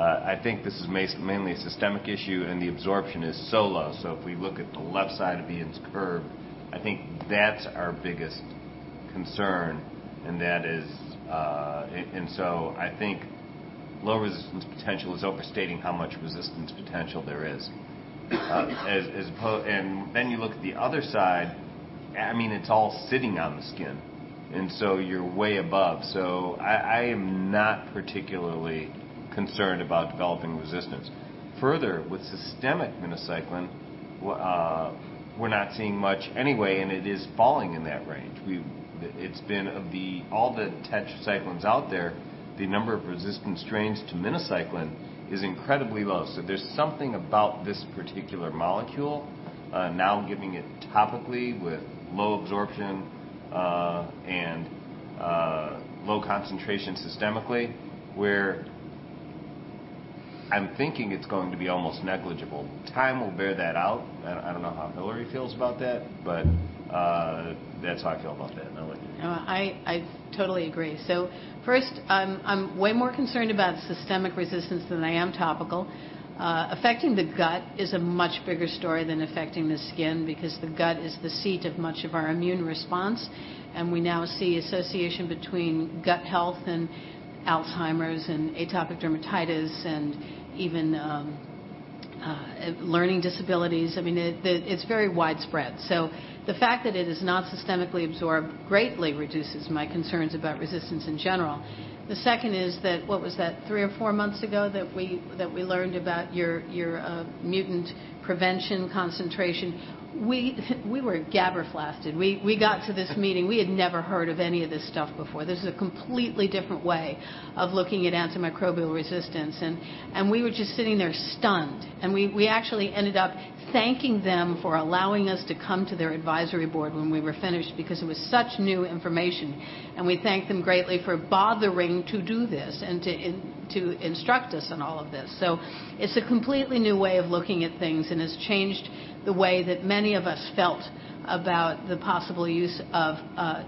I think this is mainly a systemic issue, the absorption is so low. If we look at the left side of the S curve, I think that's our biggest concern. I think low resistance potential is overstating how much resistance potential there is. You look at the other side, it's all sitting on the skin, you're way above. I am not particularly concerned about developing resistance. Further, with systemic minocycline, we're not seeing much anyway, it is falling in that range. Of all the tetracyclines out there, the number of resistant strains to minocycline is incredibly low. There's something about this particular molecule, now giving it topically with low absorption, low concentration systemically, where I'm thinking it's going to be almost negligible. Time will bear that out. I don't know how Hilary feels about that's how I feel about that. I totally agree. First, I'm way more concerned about systemic resistance than I am topical. Affecting the gut is a much bigger story than affecting the skin, because the gut is the seat of much of our immune response, we now see association between gut health and Alzheimer's, atopic dermatitis, even learning disabilities. It's very widespread. The fact that it is not systemically absorbed greatly reduces my concerns about resistance in general. The second is that, what was that, three or four months ago that we learned about your mutant prevention concentration? We were flabbergasted. We got to this meeting. We had never heard of any of this stuff before. This is a completely different way of looking at antimicrobial resistance. We were just sitting there stunned, we actually ended up thanking them for allowing us to come to their advisory board when we were finished, because it was such new information, we thank them greatly for bothering to do this and to instruct us on all of this. It's a completely new way of looking at things and has changed the way that many of us felt about the possible use of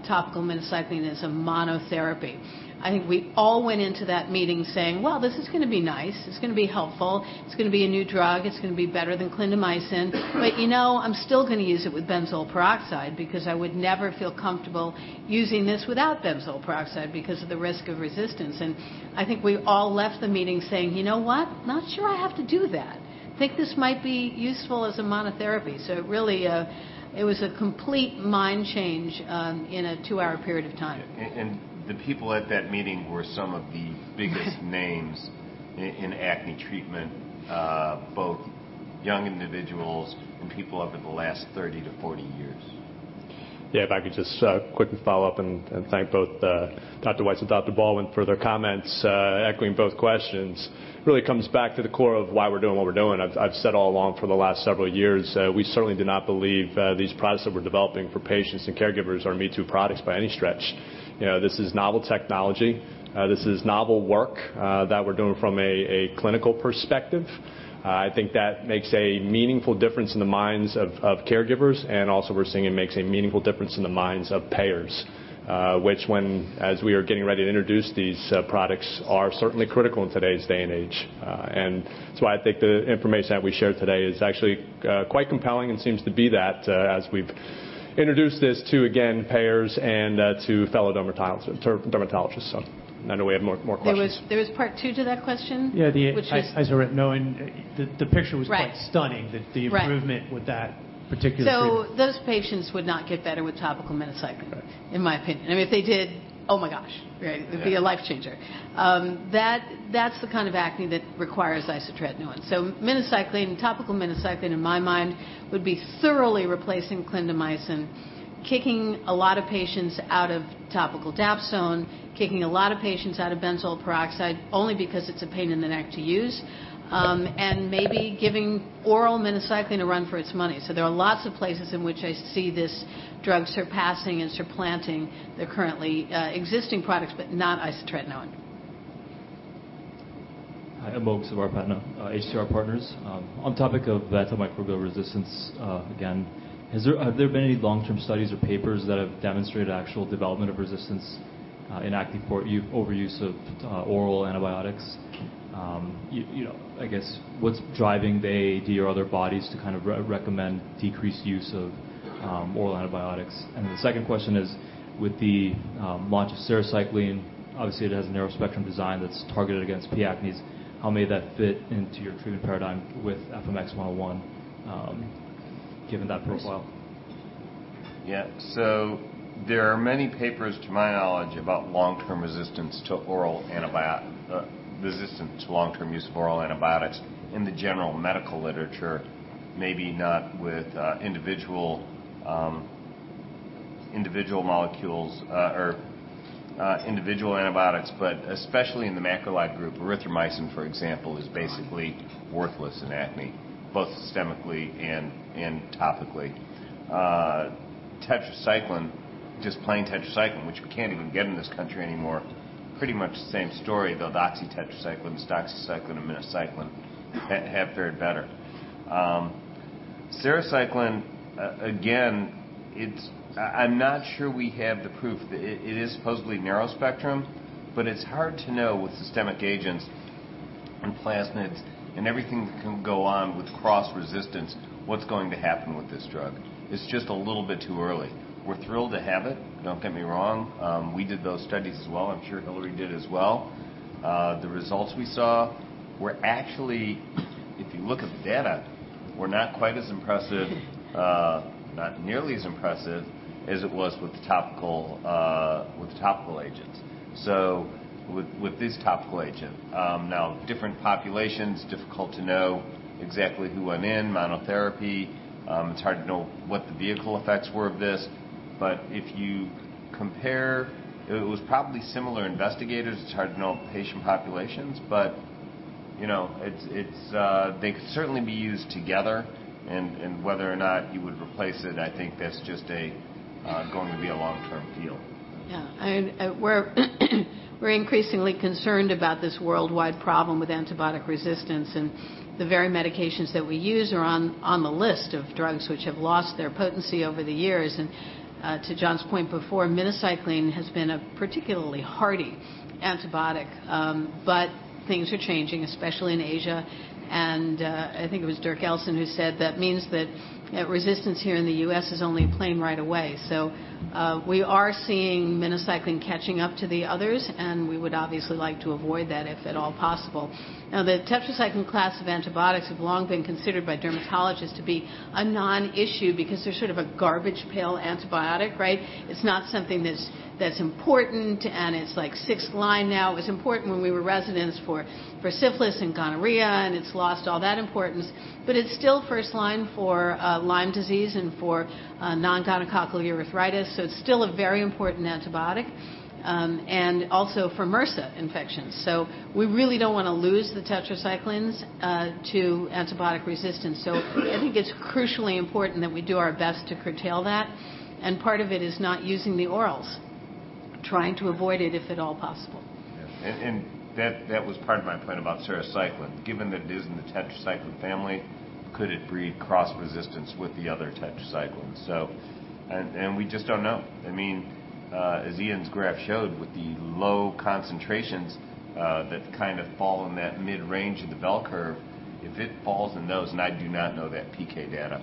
topical minocycline as a monotherapy. I think we all went into that meeting saying, "Well, this is going to be nice. It's going to be helpful. It's going to be a new drug. It's going to be better than clindamycin. You know, I'm still going to use it with benzoyl peroxide because I would never feel comfortable using this without benzoyl peroxide because of the risk of resistance." I think we all left the meeting saying, "You know what? Not sure I have to do that. Think this might be useful as a monotherapy." Really, it was a complete mind change in a two-hour period of time. The people at that meeting were some of the biggest names in acne treatment, both young individuals and people over the last 30-40 years. If I could just quickly follow up and thank both Dr. Weiss and Dr. Baldwin for their comments. Echoing both questions, really comes back to the core of why we're doing what we're doing. I've said all along for the last several years, we certainly do not believe these products that we're developing for patients and caregivers are me-too products by any stretch. This is novel technology. This is novel work that we're doing from a clinical perspective. I think that makes a meaningful difference in the minds of caregivers, and also we're seeing it makes a meaningful difference in the minds of payers. Which when, as we are getting ready to introduce these products, are certainly critical in today's day and age. That's why I think the information that we shared today is actually quite compelling and seems to be that as we've introduced this to, again, payers and to fellow dermatologists. I know we have more questions. There was part two to that question? Which was- Yeah, the isotretinoin. The picture was... Right ..quite stunning. Right. The improvement with that particular treatment. Those patients would not get better with topical minocycline... Right ...in my opinion. If they did, oh my gosh. Right? Yeah. It would be a life changer. That's the kind of acne that requires isotretinoin. Minocycline, topical minocycline, in my mind, would be thoroughly replacing clindamycin, kicking a lot of patients out of topical dapsone, kicking a lot of patients out of benzoyl peroxide, only because it's a pain in the neck to use. Maybe giving oral minocycline a run for its money. There are lots of places in which I see this drug surpassing and supplanting the currently existing products, but not isotretinoin. Hi, I'm [Ogesevar Patne], HCR Partners. On topic of antimicrobial resistance again, have there been any long-term studies or papers that have demonstrated actual development of resistance in acne for overuse of oral antibiotics? I guess what's driving the AAD or other bodies to kind of recommend decreased use of oral antibiotics? The second question is, with the launch of sarecycline, obviously it has a narrow spectrum design that's targeted against P. acnes. How may that fit into your treatment paradigm with FMX101, given that profile? There are many papers, to my knowledge, about resistance to long-term use of oral antibiotics in the general medical literature. Maybe not with individual antibiotics, but especially in the macrolide group. Erythromycin, for example, is basically worthless in acne, both systemically and topically. Tetracycline, just plain tetracycline, which we can't even get in this country anymore, pretty much the same story, though doxycycline and minocycline have fared better. Sarecycline, again, I'm not sure we have the proof. It is supposedly narrow spectrum, but it's hard to know with systemic agents and plasmids and everything that can go on with cross-resistance, what's going to happen with this drug. It's just a little bit too early. We're thrilled to have it, don't get me wrong. We did those studies as well. I'm sure Hilary did as well. The results we saw were actually, if you look at the data, were not quite as impressive, not nearly as impressive as it was with the topical agents. With this topical agent. Now, different populations, difficult to know exactly who went in, monotherapy. It's hard to know what the vehicle effects were of this. If you compare, it was probably similar investigators. It's hard to know patient populations, but they could certainly be used together, and whether or not you would replace it, I think that's just going to be a long-term feel. We're increasingly concerned about this worldwide problem with antibiotic resistance, and the very medications that we use are on the list of drugs which have lost their potency over the years. To Jon's point before, minocycline has been a particularly hardy antibiotic. Things are changing, especially in Asia, and I think it was Dirk Elston who said that means that resistance here in the U.S. is only a plane ride away. We are seeing minocycline catching up to the others, and we would obviously like to avoid that if at all possible. The tetracycline class of antibiotics have long been considered by dermatologists to be a non-issue because they're sort of a garbage pail antibiotic, right? It's not something that's important, and it's like sixth line now. It was important when we were residents for syphilis and gonorrhea, it's lost all that importance, but it's still first line for Lyme disease and for nongonococcal urethritis, it's still a very important antibiotic. Also for MRSA infections. We really don't want to lose the tetracyclines to antibiotic resistance, I think it's crucially important that we do our best to curtail that, and part of it is not using the orals. Trying to avoid it if at all possible. Yeah. That was part of my point about sarecycline. Given that it is in the tetracycline family, could it breed cross resistance with the other tetracyclines? We just don't know. As Iain's graph showed, with the low concentrations that kind of fall in that mid-range of the bell curve, if it falls in those, and I do not know that PK data,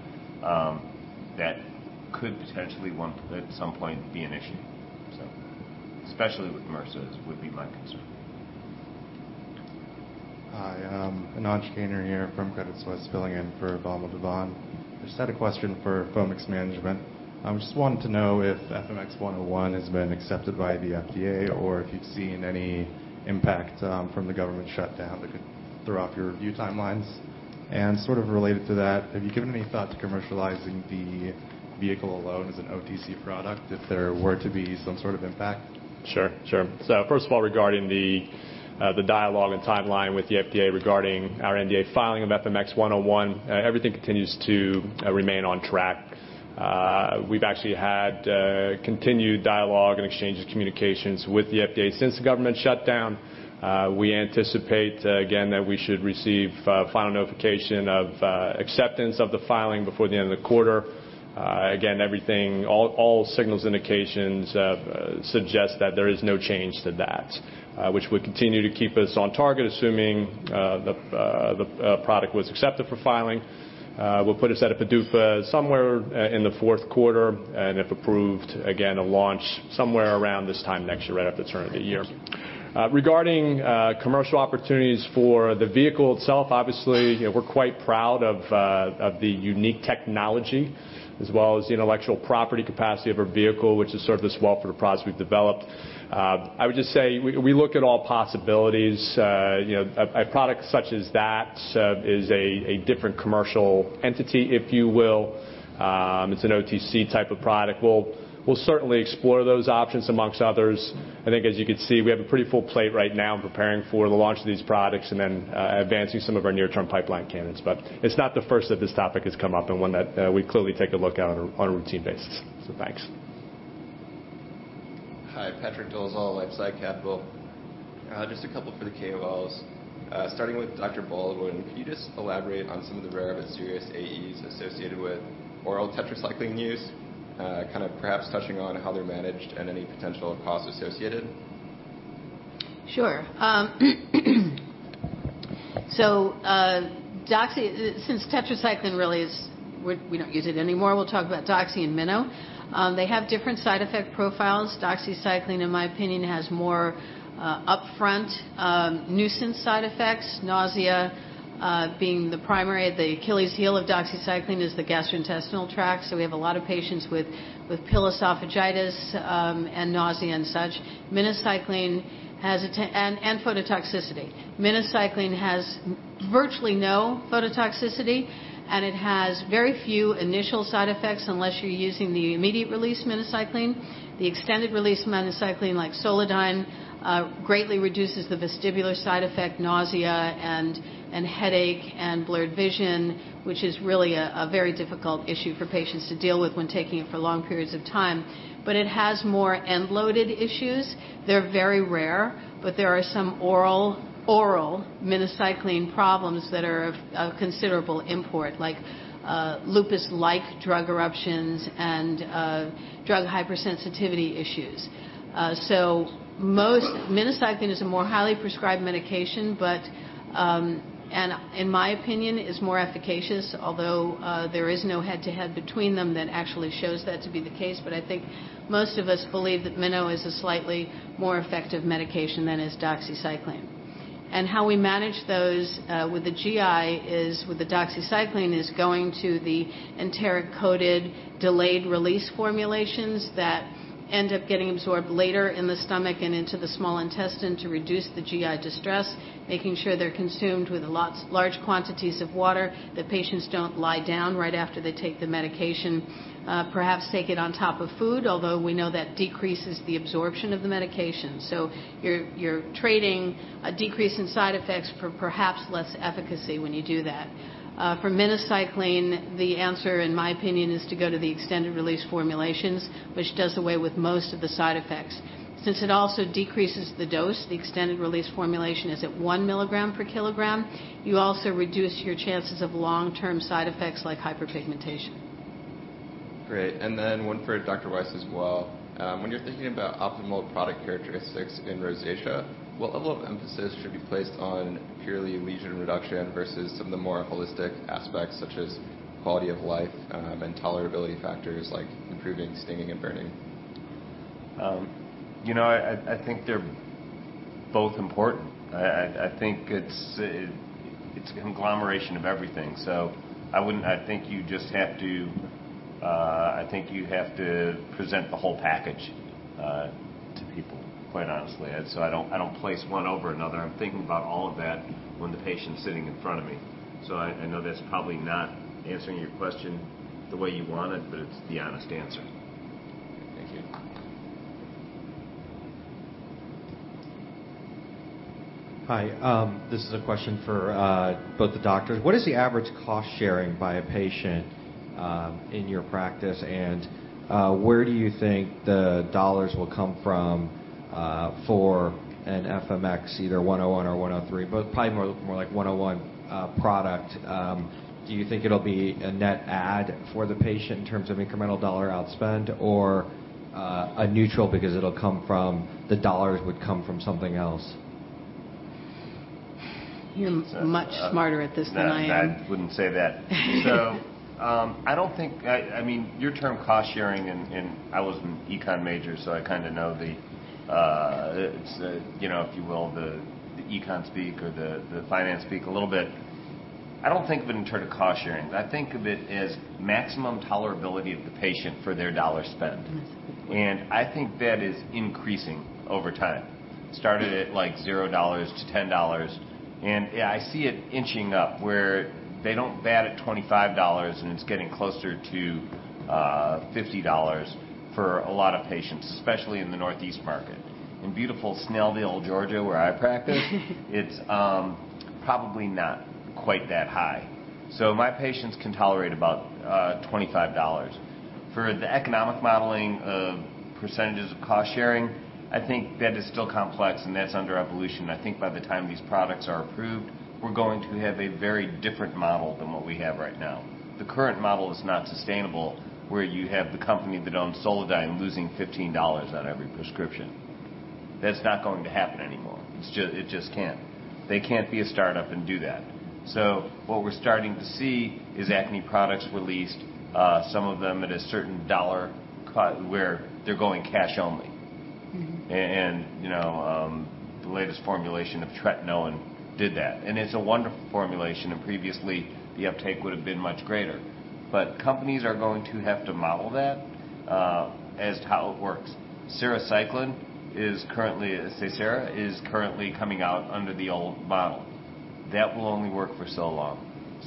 that could potentially at some point be an issue. Especially with MRSA, would be my concern. Hi, Inanç Caner here from Credit Suisse, filling in for Vamil Divan. I just had a question for Foamix management. I just wanted to know if FMX101 has been accepted by the FDA, or if you've seen any impact from the government shutdown that could throw off your review timelines. Sort of related to that, have you given any thought to commercializing the vehicle alone as an OTC product if there were to be some sort of impact? Sure. First of all, regarding the dialogue and timeline with the FDA regarding our NDA filing of FMX101, everything continues to remain on track. We've actually had continued dialogue and exchange of communications with the FDA since the government shutdown. We anticipate, again, that we should receive final notification of acceptance of the filing before the end of the quarter. Again, all signals, indications suggest that there is no change to that. Which would continue to keep us on target, assuming the product was accepted for filing. We'll put a set of PDUFA somewhere in the fourth quarter, and if approved, again, a launch somewhere around this time next year, right at the turn of the year. Thank you. Regarding commercial opportunities for the vehicle itself, obviously we're quite proud of the unique technology as well as the intellectual property capacity of our vehicle, which has served us well for the products we've developed. I would just say we look at all possibilities. A product such as that is a different commercial entity, if you will. It's an OTC type of product. We'll certainly explore those options amongst others. I think as you can see, we have a pretty full plate right now in preparing for the launch of these products and then advancing some of our near-term pipeline candidates. It's not the first that this topic has come up, and one that we clearly take a look at on a routine basis. Thanks. Hi, Patrick Dolezal, LifeSci Capital. Just a couple for the KOLs. Starting with Dr. Baldwin, could you just elaborate on some of the rare but serious AEs associated with oral tetracycline use? Perhaps touching on how they're managed and any potential costs associated. Sure. Since tetracycline we don't use it anymore, we'll talk about doxy and mino. They have different side effect profiles. doxycycline, in my opinion, has more upfront nuisance side effects, nausea being the primary. The Achilles heel of doxycycline is the gastrointestinal tract. We have a lot of patients with pill esophagitis and nausea and such. minocycline and phototoxicity. minocycline has virtually no phototoxicity, and it has very few initial side effects unless you're using the immediate release minocycline. The extended release minocycline like SOLODYN greatly reduces the vestibular side effect, nausea and headache and blurred vision, which is really a very difficult issue for patients to deal with when taking it for long periods of time. It has more end-loaded issues. They're very rare, but there are some oral minocycline problems that are of considerable import, like lupus-like drug eruptions and drug hypersensitivity issues. Minocycline is a more highly prescribed medication, and in my opinion is more efficacious, although there is no head-to-head between them that actually shows that to be the case. I think most of us believe that mino is a slightly more effective medication than is doxycycline. How we manage those with the GI is with the doxycycline is going to the enteric-coated delayed release formulations that end up getting absorbed later in the stomach and into the small intestine to reduce the GI distress, making sure they're consumed with large quantities of water, that patients don't lie down right after they take the medication. Perhaps take it on top of food, although we know that decreases the absorption of the medication. You're trading a decrease in side effects for perhaps less efficacy when you do that. For minocycline, the answer in my opinion is to go to the extended release formulations, which does away with most of the side effects. Since it also decreases the dose, the extended release formulation is at one milligram per kilogram. You also reduce your chances of long-term side effects like hyperpigmentation. Great, one for Dr. Weiss as well. When you're thinking about optimal product characteristics in rosacea, what level of emphasis should be placed on purely lesion reduction versus some of the more holistic aspects such as quality of life, and tolerability factors like improving stinging and burning? I think they're both important. I think it's a conglomeration of everything. I think you have to present the whole package to people, quite honestly. I don't place one over another. I'm thinking about all of that when the patient's sitting in front of me. I know that's probably not answering your question the way you want it's the honest answer. Thank you. Hi. This is a question for both the doctors. What is the average cost sharing by a patient in your practice, and where do you think the dollars will come from for an FMX101 or FMX103, but probably more like FMX101 product? Do you think it'll be a net add for the patient in terms of incremental dollar outspend or a neutral because the dollars would come from something else? You're much smarter at this than I am. I wouldn't say that. Your term cost sharing and I was an econ major, so I kind of know the, if you will, the econ speak or the finance speak a little bit. I don't think of it in terms of cost sharing. I think of it as maximum tolerability of the patient for their dollar spent. I think that is increasing over time. Started at $0 to $10, and I see it inching up where they don't bat at $25 and it's getting closer to $50 for a lot of patients, especially in the Northeast market. In beautiful Snellville, Georgia, where I practice- it's probably not quite that high. My patients can tolerate about $25. For the economic modeling of percentages of cost sharing, I think that is still complex and that's under evolution. I think by the time these products are approved, we're going to have a very different model than what we have right now. The current model is not sustainable, where you have the company that owns SOLODYN losing $15 on every prescription. That's not going to happen anymore. It just can't. They can't be a startup and do that. What we're starting to see is acne products released, some of them at a certain dollar where they're going cash only. The latest formulation of tretinoin did that, and it's a wonderful formulation. Previously, the uptake would've been much greater. Companies are going to have to model that as to how it works. Sarecycline, SEYSARA, is currently coming out under the old model. That will only work for so long.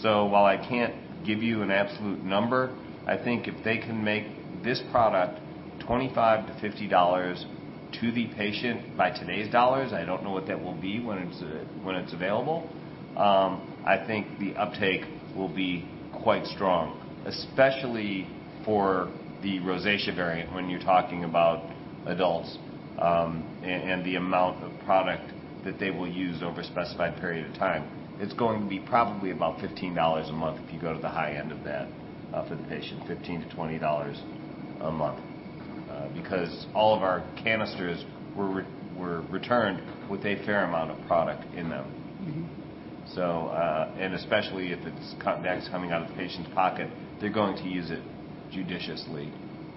While I can't give you an absolute number, I think if they can make this product $25-$50 to the patient by today's dollars, I don't know what that will be when it's available, I think the uptake will be quite strong, especially for the rosacea variant when you're talking about adults, and the amount of product that they will use over a specified period of time. It's going to be probably about $15 a month if you go to the high end of that for the patient, $15-$20 a month. Because all of our canisters were returned with a fair amount of product in them. Especially if that's coming out of the patient's pocket, they're going to use it judiciously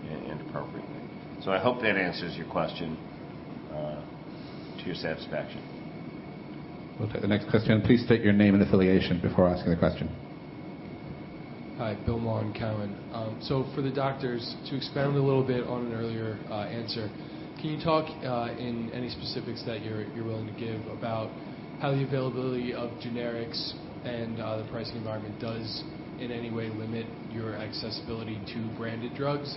and appropriately. I hope that answers your question to your satisfaction. We'll take the next question. Please state your name and affiliation before asking the question. Hi, Bill [Mau], Cowen. For the doctors, to expand a little bit on an earlier answer, can you talk in any specifics that you're willing to give about how the availability of generics and the pricing environment does in any way limit your accessibility to branded drugs?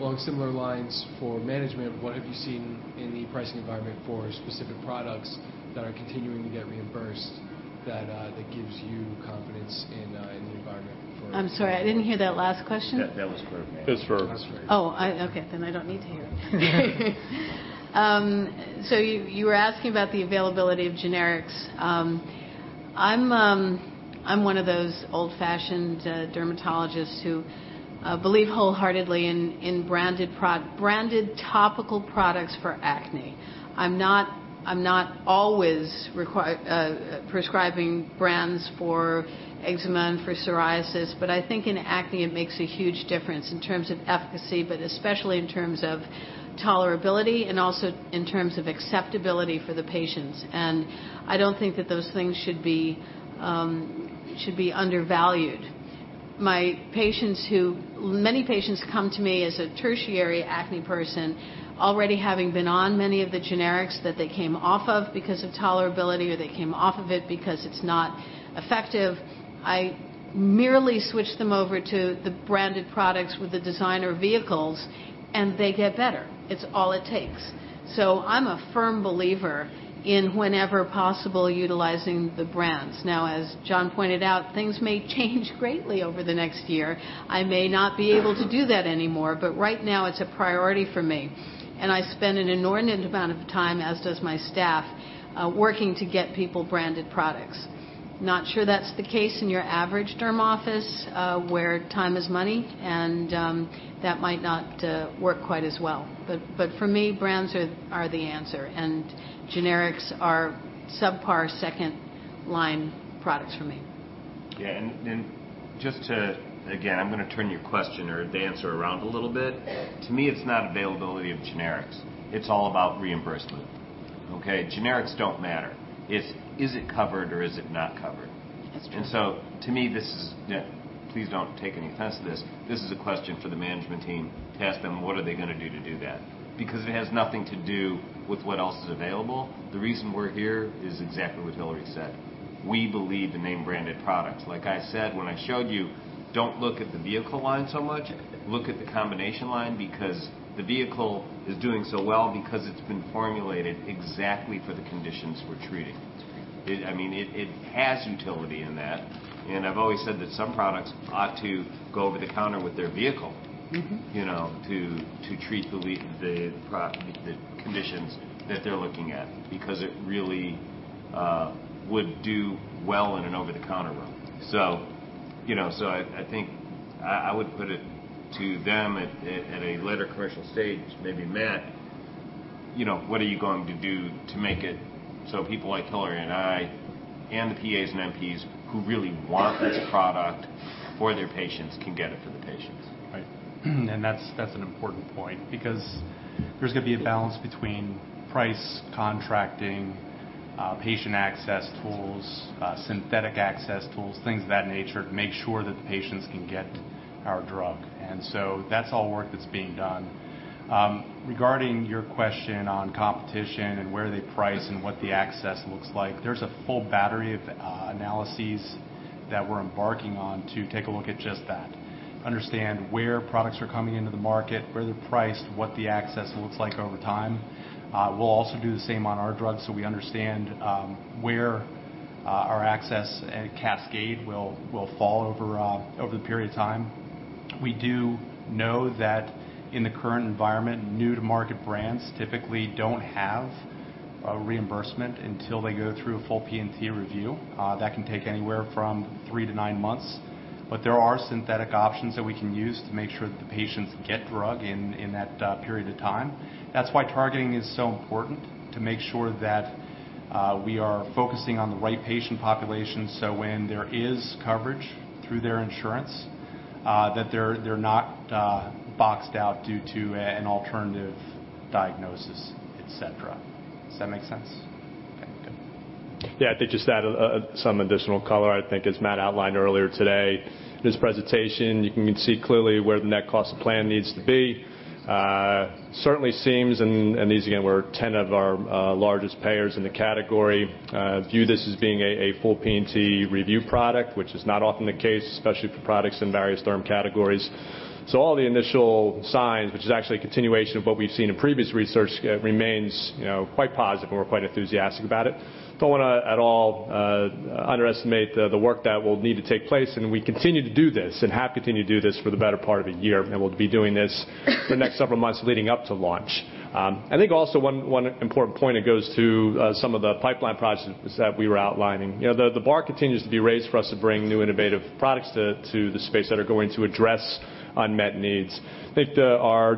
Along similar lines for management, what have you seen in the pricing environment for specific products that are continuing to get reimbursed that gives you confidence in the environment. I'm sorry, I didn't hear that last question. That was for management. I don't need to hear it. You were asking about the availability of generics. I'm one of those old-fashioned dermatologists who believe wholeheartedly in branded topical products for acne. I'm not always prescribing brands for eczema and for psoriasis, but I think in acne it makes a huge difference in terms of efficacy, but especially in terms of tolerability and also in terms of acceptability for the patients. I don't think that those things should be undervalued. Many patients come to me as a tertiary acne person, already having been on many of the generics that they came off of because of tolerability, or they came off of it because it's not effective. I merely switch them over to the branded products with the designer vehicles. They get better. It's all it takes. I'm a firm believer in, whenever possible, utilizing the brands. Now, as Jon pointed out, things may change greatly over the next year. I may not be able to do that anymore, but right now it's a priority for me. I spend an inordinate amount of time, as does my staff, working to get people branded products. Not sure that's the case in your average derm office where time is money. That might not work quite as well. For me, brands are the answer. Generics are subpar second-line products for me. Yeah. Just to, again, I'm going to turn your question or the answer around a little bit. To me, it's not availability of generics. It's all about reimbursement. Okay? Generics don't matter. It's is it covered or is it not covered? That's true. To me this is. Please don't take any offense to this. This is a question for the management team to ask them what are they going to do to do that. Because it has nothing to do with what else is available. The reason we're here is exactly what Hilary said. We believe the name branded products. Like I said when I showed you, don't look at the vehicle line so much, look at the combination line because the vehicle is doing so well because it's been formulated exactly for the conditions we're treating. That's right. It has utility in that, I've always said that some products ought to go over the counter with their vehicle, to treat the conditions that they're looking at, because it really would do well in an over-the-counter world. I think I would put it to them at a later commercial stage, maybe Matt, what are you going to do to make it so people like Hilary and I, and the PAs and NPs who really want this product for their patients can get it for the patients? Right. That's an important point because there's got to be a balance between price contracting, patient access tools, synthetic access tools, things of that nature to make sure that the patients can get our drug. That's all work that's being done. Regarding your question on competition and where they price and what the access looks like, there's a full battery of analyses that we're embarking on to take a look at just that. Understand where products are coming into the market, where they're priced, what the access looks like over time. We'll also do the same on our drugs so we understand where our access at Cascade will fall over the period of time. We do know that in the current environment, new-to-market brands typically don't have reimbursement until they go through a full P&T review. That can take anywhere from three to nine months. There are synthetic options that we can use to make sure that the patients get drug in that period of time. That's why targeting is so important to make sure that we are focusing on the right patient population so when there is coverage through their insurance that they're not boxed out due to an alternative diagnosis, et cetera. Does that make sense? Okay, good. Yeah. To just add some additional color, I think as Matt outlined earlier today in his presentation, you can see clearly where the net cost of plan needs to be. Certainly seems, and these again, were 10 of our largest payers in the category, view this as being a full P&T review product, which is not often the case, especially for products in various derm categories. All the initial signs, which is actually a continuation of what we've seen in previous research, remains quite positive, and we're quite enthusiastic about it. Don't want to at all underestimate the work that will need to take place, and we continue to do this and have continued to do this for the better part of a year, and we'll be doing this for the next several months leading up to launch. I think also one important point that goes to some of the pipeline products that we were outlining. The bar continues to be raised for us to bring new innovative products to the space that are going to address unmet needs. I think our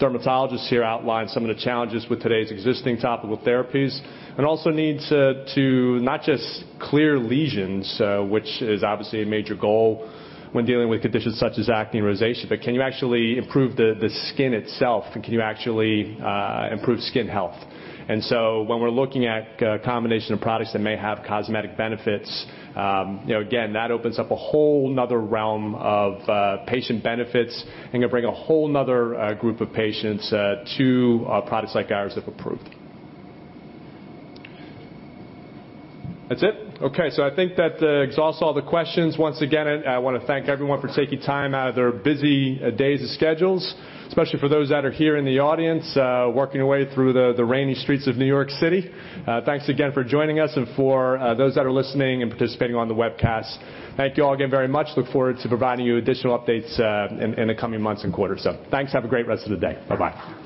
dermatologists here outlined some of the challenges with today's existing topical therapies and also needs to not just clear lesions, which is obviously a major goal when dealing with conditions such as acne and rosacea. Can you actually improve the skin itself? Can you actually improve skin health? When we're looking at a combination of products that may have cosmetic benefits, again, that opens up a whole another realm of patient benefits and can bring a whole another group of patients to products like ours if approved. That's it? Okay. I think that exhausts all the questions. Once again, I want to thank everyone for taking time out of their busy days and schedules, especially for those that are here in the audience working your way through the rainy streets of New York City. Thanks again for joining us and for those that are listening and participating on the webcast. Thank you all again very much. Look forward to providing you additional updates in the coming months and quarters. Thanks. Have a great rest of the day. Bye-bye.